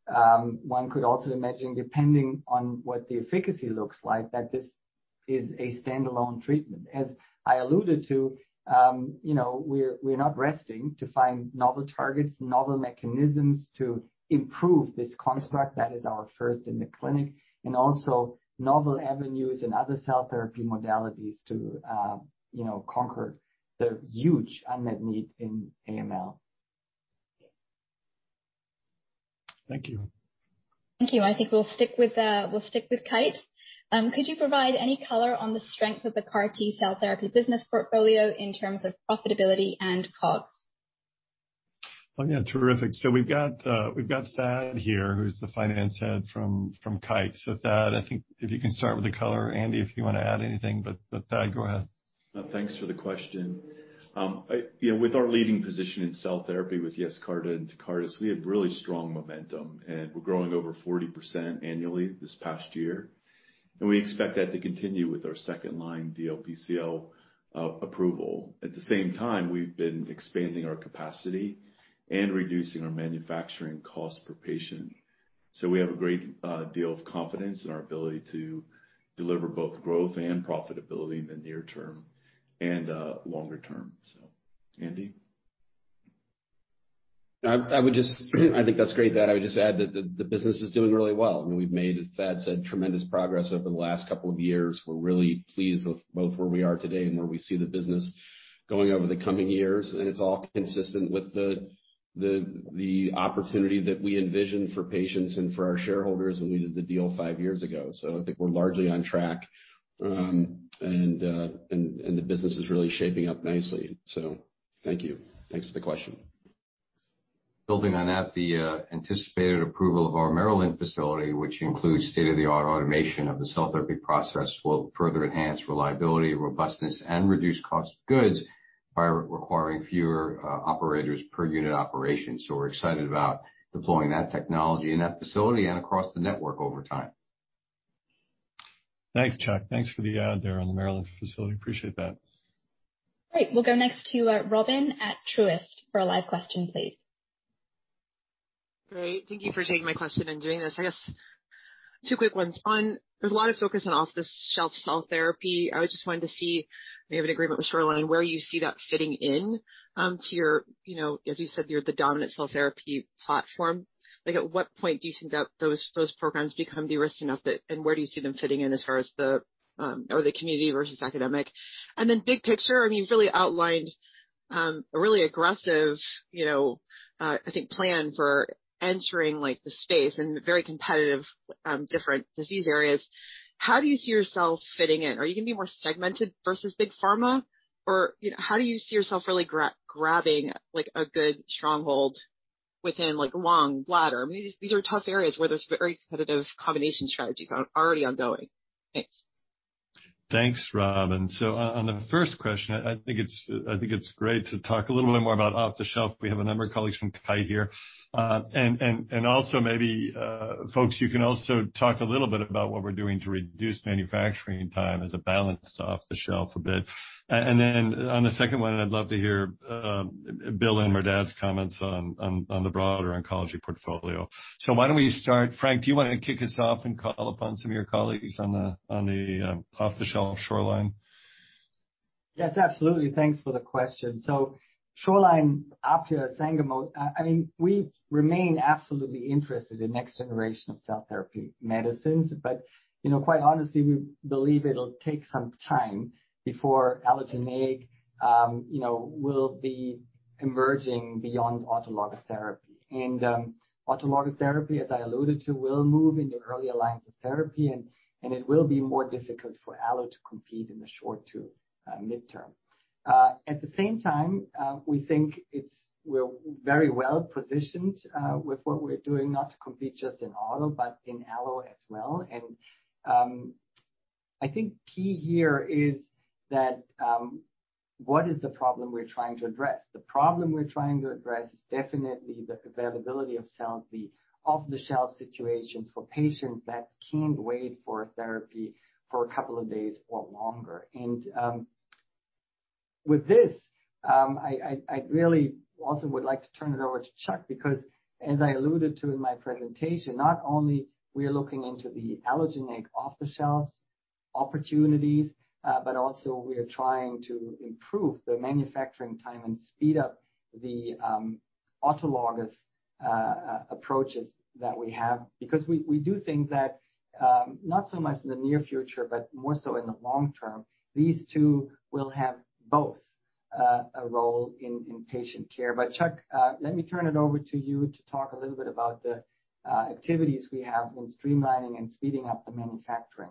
One could also imagine, depending on what the efficacy looks like, that this is a standalone treatment. As I alluded to, you know, we're not resting to find novel targets, novel mechanisms to improve this construct that is our first in the clinic, and also novel avenues and other cell therapy modalities to, you know, conquer the huge unmet need in AML. Thank you. Thank you. I think we'll stick with Kite. Could you provide any color on the strength of the CAR T cell therapy business portfolio in terms of profitability and COGS? Oh, yeah. Terrific. We've got Thad here, who's the finance head from Kite. Thad, I think if you can start with the color. Andy, if you wanna add anything, but Thad, go ahead. Thanks for the question. You know, with our leading position in cell therapy with Yescarta and Tecartus, we have really strong momentum, and we're growing over 40% annually this past year, and we expect that to continue with our second line DLBCL approval. At the same time, we've been expanding our capacity and reducing our manufacturing cost per patient. We have a great deal of confidence in our ability to deliver both growth and profitability in the near term and longer term. Andy. I think that's great, Thad. I would just add that the business is doing really well, and we've made, as Thad said, tremendous progress over the last couple of years. We're really pleased with both where we are today and where we see the business going over the coming years. It's all consistent with the opportunity that we envisioned for patients and for our shareholders when we did the deal five years ago. I think we're largely on track. The business is really shaping up nicely. Thank you. Thanks for the question. Building on that, the anticipated approval of our Maryland facility, which includes state-of-the-art automation of the cell therapy process, will further enhance reliability, robustness, and reduce cost of goods by requiring fewer operators per unit operation. We're excited about deploying that technology in that facility and across the network over time. Thanks, Chuck. Thanks for the add there on the Maryland facility. Appreciate that. Great. We'll go next to, Robyn at Truist for a live question, please. Great. Thank you for taking my question and doing this. I guess two quick ones. One, there's a lot of focus on off-the-shelf cell therapy. I was just wanting to see, we have an agreement with Shoreline, where you see that fitting in, to your, you know, as you said, you're the dominant cell therapy platform. Like, at what point do you think that those programs become de-risked enough that, and where do you see them fitting in as far as the, you know, the community versus academic? And then big picture, I mean, you've really outlined, a really aggressive, you know, I think plan for entering, like, the space in very competitive, different disease areas. How do you see yourself fitting in? Are you gonna be more segmented versus big pharma? You know, how do you see yourself really grabbing, like, a good stronghold within, like, lung, bladder? I mean, these are tough areas where there's very competitive combination strategies already ongoing. Thanks. Thanks, Robyn. On the first question, I think it's great to talk a little bit more about off-the-shelf. We have a number of colleagues from Kite here and also maybe, folks, you can also talk a little bit about what we're doing to reduce manufacturing time as a balance to off-the-shelf a bit. On the second one, I'd love to hear Bill and Merdad's comments on the broader oncology portfolio. Why don't we start? Frank, do you wanna kick us off and call upon some of your colleagues on the off-the-shelf Shoreline? Yes, absolutely. Thanks for the question. So Shoreline, Appia, Sangamo, I mean, we remain absolutely interested in next generation of cell therapy medicines. You know, quite honestly, we believe it'll take some time before allogeneic, you know, will be converging beyond autologous therapy. Autologous therapy, as I alluded to, will move into early lines of therapy and it will be more difficult for allo to compete in the short to midterm. At the same time, we think it's we're very well-positioned with what we're doing not to compete just in auto, but in allo as well. I think key here is that what is the problem we're trying to address? The problem we're trying to address is definitely the availability of cell, the off-the-shelf situations for patients that can't wait for therapy for a couple of days or longer. With this, I really also would like to turn it over to Chuck because as I alluded to in my presentation, not only we are looking into the allogeneic off-the-shelf opportunities, but also we are trying to improve the manufacturing time and speed up the autologous approaches that we have. Because we do think that, not so much in the near future, but more so in the long term, these two will have both a role in patient care. Chuck, let me turn it over to you to talk a little bit about the activities we have in streamlining and speeding up the manufacturing.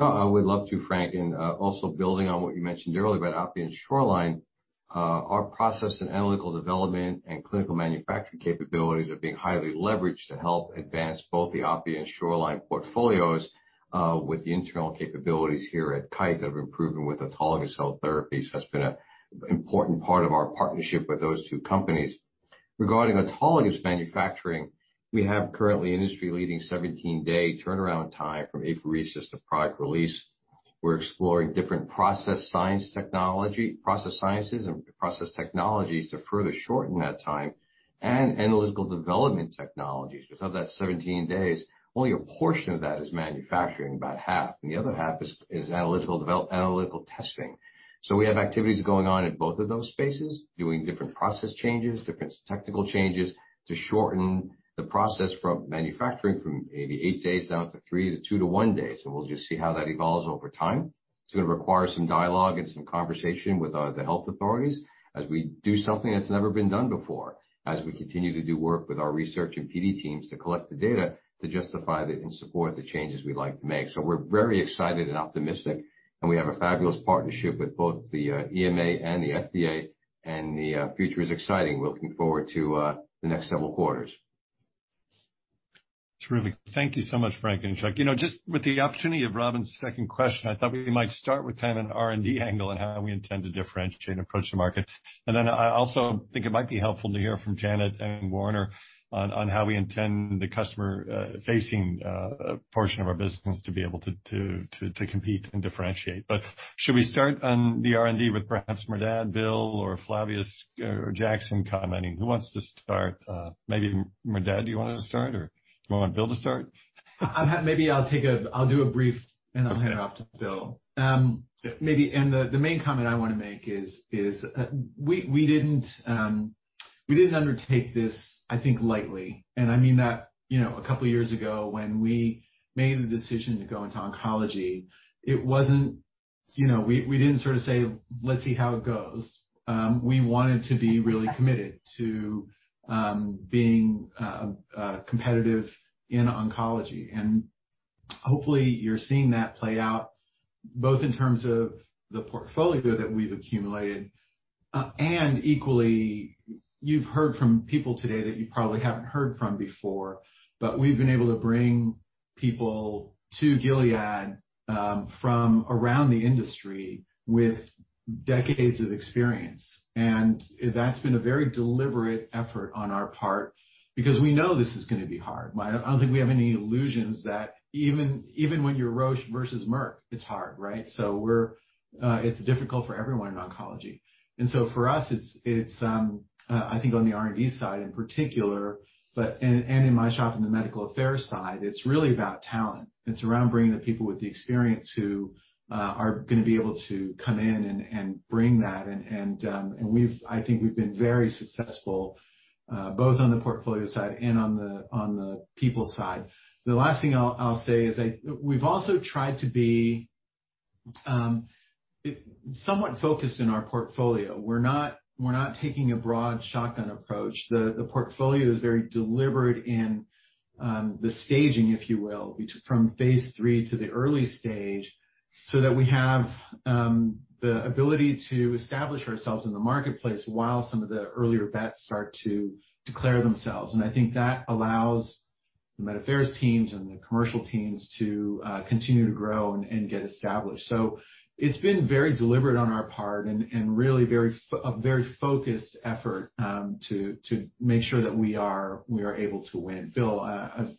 Oh, I would love to, Frank. Also building on what you mentioned earlier about Appia and Shoreline, our process and analytical development and clinical manufacturing capabilities are being highly leveraged to help advance both the Appia and Shoreline portfolios, with the internal capabilities here at Kite that have improved them with autologous cell therapies. That's been a important part of our partnership with those two companies. Regarding autologous manufacturing, we have currently industry-leading 17-day turnaround time from apheresis to product release. We're exploring different process sciences and process technologies to further shorten that time, and analytical development technologies. Because of that 17 days, only a portion of that is manufacturing, about half, and the other half is analytical testing. We have activities going on in both of those spaces, doing different process changes, different technical changes to shorten the process from manufacturing from maybe eight days down to three to two to one day. We'll just see how that evolves over time. It's gonna require some dialogue and some conversation with the health authorities as we do something that's never been done before, as we continue to do work with our research and PD teams to collect the data to justify the, and support the changes we'd like to make. We're very excited and optimistic, and we have a fabulous partnership with both the EMA and the FDA, and the future is exciting. We're looking forward to the next several quarters. Thank you so much, Frank and Chuck. You know, just with the opportunity of Robyn's second question, I thought we might start with kind of an R&D angle and how we intend to differentiate and approach the market. Then I also think it might be helpful to hear from Janet and Warner on how we intend the customer facing portion of our business to be able to compete and differentiate. Should we start on the R&D with perhaps Merdad, Bill, or Flavius or Jackson commenting? Who wants to start? Maybe Merdad, do you wanna start, or do you want Bill to start? I'll do a brief and I'll hand it off to Bill. The main comment I wanna make is, we didn't undertake this, I think, lightly. I mean that, you know, a couple of years ago, when we made the decision to go into oncology, it wasn't, you know, we didn't sort of say, "Let's see how it goes." We wanted to be really committed to being competitive in oncology. Hopefully you're seeing that play out both in terms of the portfolio that we've accumulated, and equally, you've heard from people today that you probably haven't heard from before, but we've been able to bring people to Gilead from around the industry with decades of experience. That's been a very deliberate effort on our part because we know this is gonna be hard. I don't think we have any illusions that even when you're Roche versus Merck, it's hard, right? It's difficult for everyone in oncology. For us, it's I think on the R&D side in particular, but in my shop in the medical affairs side, it's really about talent. It's around bringing the people with the experience who are gonna be able to come in and bring that. I think we've been very successful both on the portfolio side and on the people side. The last thing I'll say is we've also tried to be somewhat focused in our portfolio. We're not taking a broad shotgun approach. The portfolio is very deliberate in the staging, if you will, from phase III to the early stage, so that we have the ability to establish ourselves in the marketplace while some of the earlier bets start to declare themselves. I think that allows the medical affairs teams and the commercial teams to continue to grow and get established. It's been very deliberate on our part and really a very focused effort to make sure that we are able to win. Bill,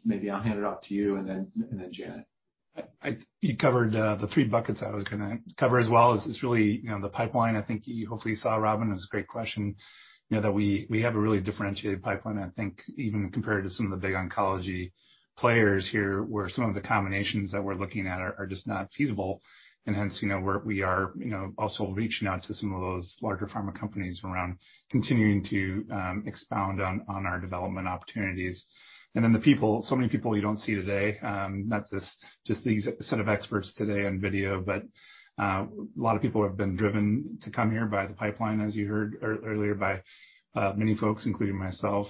maybe I'll hand it off to you and then Janet. You covered the three buckets I was gonna cover as well. It's really, you know, the pipeline. I think you hopefully saw, Robyn. It was a great question. You know, that we have a really differentiated pipeline, I think, even compared to some of the big oncology players here, where some of the combinations that we're looking at are just not feasible. Hence, you know, we are, you know, also reaching out to some of those larger pharma companies around continuing to expound on our development opportunities. Then the people, so many people you don't see today, not just this set of experts today on video. A lot of people have been driven to come here by the pipeline, as you heard earlier by many folks, including myself.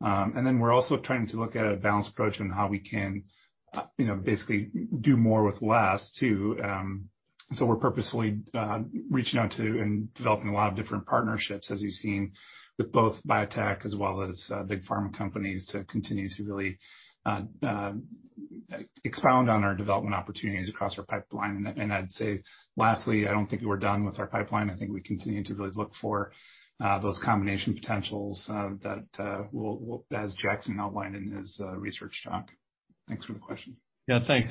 We're also trying to look at a balanced approach on how we can, you know, basically do more with less too. We're purposefully reaching out to and developing a lot of different partnerships, as you've seen with both biotech as well as, big pharma companies, to continue to really expound on our development opportunities across our pipeline. I'd say, lastly, I don't think we're done with our pipeline. I think we continue to really look for those combination potentials that we'll as Jackson outlined in his research talk. Thanks for the question. Yeah, thanks.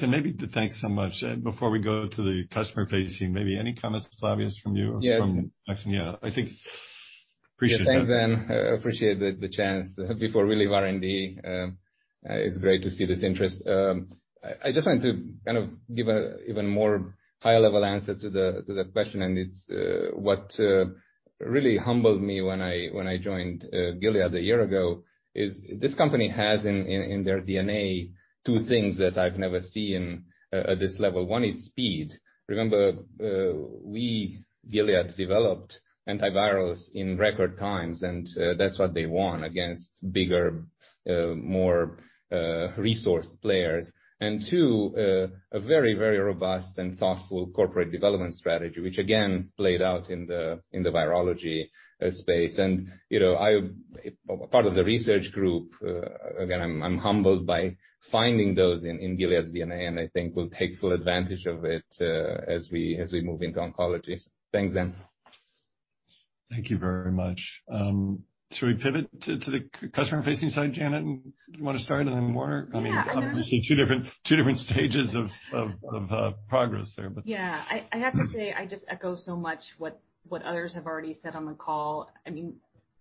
Thanks so much. Before we go to the customer-facing, maybe any comments, Flavius, from you or from Jackson? Yeah. I appreciate that. Yeah, thanks, Dan. I appreciate the chance before we leave R&D. It's great to see this interest. I just wanted to kind of give an even more high-level answer to the question, and it's what really humbled me when I joined Gilead a year ago, is this company has in their DNA two things that I've never seen at this level. One is speed. Remember, we, Gilead, developed antivirals in record times, and that's what they want against bigger, more resourced players. Two, a very, very robust and thoughtful corporate development strategy, which again, played out in the virology space. You know, I'm part of the research group, again, I'm humbled by finding those in Gilead's DNA, and I think we'll take full advantage of it, as we move into oncology. Thanks, Dan. Thank you very much. Should we pivot to the customer-facing side, Janet? Do you wanna start and then Warner? I mean, obviously two different stages of progress there, but. Yeah. I have to say, I just echo so much what others have already said on the call. I mean,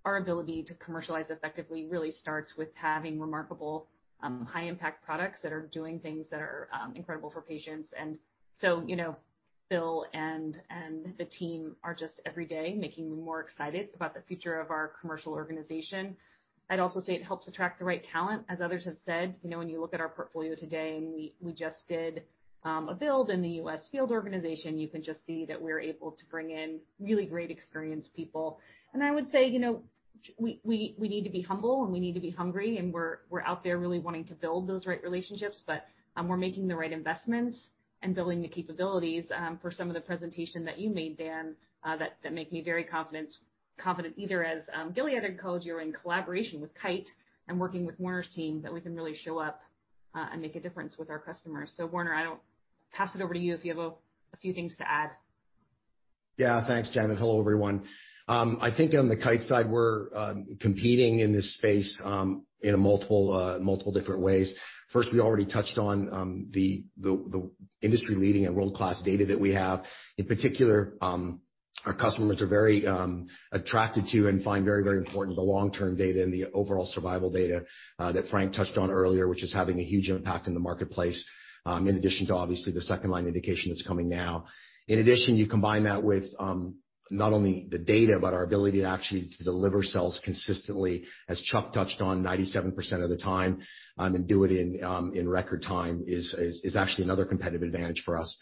our ability to commercialize effectively really starts with having remarkable high impact products that are doing things that are incredible for patients. You know, Bill and the team are just every day making me more excited about the future of our commercial organization. I'd also say it helps attract the right talent, as others have said. You know, when you look at our portfolio today and we just did a build in the U.S. field organization, you can just see that we're able to bring in really great experienced people. I would say, you know, we need to be humble, and we need to be hungry, and we're out there really wanting to build those right relationships. We're making the right investments and building the capabilities for some of the presentation that you made, Dan, that make me very confident either as Gilead [& Co.] in collaboration with Kite and working with Warner's team, that we can really show up and make a difference with our customers. Warner, I'll pass it over to you if you have a few things to add. Yeah. Thanks, Janet. Hello, everyone. I think on the Kite side, we're competing in this space in multiple different ways. First, we already touched on the industry-leading and world-class data that we have. In particular, our customers are very attracted to and find very, very important the long-term data and the overall survival data that Frank touched on earlier, which is having a huge impact in the marketplace, in addition to obviously the second line indication that's coming now. In addition, you combine that with not only the data but our ability to actually deliver cells consistently, as Chuck touched on 97% of the time, and do it in record time is actually another competitive advantage for us.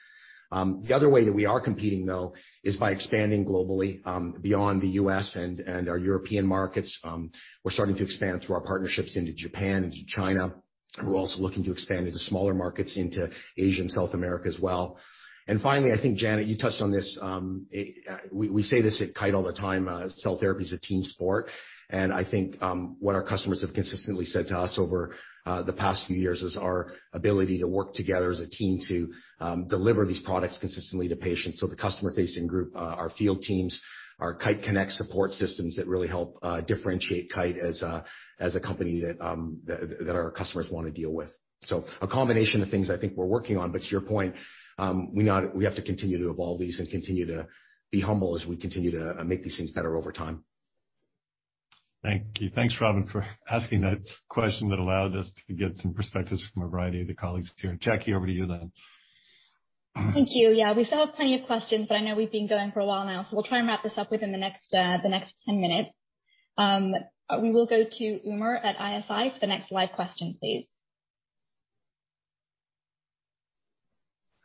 The other way that we are competing though is by expanding globally, beyond the U.S. and our European markets. We're starting to expand through our partnerships into Japan, into China. We're also looking to expand into smaller markets, into Asia and South America as well. Finally, I think, Janet, you touched on this, we say this at Kite all the time, cell therapy is a team sport. I think, what our customers have consistently said to us over the past few years is our ability to work together as a team to deliver these products consistently to patients. The customer-facing group, our field teams, our Kite Konnect support systems that really help differentiate Kite as a company that our customers wanna deal with. A combination of things I think we're working on, but to your point, we have to continue to evolve these and continue to be humble as we continue to make these things better over time. Thank you. Thanks, Robyn, for asking that question that allowed us to get some perspectives from a variety of the colleagues here. Jacquie, over to you then. Thank you. Yeah. We still have plenty of questions, but I know we've been going for a while now, so we'll try and wrap this up within the next ten minutes. We will go to Umer at ISI for the next live question, please.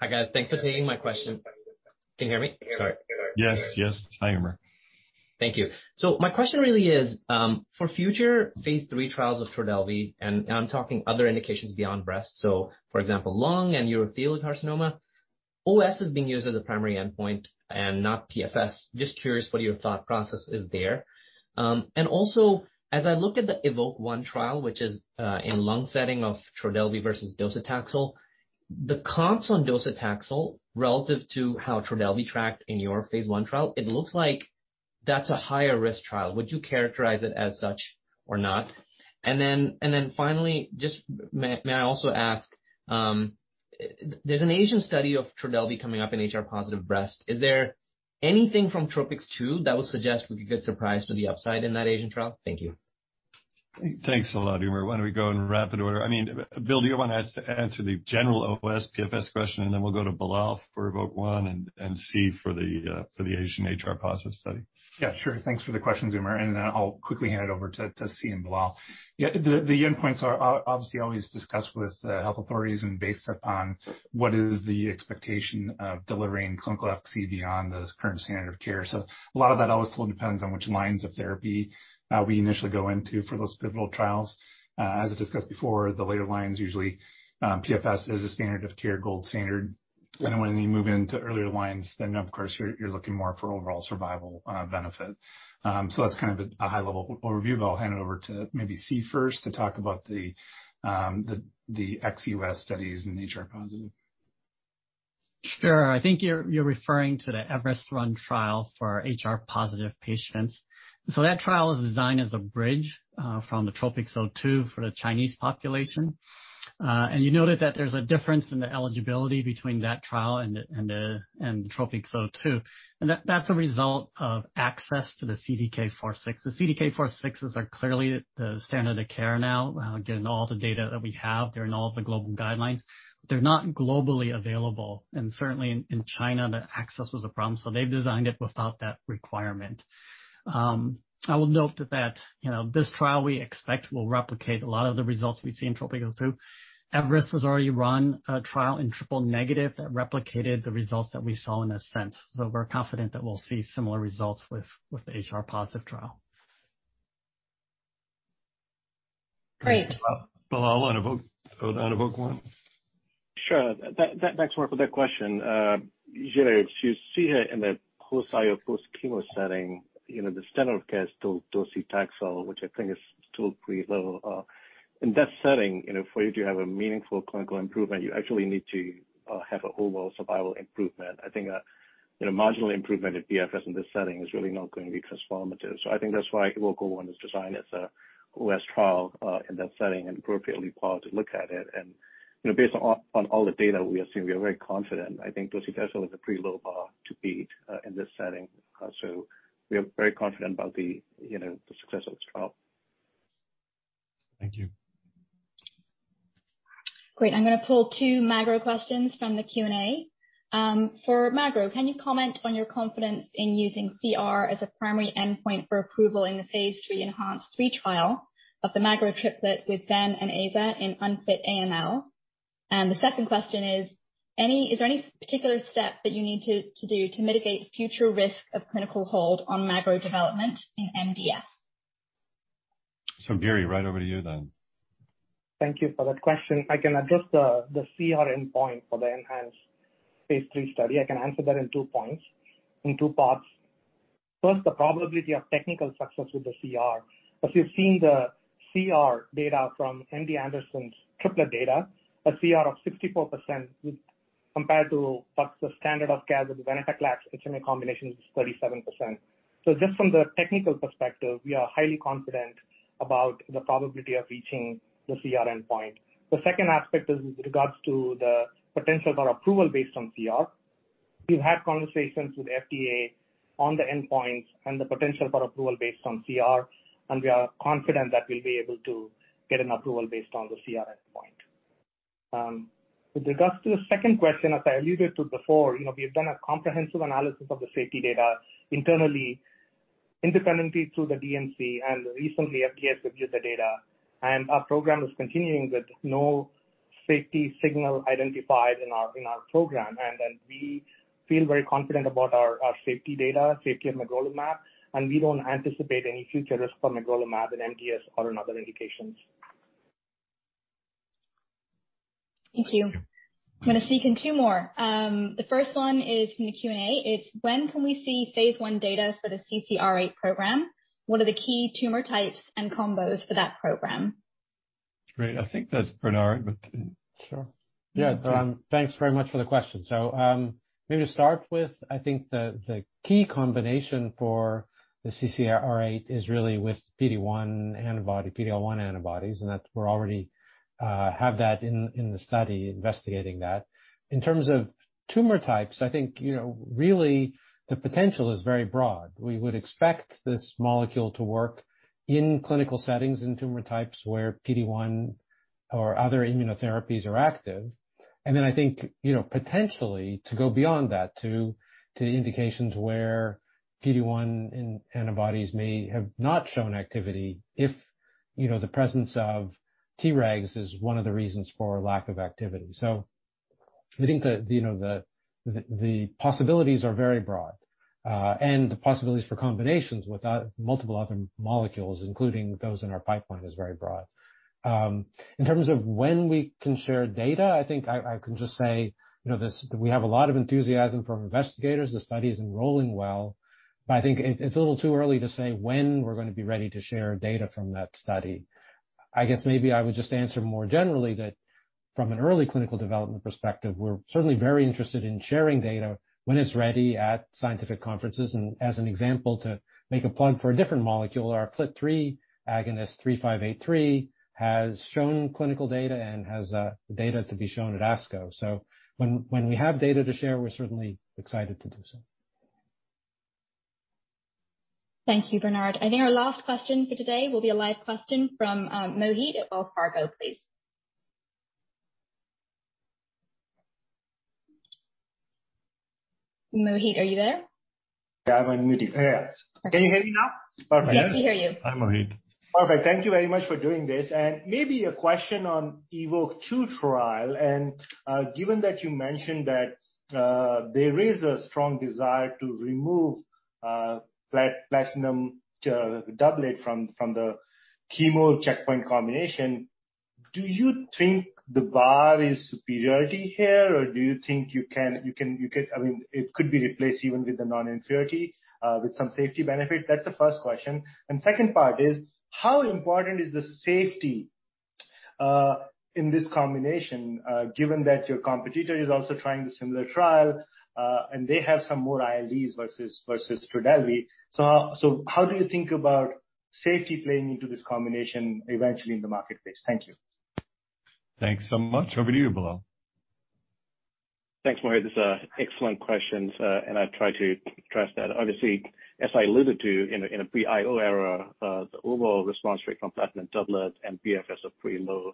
Hi, guys. Thanks for taking my question. Can you hear me? Sorry. Yes. Yes. Hi, Umer. Thank you. My question really is, for future phase III trials of Trodelvy, and I'm talking other indications beyond breast, so for example, lung and urothelial carcinoma, OS is being used as a primary endpoint and not PFS. Just curious what your thought process is there. Also as I look at the EVOKE-01 trial, which is in lung setting of Trodelvy versus docetaxel, the comps on docetaxel relative to how Trodelvy tracked in your phase I trial, it looks like that's a higher risk trial. Would you characterize it as such or not? Then finally, just may I also ask, there's an Asian study of Trodelvy coming up in HR-positive breast. Is there anything from TROPICS-02 that would suggest we could get surprise to the upside in that Asian trial? Thank you. Thanks a lot, Umer. Why don't we go in rapid order? I mean, Bill, do you want to answer the general OS PFS question, and then we'll go to Bilal for EVOKE-01 and See for the Asian HR-positive study? Yeah, sure. Thanks for the questions, Umer, and then I'll quickly hand it over to See and Bilal. Yeah. The endpoints are obviously always discussed with health authorities and based upon what is the expectation of delivering clinical efficacy beyond the current standard of care. A lot of that also depends on which lines of therapy we initially go into for those pivotal trials. As I discussed before, the later lines, usually, PFS is a standard of care gold standard. When you move into earlier lines, then of course you're looking more for overall survival benefit. That's kind of a high-level overview, but I'll hand it over to maybe See first to talk about the ex-U.S. studies in HR-positive. Sure. I think you're referring to the Everest lung trial for HR-positive patients. That trial is designed as a bridge from the TROPiCS-02 for the Chinese population. You noted that there's a difference in the eligibility between that trial and TROPiCS-02. That's a result of access to the CDK4/6. The CDK4/6s are clearly the standard of care now, given all the data that we have, they're in all of the global guidelines. They're not globally available, and certainly in China, the access was a problem, so they've designed it without that requirement. I will note that you know, this trial we expect will replicate a lot of the results we see in TROPiCS-02. Everest has already run a trial in triple-negative that replicated the results that we saw in ASCENT. We're confident that we'll see similar results with the HR-positive trial. Great. Bilal on EVOKE, on EVOKE-1. Sure. Thanks a lot for that question. Generally, if you see here in the post-IO, post-chemo setting, you know, the standard of care is docetaxel, which I think is still a pretty low bar. In that setting, you know, for you to have a meaningful clinical improvement, you actually need to have an overall survival improvement. I think you know, marginal improvement in PFS in this setting is really not going to be transformative. I think that's why EVOKE-1 is designed as an OS trial in that setting and appropriately powered to look at it. You know, based on all the data we are seeing, we are very confident. I think docetaxel is a pretty low bar to beat in this setting. We are very confident about you know, the success of this trial. Thank you. Great. I'm gonna pull two magro questions from the Q&A. For magro, can you comment on your confidence in using CR as a primary endpoint for approval in the phase III ENHANCE-3 trial of the magro triplet with ven and aza in unfit AML? The second question is there any particular step that you need to do to mitigate future risk of clinical hold on magro development in MDS? Giri, right over to you then. Thank you for that question. I can address the CR endpoint for the ENHANCE phase III study. I can answer that in two points, in two parts. First, the probability of technical success with the CR. As you've seen the CR data from MD Anderson's triplet data, a CR of 64% compared to what is the standard of care with the venetoclax and HMA combination is 37%. So just from the technical perspective, we are highly confident about the probability of reaching the CR endpoint. The second aspect is with regards to the potential for approval based on CR. We've had conversations with FDA on the endpoints and the potential for approval based on CR, and we are confident that we'll be able to get an approval based on the CR endpoint. With regards to the second question, as I alluded to before, you know, we have done a comprehensive analysis of the safety data internally, independently through the DMC and recently submitted the data to the FDA, and our program is continuing with no safety signal identified in our program. We feel very confident about our safety data, safety of magrolimab, and we don't anticipate any future risk for magrolimab in MDS or in other indications. Thank you. I'm gonna sneak in two more. The first one is from the Q&A. It's when can we see phase I data for the CCR8 program? What are the key tumor types and combos for that program? Great. I think that's Bernard, but. Sure. Yeah, thanks very much for the question. Maybe to start with, I think the key combination for the CCR8 is really with PD-1 antibody, PD-L1 antibodies, and that we're already have that in the study investigating that. In terms of tumor types, I think, you know, really the potential is very broad. We would expect this molecule to work in clinical settings in tumor types where PD-1 or other immunotherapies are active. Then I think, you know, potentially to go beyond that to indications where PD-1 in antibodies may have not shown activity if, you know, the presence of Tregs is one of the reasons for lack of activity. I think the possibilities are very broad, and the possibilities for combinations with multiple other molecules, including those in our pipeline, is very broad. In terms of when we can share data, I think I can just say, you know, this, we have a lot of enthusiasm from investigators. The study is enrolling well, but I think it's a little too early to say when we're gonna be ready to share data from that study. I guess maybe I would just answer more generally that from an early clinical development perspective, we're certainly very interested in sharing data when it's ready at scientific conferences. As an example, to make a plug for a different molecule, our FLT3 agonist GS-3583 has shown clinical data and has data to be shown at ASCO. When we have data to share, we're certainly excited to do so. Thank you, Bernard. I think our last question for today will be a live question from Mohit at Wells Fargo, please. Mohit, are you there? Yeah, I'm unmuted. Yes. Okay. Can you hear me now? Perfect. Yes, we hear you. Hi, Mohit. Okay. Thank you very much for doing this. Maybe a question on EVOKE-02 trial, and given that you mentioned that there is a strong desire to remove platinum doublet from the chemo checkpoint combination, do you think the bar is superiority here, or do you think you can? I mean, it could be replaced even with the non-inferiority with some safety benefit. That's the first question. Second part is how important is the safety in this combination, given that your competitor is also trying a similar trial, and they have some more ILDs versus Trodelvy. So how do you think about safety playing into this combination eventually in the marketplace? Thank you. Thanks so much. Over to you, Bilal. Thanks, Mohit. It's excellent questions, and I'll try to address that. Obviously, as I alluded to in a pre-IO era, the overall response rate from platinum doublet and PFS are pretty low.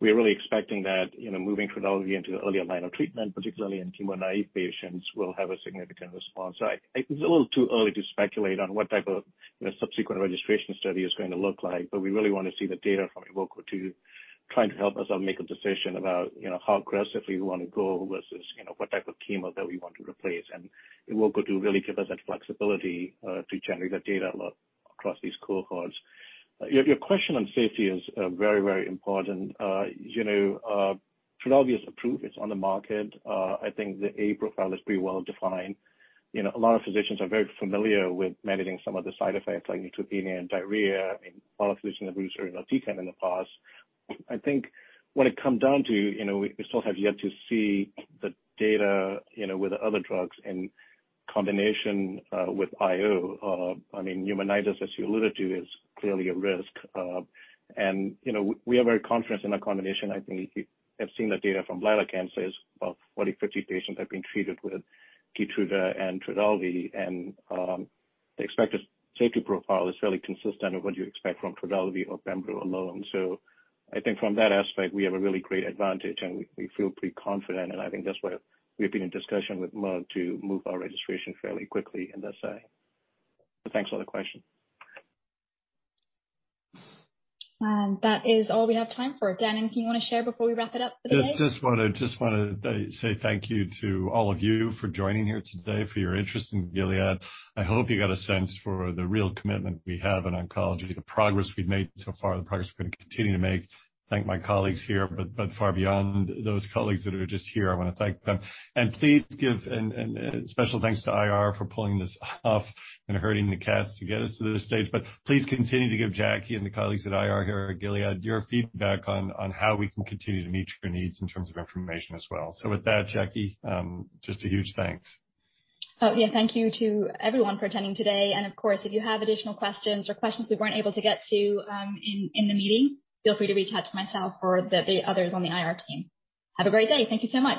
We're really expecting that, you know, moving Trodelvy into an earlier line of treatment, particularly in chemo-naive patients, will have a significant response. It's a little too early to speculate on what type of, you know, subsequent registration study is going to look like. We really wanna see the data from EVOKE-02 trying to help us all make a decision about, you know, how aggressively we wanna go versus, you know, what type of chemo that we want to replace. EVOKE-02 will really give us that flexibility to generate that data a lot across these cohorts. Your question on safety is very, very important. You know, Trodelvy is approved. It's on the market. I think the safety profile is pretty well defined. You know, a lot of physicians are very familiar with managing some of the side effects like neutropenia and diarrhea. I mean, a lot of physicians have used it in the past. I think when it comes down to, you know, we still have yet to see the data, you know, with the other drugs in combination with IO. I mean, pneumonitis, as you alluded to, is clearly a risk. You know, we are very confident in that combination. I think you have seen the data from bladder cancers. About 40, 50 patients have been treated with Keytruda and Trodelvy. The expected safety profile is fairly consistent with what you expect from Trodelvy or pembro alone. I think from that aspect, we have a really great advantage, and we feel pretty confident. I think that's why we've been in discussion with Merck to move our registration fairly quickly in that space. Thanks for the question. That is all we have time for. Dan, anything you wanna share before we wrap it up for the day? Just wanna say thank you to all of you for joining here today, for your interest in Gilead. I hope you got a sense for the real commitment we have in oncology, the progress we've made so far, the progress we're gonna continue to make. Thank my colleagues here, but far beyond those colleagues that are just here, I wanna thank them. Please give a special thanks to IR for pulling this off and herding the cats to get us to this stage. Please continue to give Jacquie and the colleagues at IR here at Gilead your feedback on how we can continue to meet your needs in terms of information as well. With that, Jacquie, just a huge thanks. Oh, yeah, thank you to everyone for attending today. Of course, if you have additional questions or questions we weren't able to get to, in the meeting, feel free to reach out to myself or the others on the IR team. Have a great day. Thank you so much.